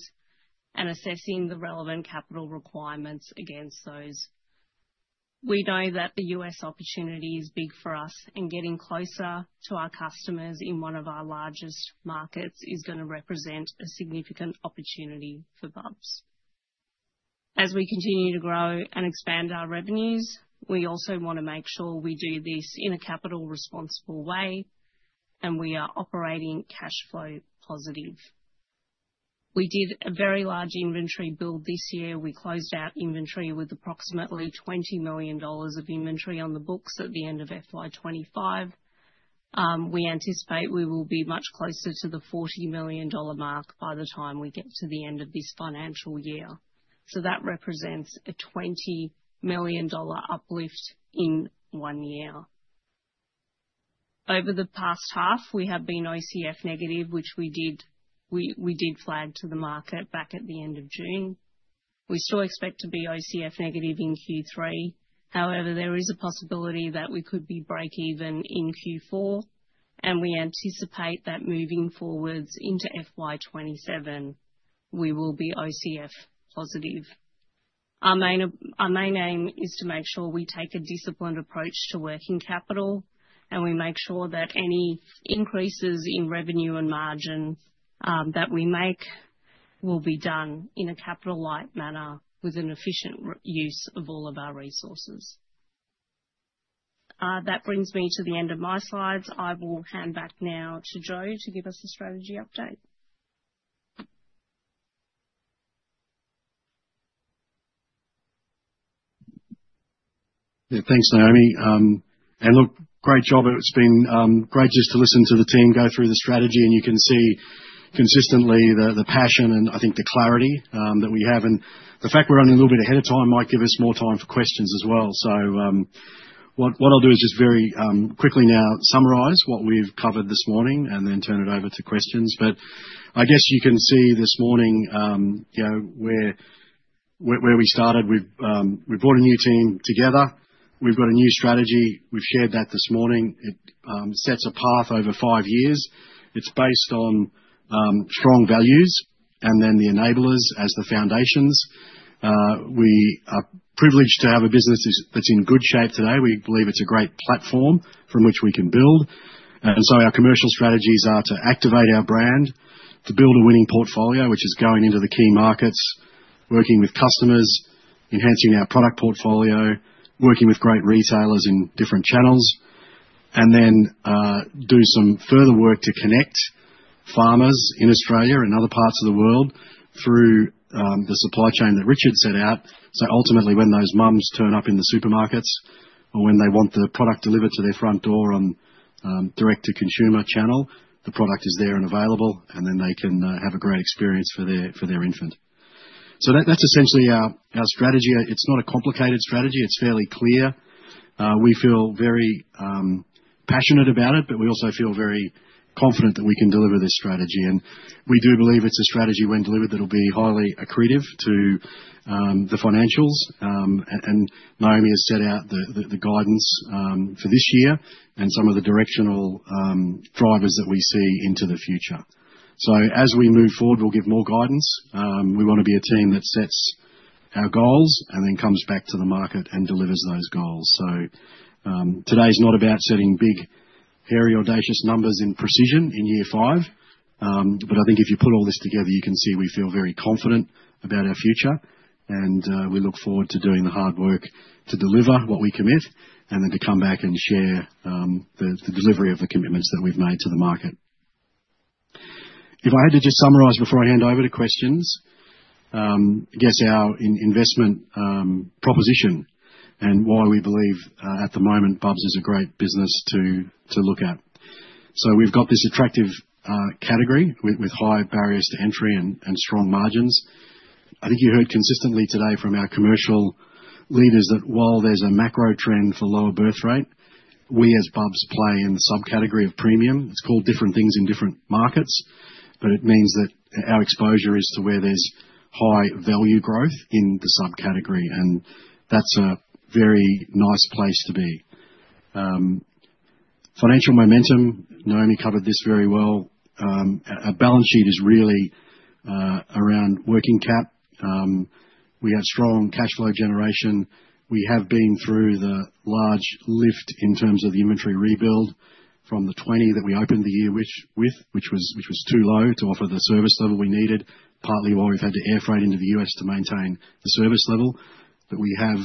and assessing the relevant capital requirements against those. We know that the U.S. opportunity is big for us, and getting closer to our customers in one of our largest markets is gonna represent a significant opportunity for Bubs. As we continue to grow and expand our revenues, we also wanna make sure we do this in a capital responsible way and we are operating cash flow positive. We did a very large inventory build this year. We closed out inventory with approximately 20 million dollars of inventory on the books at the end of FY 2025. We anticipate we will be much closer to the 40 million dollar mark by the time we get to the end of this financial year. That represents a 20 million dollar uplift in 1 year. Over the past half, we have been OCF negative, which we did flag to the market back at the end of June. We still expect to be OCF negative in Q3. However, there is a possibility that we could be break even in Q4, and we anticipate that moving forwards into FY 2027, we will be OCF positive. Our main aim is to make sure we take a disciplined approach to working capital, and we make sure that any increases in revenue and margin that we make will be done in a capital-light manner with an efficient reuse of all of our resources. That brings me to the end of my slides. I will hand back now to Joe to give us a strategy update. Yeah. Thanks, Naomi. Look, great job. It's been great just to listen to the team go through the strategy, and you can see consistently the passion and I think the clarity that we have. The fact we're running a little bit ahead of time might give us more time for questions as well. What I'll do is just very quickly now summarize what we've covered this morning and then turn it over to questions. I guess you can see this morning, you know, where we started. We've brought a new team together. We've got a new strategy. We've shared that this morning. It sets a path over five years. It's based on strong values and then the enablers as the foundations. We are privileged to have a business that's in good shape today. We believe it's a great platform from which we can build. Our commercial strategies are to activate our brand, to build a winning portfolio, which is going into the key markets, working with customers, enhancing our product portfolio, working with great retailers in different channels. Do some further work to connect farmers in Australia and other parts of the world through the supply chain that Richard set out. Ultimately, when those moms turn up in the supermarkets or when they want the product delivered to their front door on direct to consumer channel, the product is there and available, and then they can have a great experience for their infant. That's essentially our strategy. It's not a complicated strategy. It's fairly clear. We feel very passionate about it, but we also feel very confident that we can deliver this strategy. We do believe it's a strategy when delivered that will be highly accretive to the financials. Naomi has set out the guidance for this year and some of the directional drivers that we see into the future. As we move forward, we'll give more guidance. We wanna be a team that sets our goals and then comes back to the market and delivers those goals. Today is not about setting big, hairy, audacious numbers in precision in year five. I think if you put all this together, you can see we feel very confident about our future, and we look forward to doing the hard work to deliver what we commit and then to come back and share the delivery of the commitments that we've made to the market. If I had to just summarize before I hand over to questions, I guess our investment proposition and why we believe at the moment Bubs is a great business to look at. We've got this attractive category with high barriers to entry and strong margins. I think you heard consistently today from our commercial leaders that while there's a macro trend for lower birth rate, we as Bubs play in the subcategory of premium. It's called different things in different markets, but it means that our exposure is to where there's high value growth in the subcategory, and that's a very nice place to be. Financial momentum, Naomi covered this very well. Our balance sheet is really around working cap. We have strong cash flow generation. We have been through the large lift in terms of the inventory rebuild from the 2020 that we opened the year with, which was too low to offer the service level we needed, partly why we've had to air freight into the U.S. to maintain the service level. We have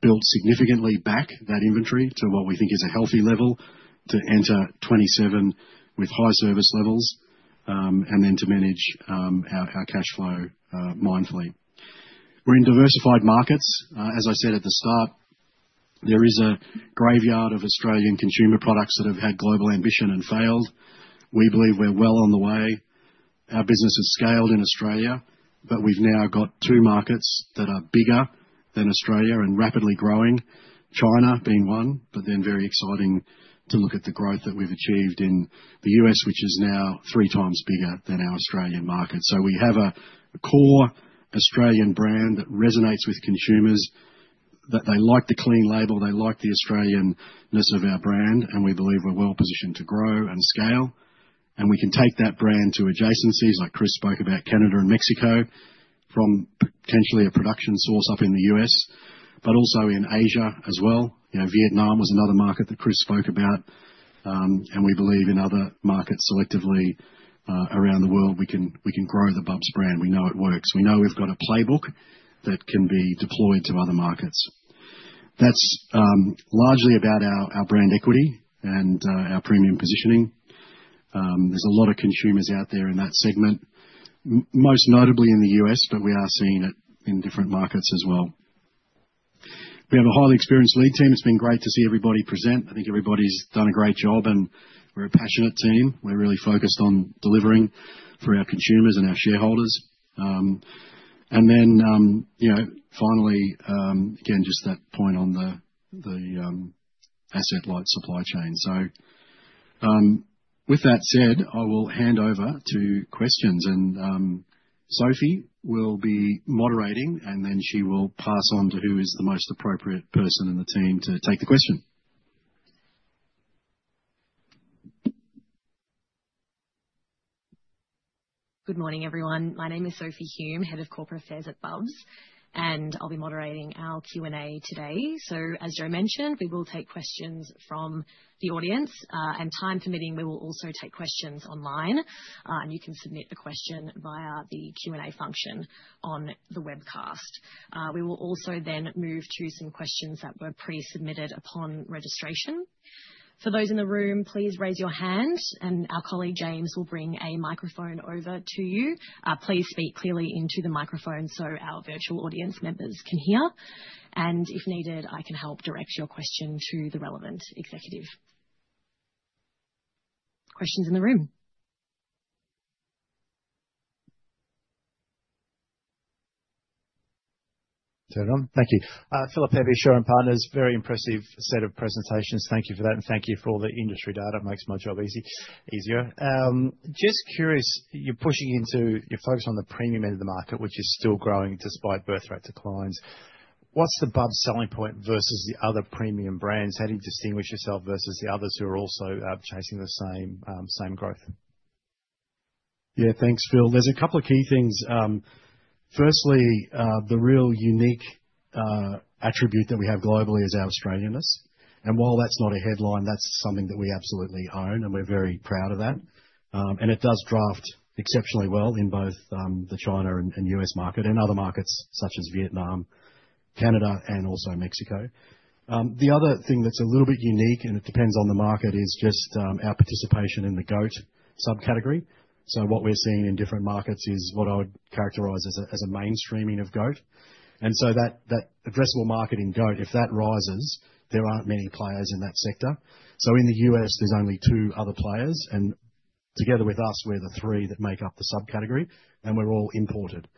built significantly back that inventory to what we think is a healthy level to enter 2027 with high service levels, and then to manage our cash flow mindfully. We're in diversified markets. As I said at the start, there is a graveyard of Australian consumer products that have had global ambition and failed. We believe we're well on the way. Our business has scaled in Australia, but we've now got two markets that are bigger than Australia and rapidly growing. China being one, but then very exciting to look at the growth that we've achieved in the U.S., which is now 3x bigger than our Australian market. We have a core Australian brand that resonates with consumers, that they like the clean label, they like the Australian-ness of our brand, and we believe we're well positioned to grow and scale. We can take that brand to adjacencies like Chris spoke about Canada and Mexico from potentially a production source up in the U.S., but also in Asia as well. You know, Vietnam was another market that Chris spoke about, and we believe in other markets selectively around the world, we can grow the Bubs brand. We know it works. We know we've got a playbook that can be deployed to other markets. That's largely about our brand equity and our premium positioning. There's a lot of consumers out there in that segment, most notably in the U.S., but we are seeing it in different markets as well. We have a highly experienced leadership team. It's been great to see everybody present. I think everybody's done a great job, and we're a passionate team. We're really focused on delivering for our consumers and our shareholders. You know, finally, again, just that point on the asset-light supply chain. With that said, I will hand over to questions. Sophie will be moderating, and then she will pass on to who is the most appropriate person in the team to take the question. Good morning, everyone. My name is Sophie Hulme, Head of Corporate Affairs at Bubs, and I'll be moderating our Q&A today. As Joe mentioned, we will take questions from the audience, and time permitting, we will also take questions online, and you can submit the question via the Q&A function on the webcast. We will also then move to some questions that were pre-submitted upon registration. For those in the room, please raise your hand and our colleague James will bring a microphone over to you. Please speak clearly into the microphone so our virtual audience members can hear, and if needed, I can help direct your question to the relevant executive. Questions in the room. Is that on? Thank you. Philip Pepe, Shaw and Partners. Very impressive set of presentations. Thank you for that and thank you for all the industry data. Makes my job easy, easier. Just curious, you're focused on the premium end of the market, which is still growing despite birth rate declines. What's the Bubs selling point versus the other premium brands? How do you distinguish yourself versus the others who are also chasing the same growth? Yeah, thanks, Phil. There's a couple of key things. Firstly, the real unique attribute that we have globally is our Australian-ness. While that's not a headline, that's something that we absolutely own, and we're very proud of that. It does draw exceptionally well in both the China and U.S. market and other markets such as Vietnam, Canada, and also Mexico. The other thing that's a little bit unique, and it depends on the market, is just our participation in the goat subcategory. What we're seeing in different markets is what I would characterize as a mainstreaming of goat. That addressable market in goat, if that rises, there aren't many players in that sector. In the U.S., there's only 2 other players, and together with us, we're the 3 that make up the subcategory, and we're all imported.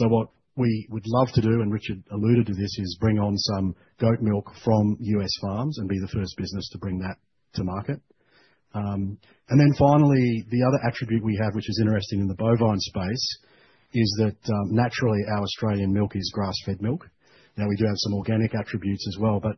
What we would love to do, and Richard alluded to this, is bring on some goat milk from U.S. farms and be the first business to bring that to market. Finally, the other attribute we have, which is interesting in the bovine space, is that naturally, our Australian milk is grass-fed milk. Now, we do have some organic attributes as well, but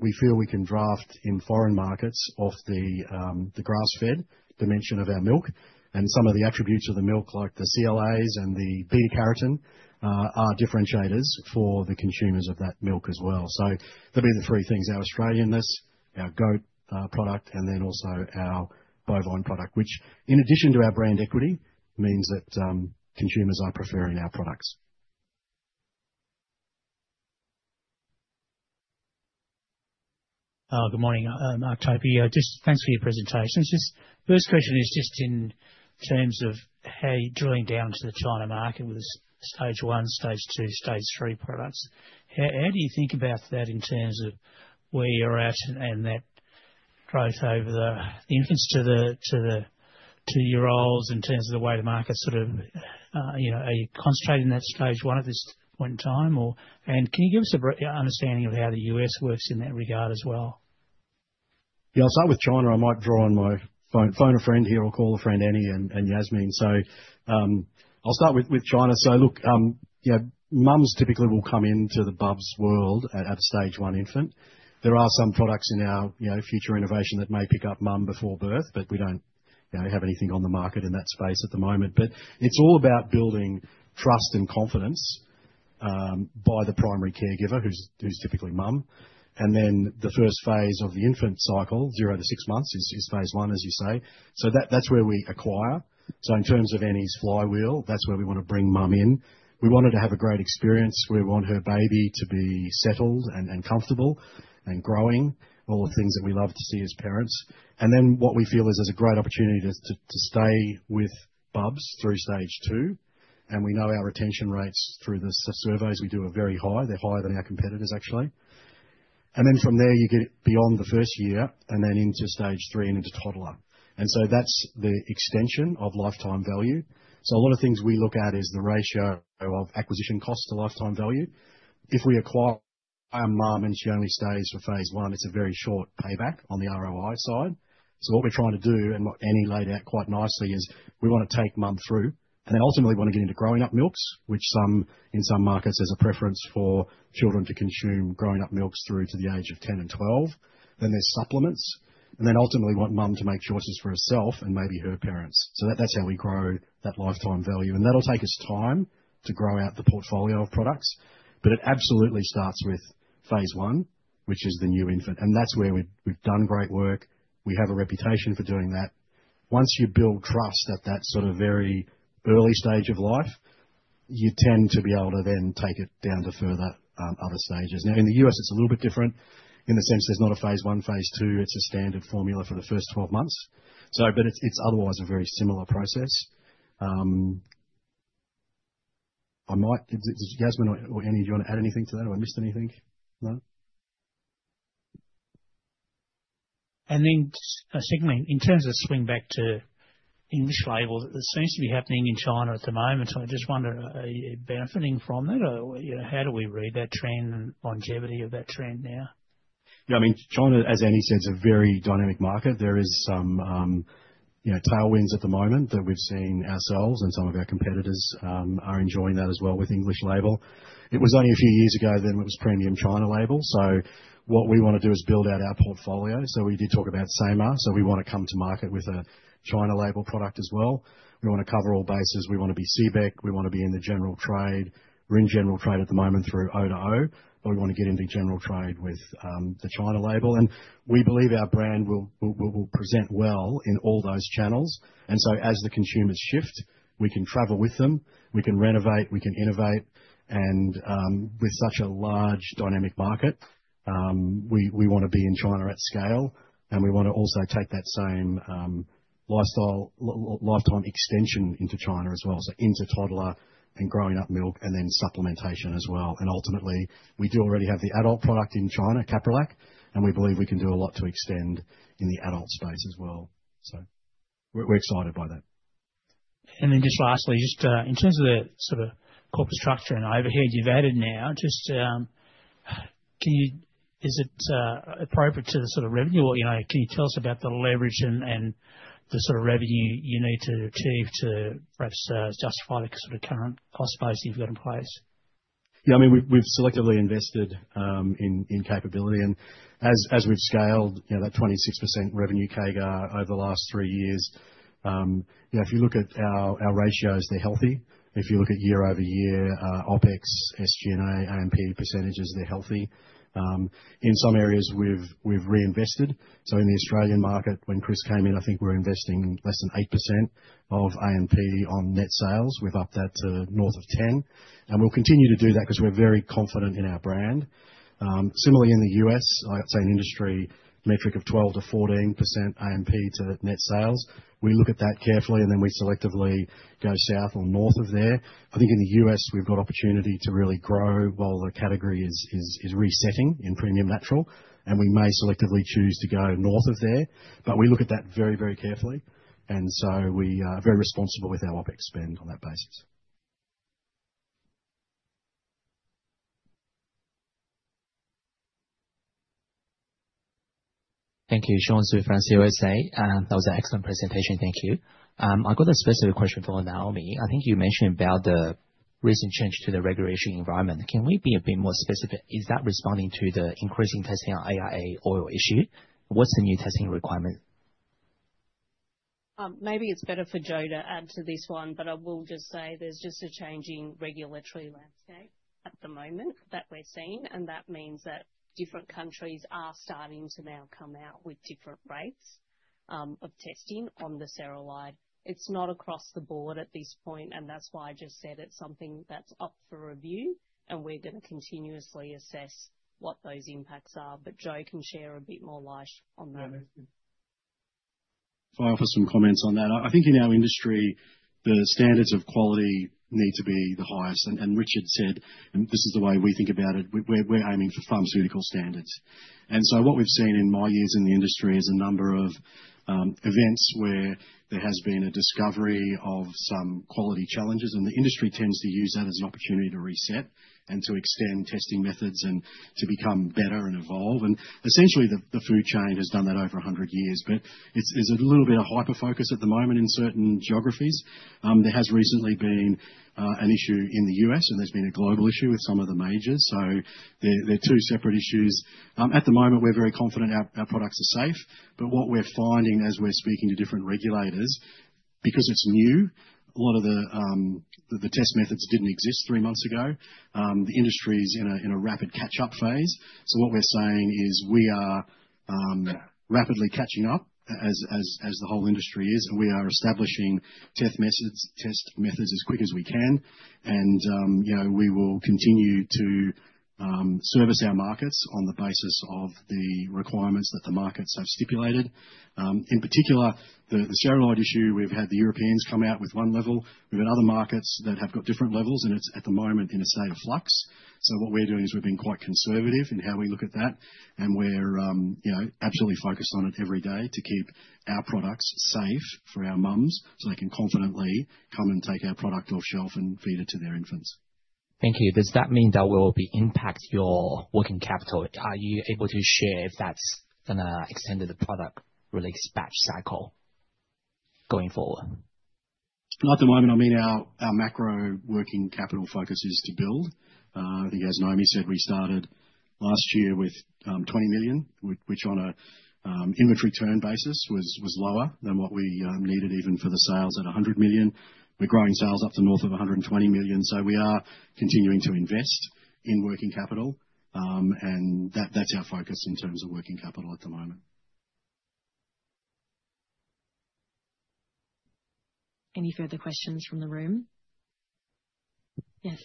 we feel we can draft in foreign markets off the the grass-fed dimension of our milk. Some of the attributes of the milk, like the CLAs and the beta-carotene, are differentiators for the consumers of that milk as well. They'll be the three things, our Australian-ness, our goat product, and then also our bovine product, which in addition to our brand equity, means that consumers are preferring our products. Good morning. Mark Topy here. Just thanks for your presentation. Just first question is just in terms of how you're drilling down to the China market with stage one, stage two, stage three products. How do you think about that in terms of where you're at and that growth over the infants to the two-year-olds in terms of the way the market sort of, you know. Are you concentrating that stage one at this point in time or. Can you give us a brief understanding of how the U.S. works in that regard as well? Yeah. I'll start with China. I might phone a friend here or call a friend, Annie and Jasmin. Mums typically will come into the Bubs world at a stage one infant. There are some products in our, you know, future innovation that may pick up mum before birth, but we don't, you know, have anything on the market in that space at the moment. But it's all about building trust and confidence by the primary caregiver who's typically mum, and then the first phase of the infant cycle, zero to 6 months, is phase one, as you say. That's where we acquire. In terms of Annie's flywheel, that's where we want to bring mum in. We want her to have a great experience. We want her baby to be settled and comfortable and growing, all the things that we love to see as parents. What we feel is there's a great opportunity to stay with Bubs through stage two. We know our retention rates through the surveys we do are very high. They're higher than our competitors actually. From there, you get beyond the first year and then into stage three and into toddler. That's the extension of lifetime value. A lot of things we look at is the ratio of acquisition cost to lifetime value. If we acquire mum and she only stays for phase 1, it's a very short payback on the ROI side. What we're trying to do, and what Annie laid out quite nicely, is we wanna take mum through and then ultimately wanna get into growing up milks, which in some markets, there's a preference for children to consume growing up milks through to the age of 10 and 12. There's supplements, and then ultimately want mum to make choices for herself and maybe her parents. That's how we grow that lifetime value. That'll take us time to grow out the portfolio of products. It absolutely starts with phase 1, which is the new infant, and that's where we've done great work. We have a reputation for doing that. Once you build trust at that sort of very early stage of life, you tend to be able to then take it down to further other stages. Now, in the U.S., it's a little bit different in the sense there's not a phase 1, phase 2. It's a standard formula for the first 12 months. But it's otherwise a very similar process. Did Jasmin or Annie, do you wanna add anything to that? Have I missed anything? No. Secondly, in terms of swing back to English labels, it seems to be happening in China at the moment. I just wonder, are you benefiting from it or, you know, how do we read that trend and longevity of that trend now? Yeah. I mean, China, as Annie says, is a very dynamic market. There is some, you know, tailwinds at the moment that we've seen ourselves and some of our competitors are enjoying that as well with English label. It was only a few years ago when it was premium China label. What we wanna do is build out our portfolio. We did talk about Sama. We wanna come to market with a China label product as well. We wanna cover all bases. We wanna be CBEC. We wanna be in the general trade. We're in general trade at the moment through O2O, but we wanna get into general trade with the China label. We believe our brand will present well in all those channels. As the consumers shift, we can travel with them, we can renovate, we can innovate. With such a large dynamic market, we wanna be in China at scale, and we wanna also take that same lifestyle lifetime extension into China as well, so into toddler and growing up milk and then supplementation as well. Ultimately, we do already have the adult product in China, CapriLac, and we believe we can do a lot to extend in the adult space as well. We're excited by that. Just lastly, in terms of the sort of corporate structure and overhead you've added now, just, Is it appropriate to the sort of revenue or, you know, can you tell us about the leverage and the sort of revenue you need to achieve to perhaps, justify the sort of current cost base you've got in place? Yeah, I mean, we've selectively invested in capability, and as we've scaled, you know, that 26% revenue CAGR over the last three years, you know, if you look at our ratios, they're healthy. If you look at year-over-year OpEx, SG&A, AMP percentages, they're healthy. In some areas we've reinvested. In the Australian market, when Chris came in, I think we were investing less than 8% of AMP on net sales. We've upped that to north of 10. We'll continue to do that 'cause we're very confident in our brand. Similarly in the U.S., I'd say an industry metric of 12%-14% AMP to net sales, we look at that carefully and then we selectively go south or north of there. I think in the U.S. we've got opportunity to really grow while the category is resetting in premium natural, and we may selectively choose to go north of there. We look at that very, very carefully, and so we are very responsible with our OpEx spend on that basis. Thank you. Sean Su, France USA. That was an excellent presentation. Thank you. I've got a specific question for Naomi. I think you mentioned about the recent change to the regulatory environment. Can we be a bit more specific? Is that responding to the increasing testing on AIA oil issue? What's the new testing requirement? Maybe it's better for Joe to add to this one, but I will just say there's just a changing regulatory landscape at the moment that we're seeing, and that means that different countries are starting to now come out with different rates of testing on the sterolide. It's not across the board at this point, and that's why I just said it's something that's up for review and we're gonna continuously assess what those impacts are. Joe can share a bit more light on that. If I offer some comments on that. I think in our industry, the standards of quality need to be the highest. Richard said, and this is the way we think about it, we're aiming for pharmaceutical standards. What we've seen in my years in the industry is a number of events where there has been a discovery of some quality challenges, and the industry tends to use that as an opportunity to reset and to extend testing methods and to become better and evolve. Essentially, the food chain has done that over a hundred years. But there's a little bit of hyperfocus at the moment in certain geographies. There has recently been an issue in the U.S., and there's been a global issue with some of the majors, so they're two separate issues. At the moment, we're very confident our products are safe. What we're finding as we're speaking to different regulators, because it's new, a lot of the test methods didn't exist three months ago. The industry's in a rapid catch-up phase. What we're saying is we are rapidly catching up as the whole industry is, and we are establishing test methods as quick as we can. You know, we will continue to service our markets on the basis of the requirements that the markets have stipulated. In particular, the sterolide issue, we've had the Europeans come out with one level. We've had other markets that have got different levels, and it's, at the moment, in a state of flux. What we're doing is we're being quite conservative in how we look at that, and we're, you know, absolutely focused on it every day to keep our products safe for our moms so they can confidently come and take our product off the shelf and feed it to their infants. Thank you. Does that mean that will impact your working capital? Are you able to share if that's gonna extend to the product release batch cycle going forward? At the moment, I mean, our macro working capital focus is to build. I think as Naomi said, we started last year with 20 million, which on a inventory turn basis was lower than what we needed even for the sales at 100 million. We're growing sales up to north of 120 million. We are continuing to invest in working capital, and that's our focus in terms of working capital at the moment. Any further questions from the room? Yes.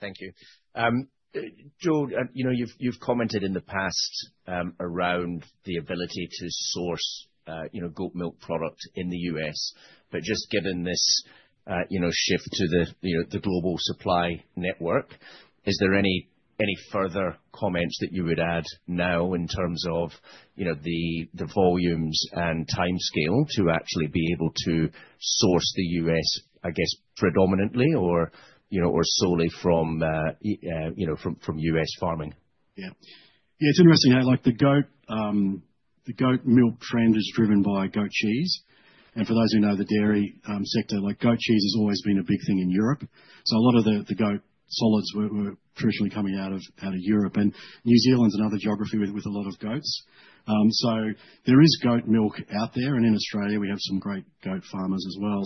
Thank you. Joe, you know, you've commented in the past around the ability to source, you know, goat milk product in the U.S. But just given this, you know, shift to the, you know, the global supply network, is there any further comments that you would add now in terms of, you know, the volumes and timescale to actually be able to source the U.S., I guess, predominantly or, you know, or solely from, you know, from U.S. farming? Yeah. Yeah, it's interesting, hey. Like, the goat milk trend is driven by goat cheese. For those who know the dairy sector, like, goat cheese has always been a big thing in Europe. A lot of the goat solids were traditionally coming out of Europe. New Zealand's another geography with a lot of goats. There is goat milk out there, and in Australia we have some great goat farmers as well.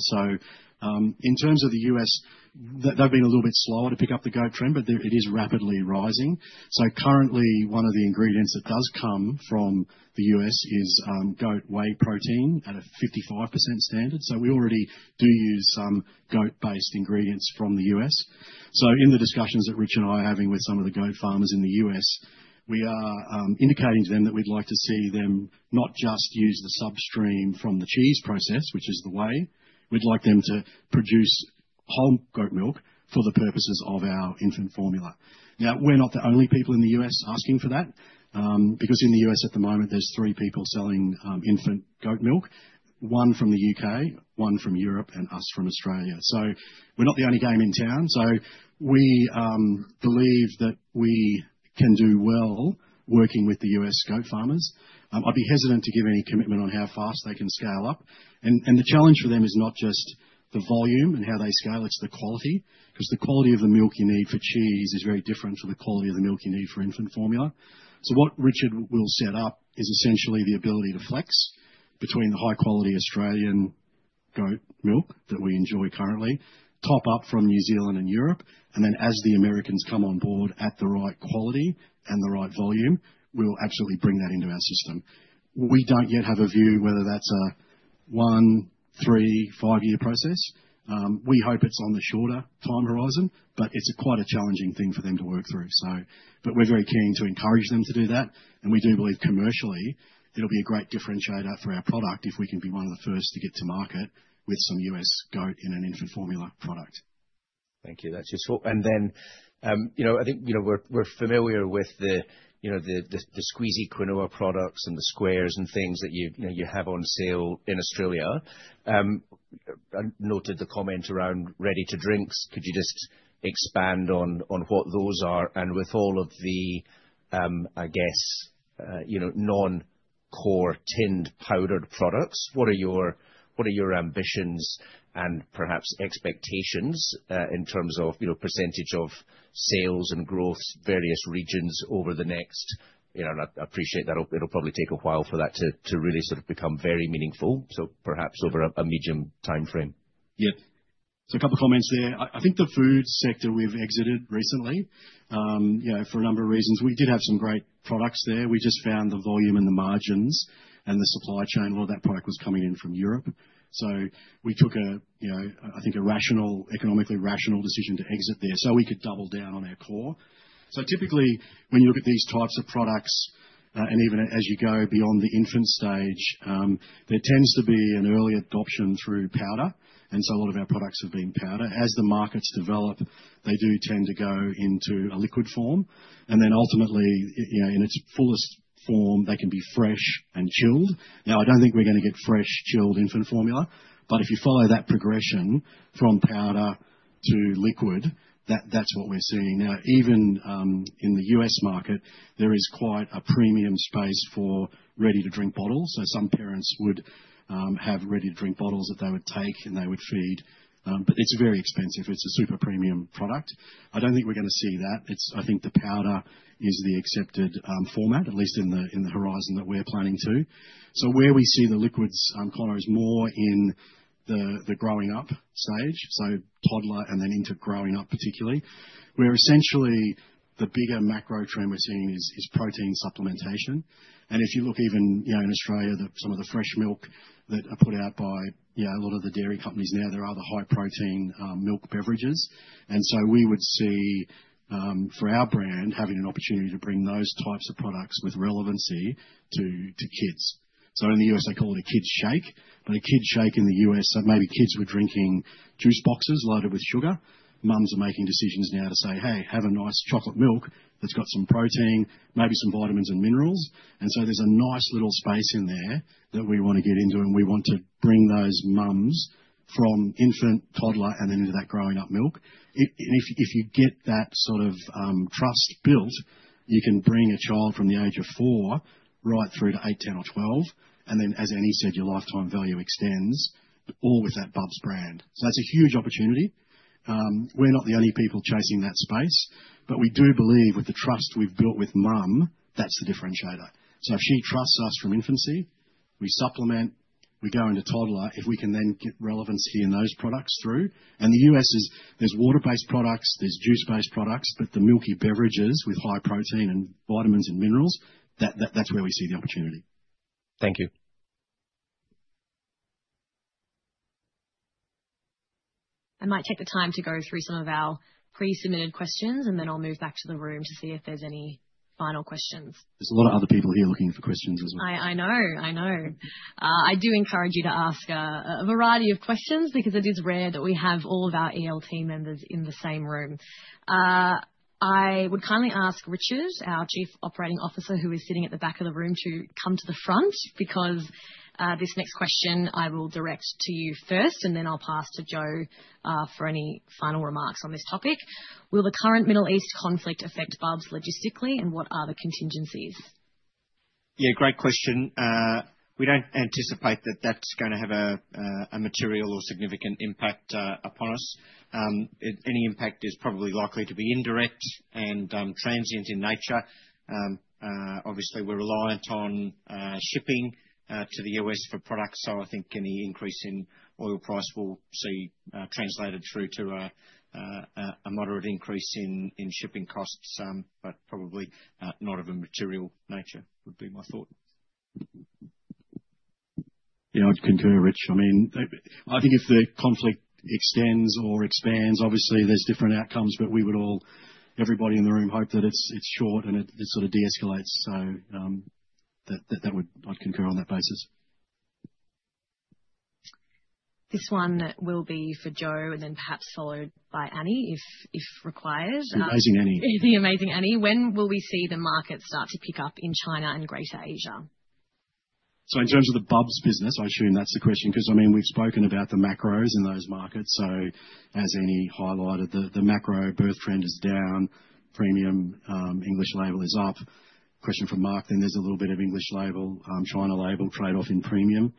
In terms of the U.S., they've been a little bit slower to pick up the goat trend, but they're, it is rapidly rising. Currently one of the ingredients that does come from the U.S. is goat whey protein at a 55% standard. We already do use some goat-based ingredients from the U.S. In the discussions that Richard and I are having with some of the goat farmers in the U.S., we are indicating to them that we'd like to see them not just use the substream from the cheese process, which is the whey. We'd like them to produce whole goat milk for the purposes of our infant formula. Now, we're not the only people in the U.S. asking for that, because in the U.S. at the moment, there's three people selling infant goat milk. One from the U.K., one from Europe, and us from Australia. We're not the only game in town. We believe that we can do well working with the U.S. goat farmers. I'd be hesitant to give any commitment on how fast they can scale up. The challenge for them is not just the volume and how they scale, it's the quality. 'Cause the quality of the milk you need for cheese is very different to the quality of the milk you need for infant formula. What Richard will set up is essentially the ability to flex between the high quality Australian goat milk that we enjoy currently, top up from New Zealand and Europe, and then as the Americans come on board at the right quality and the right volume, we will absolutely bring that into our system. We don't yet have a view whether that's a 1, 3, 5-year process. We hope it's on the shorter time horizon, but it's quite a challenging thing for them to work through. We're very keen to encourage them to do that. We do believe commercially it'll be a great differentiator for our product if we can be one of the first to get to market with some U.S. goat in an infant formula product. Thank you. That's useful. Then, you know, I think, you know, we're familiar with the squeezy quinoa products and the squares and things that you know, you have on sale in Australia. I noted the comment around ready-to-drinks. Could you just expand on what those are and with all of the, I guess, you know, non-core tinned powdered products, what are your ambitions and perhaps expectations in terms of, you know, percentage of sales and growth, various regions over the next, you know. I appreciate that it'll probably take a while for that to really sort of become very meaningful. Perhaps over a medium time frame. Yeah. A couple of comments there. I think the food sector we've exited recently, you know, for a number of reasons. We did have some great products there. We just found the volume and the margins and the supply chain, a lot of that product was coming in from Europe. We took, you know, I think a rational, economically rational decision to exit there so we could double down on our core. Typically, when you look at these types of products, and even as you go beyond the infant stage, there tends to be an early adoption through powder, and so a lot of our products have been powder. As the markets develop, they do tend to go into a liquid form, and then ultimately, you know, in its fullest form, they can be fresh and chilled. I don't think we're gonna get fresh chilled infant formula, but if you follow that progression from powder to liquid, that's what we're seeing now. Even in the U.S. market, there is quite a premium space for ready-to-drink bottles. Some parents would have ready-to-drink bottles that they would take and they would feed. It's very expensive. It's a super premium product. I don't think we're gonna see that. I think the powder is the accepted format, at least in the horizon that we're planning to. Where we see the liquids, Connor, is more in the growing up stage, so toddler and then into growing up particularly. Where essentially the bigger macro trend we're seeing is protein supplementation. If you look even, you know, in Australia, some of the fresh milk that are put out by, you know, a lot of the dairy companies now, there are the high protein milk beverages. We would see for our brand, having an opportunity to bring those types of products with relevancy to kids. In the U.S., they call it a kids shake, but a kids shake in the U.S., so maybe kids were drinking juice boxes loaded with sugar. Mums are making decisions now to say, "Hey, have a nice chocolate milk that's got some protein, maybe some vitamins and minerals." There's a nice little space in there that we wanna get into, and we want to bring those mums from infant, toddler, and then into that growing up milk. If you get that sort of trust built, you can bring a child from the age of four right through to eight, 10, or 12, and then as Annie said, your lifetime value extends all with that Bubs brand. That's a huge opportunity. We're not the only people chasing that space, but we do believe with the trust we've built with mom, that's the differentiator. If she trusts us from infancy, we supplement, we go into toddler. If we can then get relevancy in those products through the U.S., there's water-based products, there's juice-based products, but the milky beverages with high protein and vitamins and minerals, that's where we see the opportunity. Thank you. I might take the time to go through some of our pre-submitted questions, and then I'll move back to the room to see if there's any final questions. There's a lot of other people here looking for questions as well. I know. I do encourage you to ask a variety of questions because it is rare that we have all of our EL team members in the same room. I would kindly ask Richard, our Chief Operating Officer, who is sitting at the back of the room to come to the front because this next question I will direct to you first, and then I'll pass to Joe for any final remarks on this topic. Will the current Middle East conflict affect Bubs logistically, and what are the contingencies? Yeah, great question. We don't anticipate that that's gonna have a material or significant impact upon us. Any impact is probably likely to be indirect and transient in nature. Obviously, we're reliant on shipping to the U.S. for products, so I think any increase in oil price will see translated through to a moderate increase in shipping costs, but probably not of a material nature, would be my thought. Yeah, I'd concur, Rich. I mean, I think if the conflict extends or expands, obviously there's different outcomes, but we would all, everybody in the room hope that it's short and it sort of deescalates. That I'd concur on that basis. This one will be for Joe, and then perhaps followed by Annie if required. The amazing Annie. The amazing Annie. When will we see the market start to pick up in China and Greater Asia? In terms of the Bubs business, I assume that's the question 'cause, I mean, we've spoken about the macros in those markets. As Annie highlighted, the macro birth trend is down, premium English label is up. Question from Mark, then there's a little bit of English label China label trade-off in premium.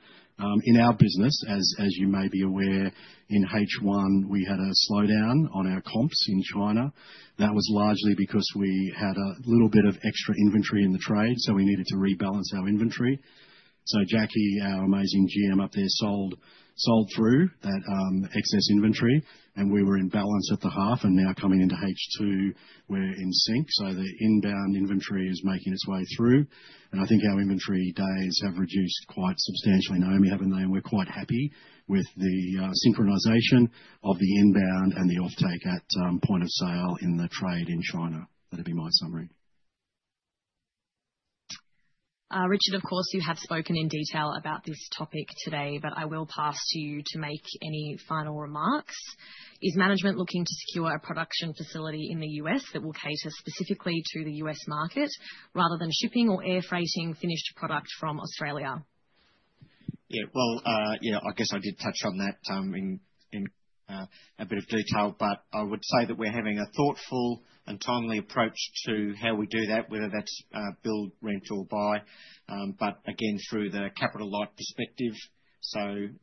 In our business, as you may be aware, in H1, we had a slowdown on our comps in China. That was largely because we had a little bit of extra inventory in the trade, so we needed to rebalance our inventory. Jackie, our amazing GM up there, sold through that excess inventory, and we were in balance at the half, and now coming into H2, we're in sync. The inbound inventory is making its way through, and I think our inventory days have reduced quite substantially, Naomi, haven't they? We're quite happy with the synchronization of the inbound and the offtake at point of sale in the trade in China. That'd be my summary. Richard, of course, you have spoken in detail about this topic today, but I will pass to you to make any final remarks. Is management looking to secure a production facility in the U.S. that will cater specifically to the U.S. market rather than shipping or air freighting finished product from Australia? Yeah. Well, yeah, I guess I did touch on that, in a bit of detail, but I would say that we're having a thoughtful and timely approach to how we do that, whether that's build, rent or buy, but again, through the capital light perspective.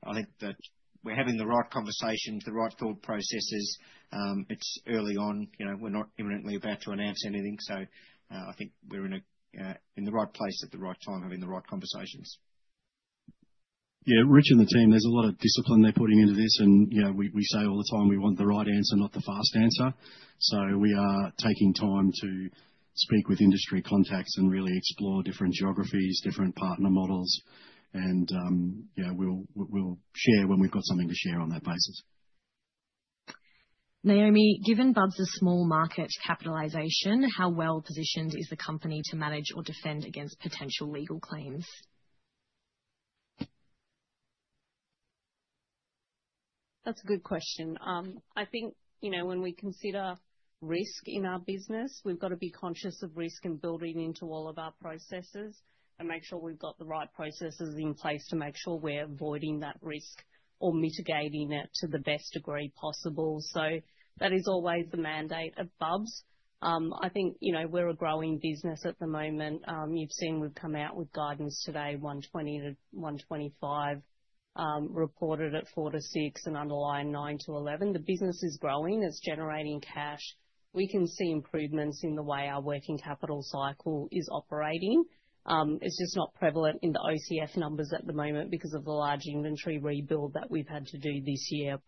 I think that we're having the right conversations, the right thought processes. It's early on. You know, we're not imminently about to announce anything. I think we're in the right place at the right time, having the right conversations. Yeah, Rich and the team, there's a lot of discipline they're putting into this. You know, we say all the time, we want the right answer, not the fast answer. We are taking time to speak with industry contacts and really explore different geographies, different partner models, and you know, we'll share when we've got something to share on that basis. Naomi, given Bubs' small market capitalization, how well positioned is the company to manage or defend against potential legal claims? That's a good question. I think, you know, when we consider risk in our business, we've got to be conscious of risk and building into all of our processes and make sure we've got the right processes in place to make sure we're avoiding that risk or mitigating it to the best degree possible. That is always the mandate of Bubs. I think, you know, we're a growing business at the moment. You've seen, we've come out with guidance today, 120-125, reported at 4-6 and underlying 9-11. The business is growing. It's generating cash. We can see improvements in the way our working capital cycle is operating. It's just not prevalent in the OCF numbers at the moment because of the large inventory rebuild that we've had to do this year.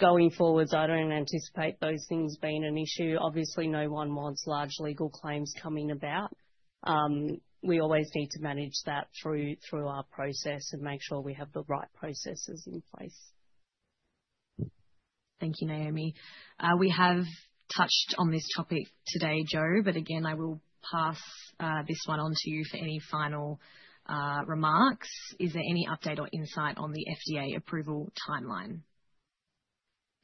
Going forward, I don't anticipate those things being an issue. Obviously, no one wants large legal claims coming about. We always need to manage that through our process and make sure we have the right processes in place. Thank you, Naomi. We have touched on this topic today, Joe, but again, I will pass this one on to you for any final remarks. Is there any update or insight on the FDA approval timeline?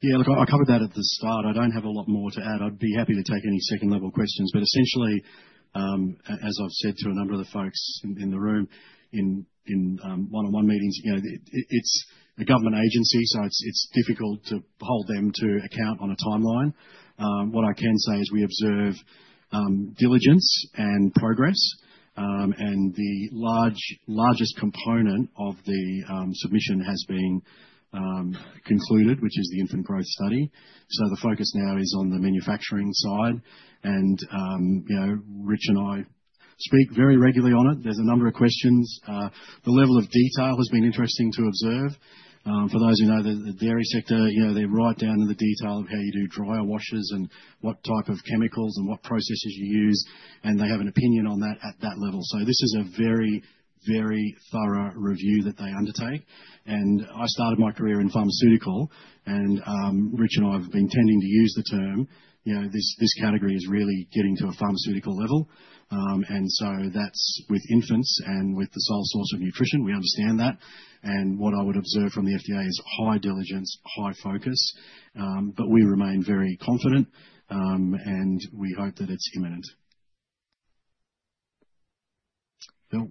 Yeah, look, I covered that at the start. I don't have a lot more to add. I'd be happy to take any second-level questions. Essentially, as I've said to a number of the folks in the room in one-on-one meetings, you know, it's a government agency, so it's difficult to hold them to account on a timeline. What I can say is we observe diligence and progress, and the largest component of the submission has been concluded, which is the infant growth study. The focus now is on the manufacturing side and, you know, Rich and I speak very regularly on it. There's a number of questions. The level of detail has been interesting to observe. For those who know the dairy sector, you know, they're right down to the detail of how you do dryer washes and what type of chemicals and what processes you use, and they have an opinion on that at that level. This is a very, very thorough review that they undertake. I started my career in pharmaceutical and, Rich and I have been tending to use the term, you know, this category is really getting to a pharmaceutical level. That's with infants and with the sole source of nutrition, we understand that. What I would observe from the FDA is high diligence, high focus, but we remain very confident, and we hope that it's imminent. Phil.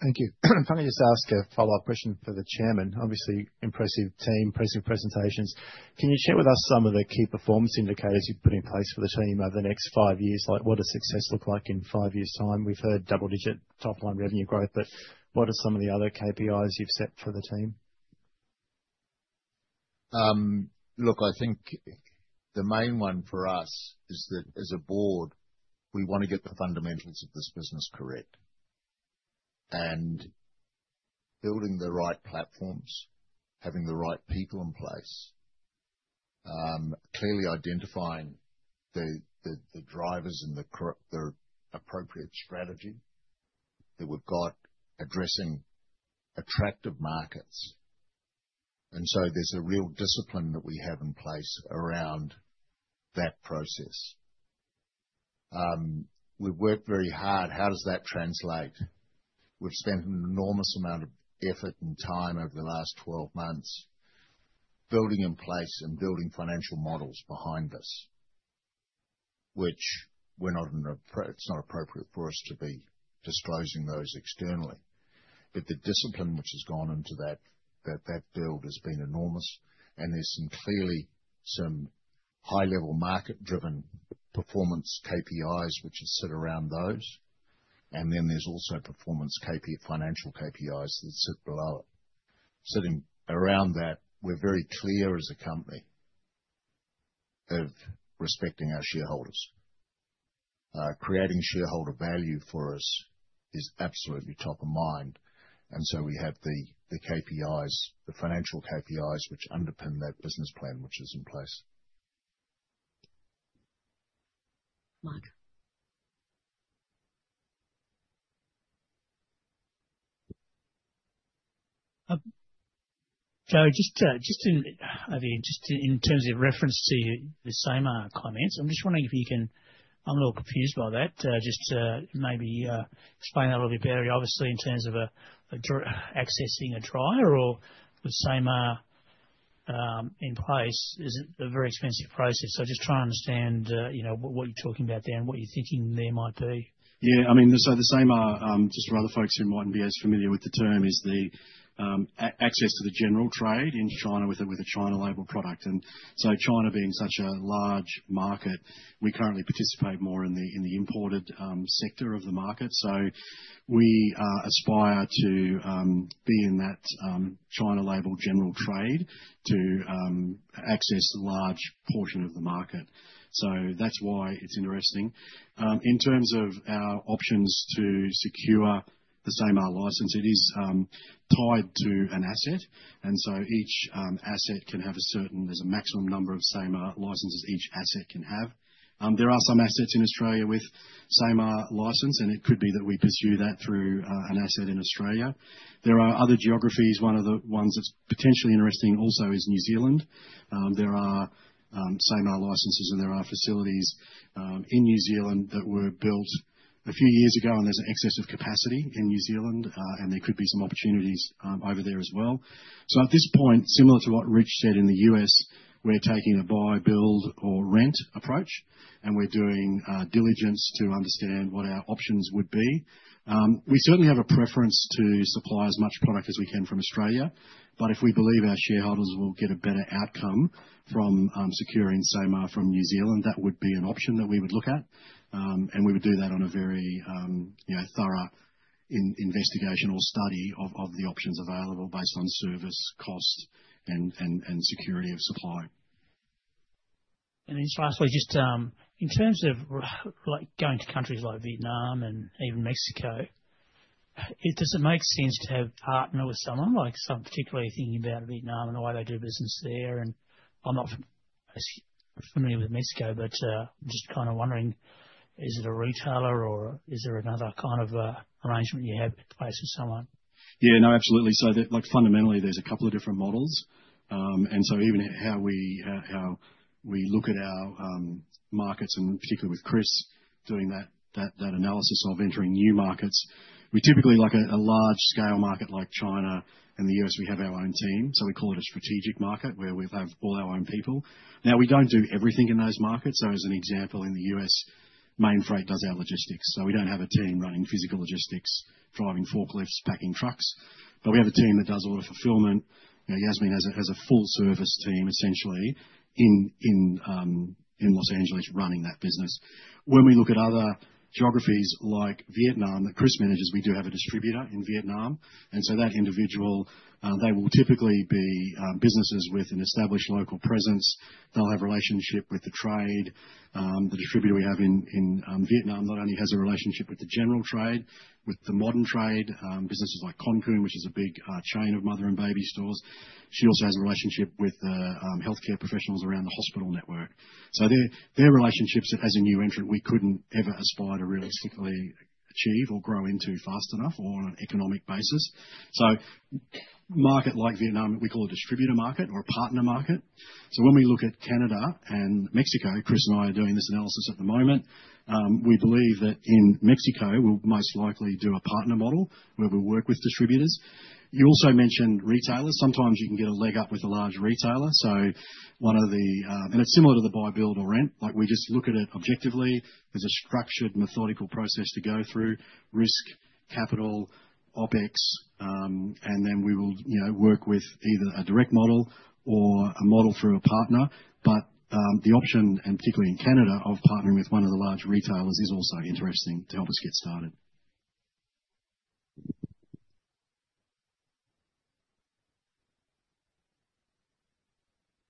Thank you. Can I just ask a follow-up question for the chairman? Obviously impressive team, impressive presentations. Can you share with us some of the key performance indicators you've put in place for the team over the next five years? Like, what does success look like in five years' time? We've heard double-digit top-line revenue growth, but what are some of the other KPIs you've set for the team? Look, I think the main one for us is that, as a board, we wanna get the fundamentals of this business correct. Building the right platforms, having the right people in place, clearly identifying the drivers and the appropriate strategy that we've got addressing attractive markets. There's a real discipline that we have in place around that process. We've worked very hard. How does that translate? We've spent an enormous amount of effort and time over the last 12 months building in place and building financial models behind us, which we're not—it's not appropriate for us to be disclosing those externally. The discipline which has gone into that build has been enormous and there's some high-level market-driven performance KPIs which sit around those. Then there's also performance KPIs. Financial KPIs that sit below it. Sitting around that, we're very clear as a company Of respecting our shareholders. Creating shareholder value for us is absolutely top of mind. We have the KPIs, the financial KPIs, which underpin that business plan, which is in place. Mark. Joe, just in terms of reference to the same comments, I'm just wondering. I'm a little confused by that. Just maybe explain that a little bit better, obviously, in terms of accessing a trial or the same in place. Is it a very expensive process? Just try and understand, you know, what you're talking about there and what you're thinking there might be. Yeah, I mean, the same just for other folks who mightn't be as familiar with the term is the access to the general trade in China with a China label product. China being such a large market, we currently participate more in the imported sector of the market. We aspire to be in that China label general trade to access the large portion of the market. That's why it's interesting. In terms of our options to secure the same license, it is tied to an asset. Each asset can have a certain. There's a maximum number of same licenses each asset can have. There are some assets in Australia with same license, and it could be that we pursue that through an asset in Australia. There are other geographies. One of the ones that's potentially interesting also is New Zealand. There are same licenses, and there are facilities in New Zealand that were built a few years ago, and there's an excess of capacity in New Zealand, and there could be some opportunities over there as well. At this point, similar to what Rich said in the U.S., we're taking a buy, build or rent approach, and we're doing diligence to understand what our options would be. We certainly have a preference to supply as much product as we can from Australia. If we believe our shareholders will get a better outcome from securing Sama from New Zealand, that would be an option that we would look at. And we would do that on a very, you know, thorough investigative study of the options available based on service costs and security of supply. Just lastly, in terms of our, like, going to countries like Vietnam and even Mexico, does it make sense to have partner with someone? Like, I'm particularly thinking about Vietnam and the way they do business there. I'm not as familiar with Mexico, but just kinda wondering, is it a retailer or is there another kind of arrangement you have in place with someone? Yeah. No, absolutely. Like fundamentally, there's a couple of different models. Even how we look at our markets, and particularly with Chris doing that analysis of entering new markets, we typically like a large scale market like China and the U.S., we have our own team. We call it a strategic market where we have all our own people. Now, we don't do everything in those markets. As an example, in the U.S., Mainfreight does our logistics, so we don't have a team running physical logistics, driving forklifts, packing trucks. But we have a team that does all the fulfillment. Jasmin has a full service team, essentially in Los Angeles running that business. When we look at other geographies like Vietnam that Chris manages, we do have a distributor in Vietnam. That individual, they will typically be businesses with an established local presence. They'll have relationship with the trade. The distributor we have in Vietnam not only has a relationship with the general trade, with the modern trade, businesses like Konkun, which is a big chain of mother and baby stores. She also has a relationship with the healthcare professionals around the hospital network. Their relationships as a new entrant, we couldn't ever aspire to realistically achieve or grow into fast enough or on an economic basis. Market like Vietnam, we call a distributor market or a partner market. When we look at Canada and Mexico, Chris and I are doing this analysis at the moment, we believe that in Mexico we'll most likely do a partner model where we work with distributors. You also mentioned retailers. Sometimes you can get a leg up with a large retailer. It's similar to the buy, build or rent. Like, we just look at it objectively. There's a structured, methodical process to go through. Risk, capital, OpEx, and then we will, you know, work with either a direct model or a model through a partner. The option, and particularly in Canada, of partnering with one of the large retailers is also interesting to help us get started.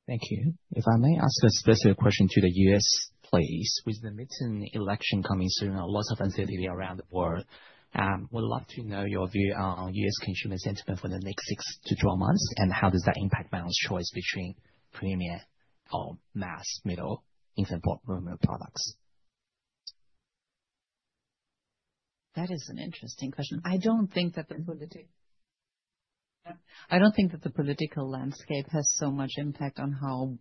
Thank you. If I may ask a specific question to the U.S., please. With the midterm election coming soon, a lot of uncertainty all around, would love to know your view on U.S. consumer sentiment for the next 6-12 months, and how does that impact brand choice between premium or mass-market infant formula products? That is an interesting question. I don't think that the political landscape has so much impact on how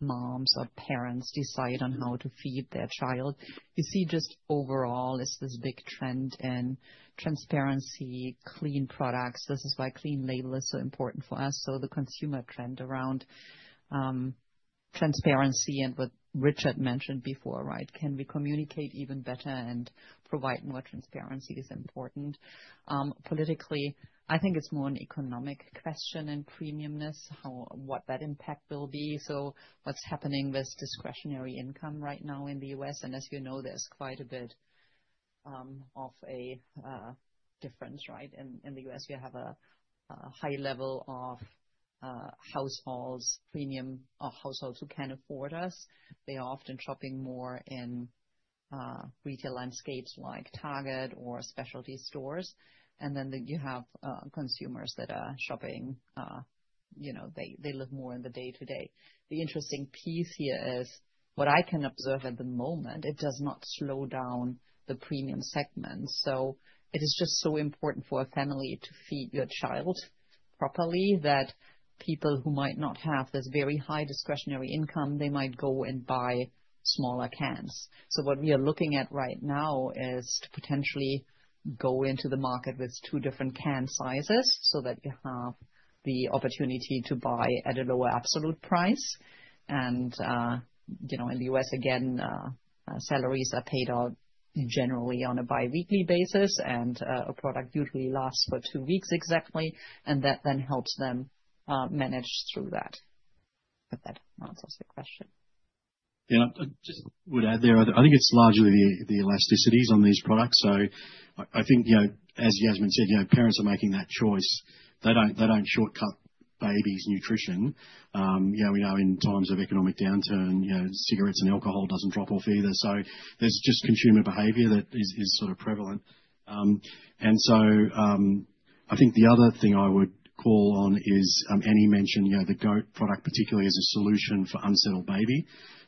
moms or parents decide on how to feed their child. You see, just overall, it's this big trend in transparency, clean products. This is why Clean Label is so important for us. The consumer trend around transparency and what Richard mentioned before, right? Can we communicate even better and provide more transparency is important. Politically, I think it's more an economic question and premiumness, how what that impact will be. What's happening with discretionary income right now in the U.S., and as you know, there's quite a bit of a difference, right? In the U.S., you have a high level of households, premium households who can afford us. They are often shopping more in retail landscapes like Target or specialty stores. Then you have consumers that are shopping, you know, they live more in the day to day. The interesting piece here is what I can observe at the moment, it does not slow down the premium segment. It is just so important for a family to feed your child properly, that people who might not have this very high discretionary income, they might go and buy smaller cans. What we are looking at right now is to potentially go into the market with two different can sizes so that you have the opportunity to buy at a lower absolute price. You know, in the U.S. again, salaries are paid out generally on a bi-weekly basis, and a product usually lasts for two weeks exactly, and that then helps them manage through that. Hope that answers the question. Yeah. I just would add there, I think it's largely the elasticities on these products. I think, you know, as Jasmin said, you know, parents are making that choice. They don't shortcut babies' nutrition. You know, we know in times of economic downturn, you know, cigarettes and alcohol doesn't drop off either. There's just consumer behavior that is sort of prevalent. I think the other thing I would call on is, Annie mentioned, you know, the goat product particularly as a solution for unsettled baby.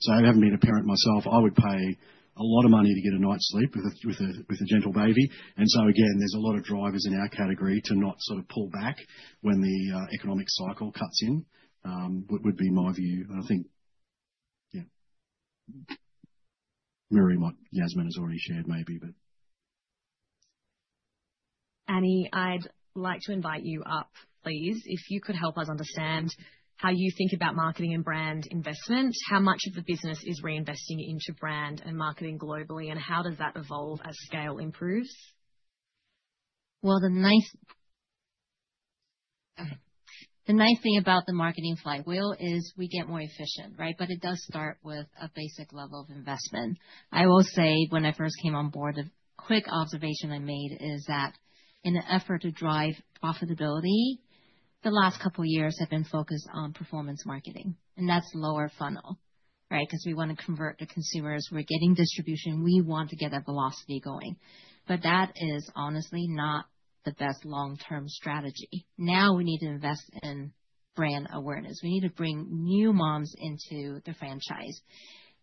Having been a parent myself, I would pay a lot of money to get a night's sleep with a gentle baby. There's a lot of drivers in our category to not sort of pull back when the economic cycle cuts in. That would be my view. I think, yeah, mirroring what Jasmin has already shared, maybe. Annie, I'd like to invite you up, please. If you could help us understand how you think about marketing and brand investment, how much of the business is reinvesting into brand and marketing globally, and how does that evolve as scale improves? The nice thing about the marketing flywheel is we get more efficient, right? It does start with a basic level of investment. I will say, when I first came on board, a quick observation I made is that in an effort to drive profitability, the last couple years have been focused on performance marketing, and that's lower funnel, right? 'Cause we wanna convert to consumers. We're getting distribution. We want to get that velocity going. That is honestly not the best long-term strategy. Now we need to invest in brand awareness. We need to bring new moms into the franchise.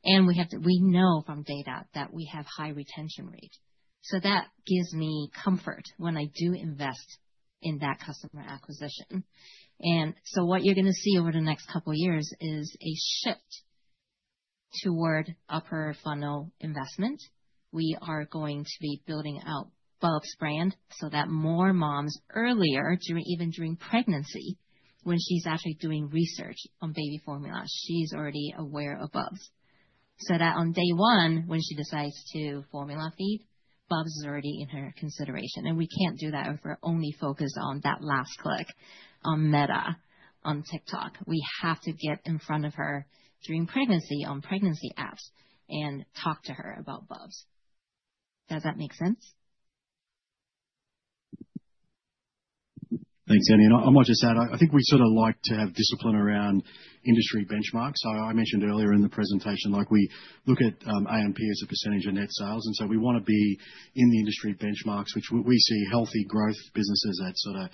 We know from data that we have high retention rate, so that gives me comfort when I do invest in that customer acquisition. What you're gonna see over the next couple years is a shift toward upper funnel investment. We are going to be building out Bubs brand so that more moms earlier, during, even during pregnancy, when she's actually doing research on baby formula, she's already aware of Bubs. That on day one, when she decides to formula feed, Bubs is already in her consideration. We can't do that if we're only focused on that last click on Meta, on TikTok. We have to get in front of her during pregnancy, on pregnancy apps, and talk to her about Bubs. Does that make sense? Thanks, Annie. I might just add, I think we sort of like to have discipline around industry benchmarks. I mentioned earlier in the presentation, like we look at AMP as a percentage of net sales, and we wanna be in the industry benchmarks, which we see healthy growth businesses at sort of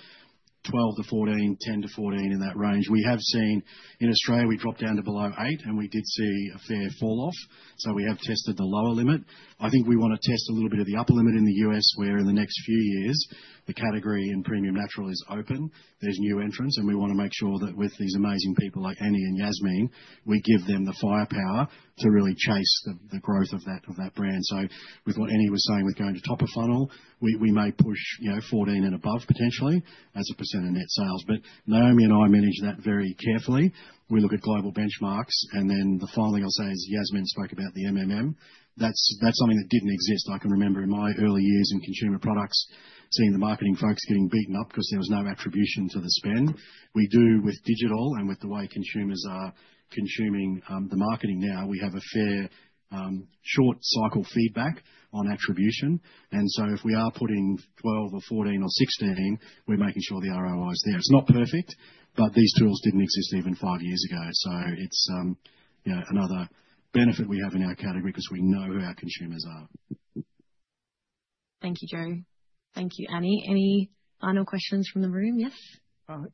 12%-14%, 10%-14%, in that range. We have seen in Australia, we dropped down to below 8% and we did see a fair falloff. We have tested the lower limit. I think we wanna test a little bit of the upper limit in the U.S., where in the next few years the category in premium natural is open. There's new entrants, and we wanna make sure that with these amazing people like Annie and Jasmin, we give them the firepower to really chase the growth of that brand. With what Annie was saying with going to top of funnel, we may push, you know, 14% and above potentially as a percent of net sales. Naomi and I manage that very carefully. We look at global benchmarks. The final thing I'll say is, Jasmin spoke about the MMM. That's something that didn't exist. I can remember in my early years in consumer products, seeing the marketing folks getting beaten up 'cause there was no attribution to the spend. We do with digital and with the way consumers are consuming the marketing now, we have a fair short cycle feedback on attribution. If we are putting 12 or 14 or 16 in, we're making sure the ROI is there. It's not perfect, but these tools didn't exist even 5 years ago. It's you know, another benefit we have in our category 'cause we know who our consumers are. Thank you, Joe. Thank you, Annie. Any final questions from the room? Yes.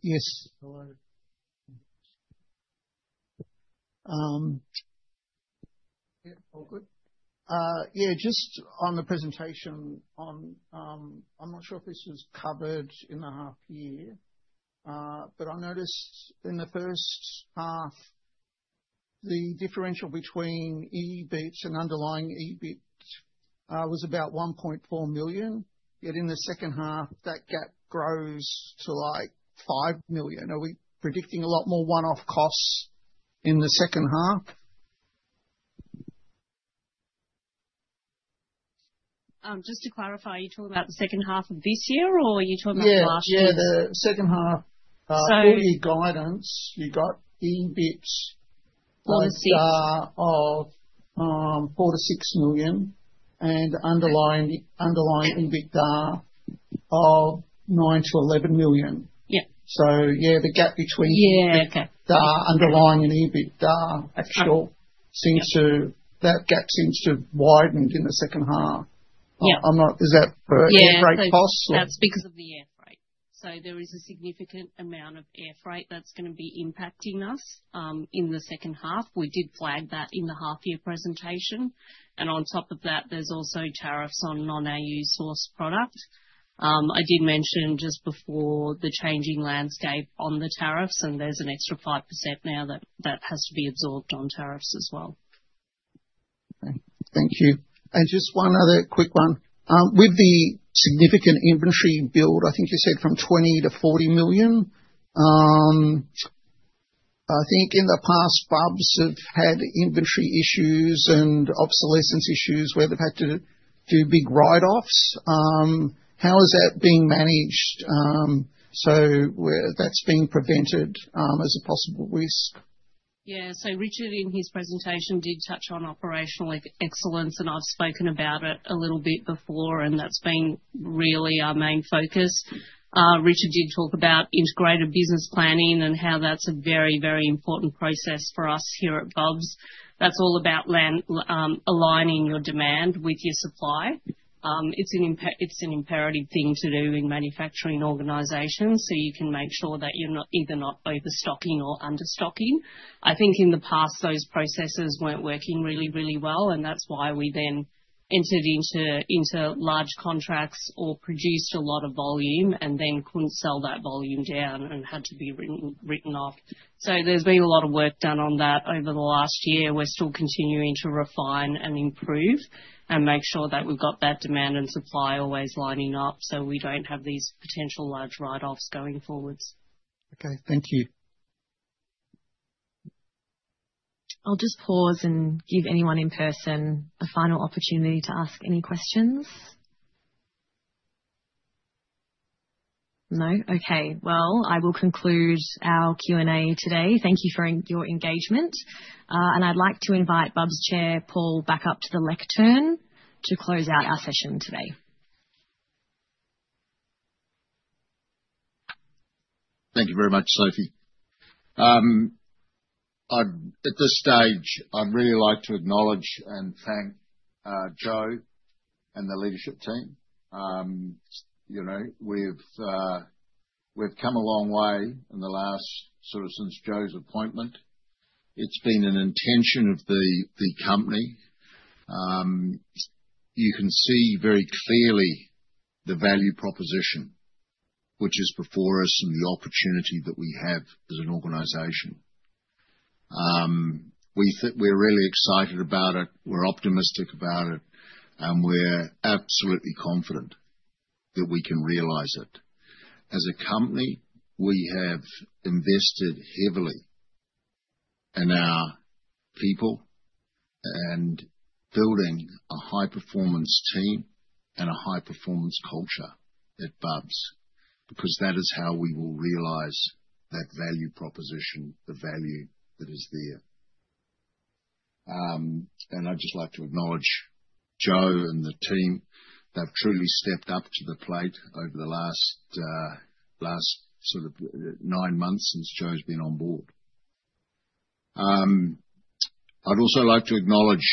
Yes. Hello. Yeah. All good. Yeah, just on the presentation on, I'm not sure if this was covered in the half year, but I noticed in the first half, the differential between EBIT and underlying EBIT was about 1.4 million. Yet in the second half, that gap grows to, like, 5 million. Are we predicting a lot more one-off costs in the second half? Just to clarify, are you talking about the second half of this year or are you talking about last year? Yeah. Yeah, the second half. So- For your guidance, you got EBIT. On start of 4 million-6 million and underlying EBITDA of 9 million-11 million. Yeah. Yeah, the gap between. Yeah. underlying EBITDA and EBITDA Absolutely. That gap seems to have widened in the second half. Yeah. I'm not. Is that for air freight costs or? That's because of the air freight. There is a significant amount of air freight that's gonna be impacting us in the second half. We did flag that in the half year presentation. On top of that, there's also tariffs on non-AU sourced product. I did mention just before the changing landscape on the tariffs, and there's an extra 5% now that has to be absorbed on tariffs as well. Thank you. Just one other quick one. With the significant inventory build, I think you said from 20 million-40 million. I think in the past, Bubs have had inventory issues and obsolescence issues where they've had to do big write-offs. How is that being managed, so where that's being prevented, as a possible risk? Yeah. Richard, in his presentation, did touch on operational excellence, and I've spoken about it a little bit before, and that's been really our main focus. Richard did talk about integrated business planning and how that's a very, very important process for us here at Bubs. That's all about aligning your demand with your supply. It's an imperative thing to do in manufacturing organizations so you can make sure that you're not either overstocking or understocking. I think in the past, those processes weren't working really, really well and that's why we then entered into large contracts or produced a lot of volume and then couldn't sell that volume down and had to be written off. There's been a lot of work done on that over the last year. We're still continuing to refine and improve and make sure that we've got that demand and supply always lining up so we don't have these potential large write-offs going forwards. Okay. Thank you. I'll just pause and give anyone in person a final opportunity to ask any questions. No? Okay. Well, I will conclude our Q&A today. Thank you for your engagement. I'd like to invite Bubs Chair, Paul, back up to the lectern to close out our session today. Thank you very much, Sophie. At this stage, I'd really like to acknowledge and thank Joe and the leadership team. You know, we've come a long way in the last, sort of since Joe's appointment. It's been an intention of the company. You can see very clearly the value proposition which is before us and the opportunity that we have as an organization. We're really excited about it, we're optimistic about it, and we're absolutely confident that we can realize it. As a company, we have invested heavily in our people and building a high-performance team and a high-performance culture at Bubs, because that is how we will realize that value proposition, the value that is there. I'd just like to acknowledge Joe and the team. They've truly stepped up to the plate over the last sort of nine months since Joe's been on board. I'd also like to acknowledge,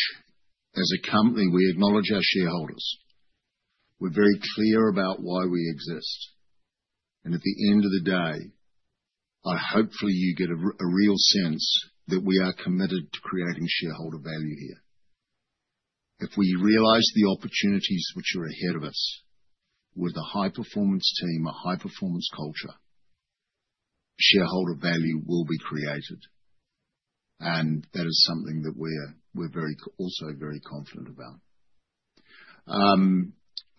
as a company, we acknowledge our shareholders. We're very clear about why we exist. At the end of the day, hopefully you get a real sense that we are committed to creating shareholder value here. If we realize the opportunities which are ahead of us with a high-performance team, a high-performance culture, shareholder value will be created. That is something that we're also very confident about.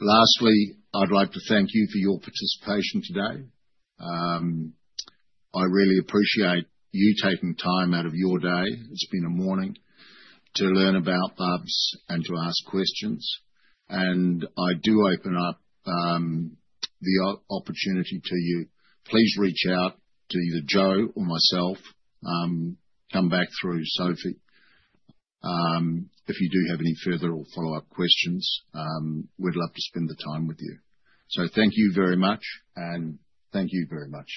Lastly, I'd like to thank you for your participation today. I really appreciate you taking time out of your day, it's been a morning, to learn about Bubs and to ask questions. I do open up the opportunity to you. Please reach out to either Joe or myself, come back through Sophie, if you do have any further or follow-up questions. We'd love to spend the time with you. Thank you very much, and thank you very much.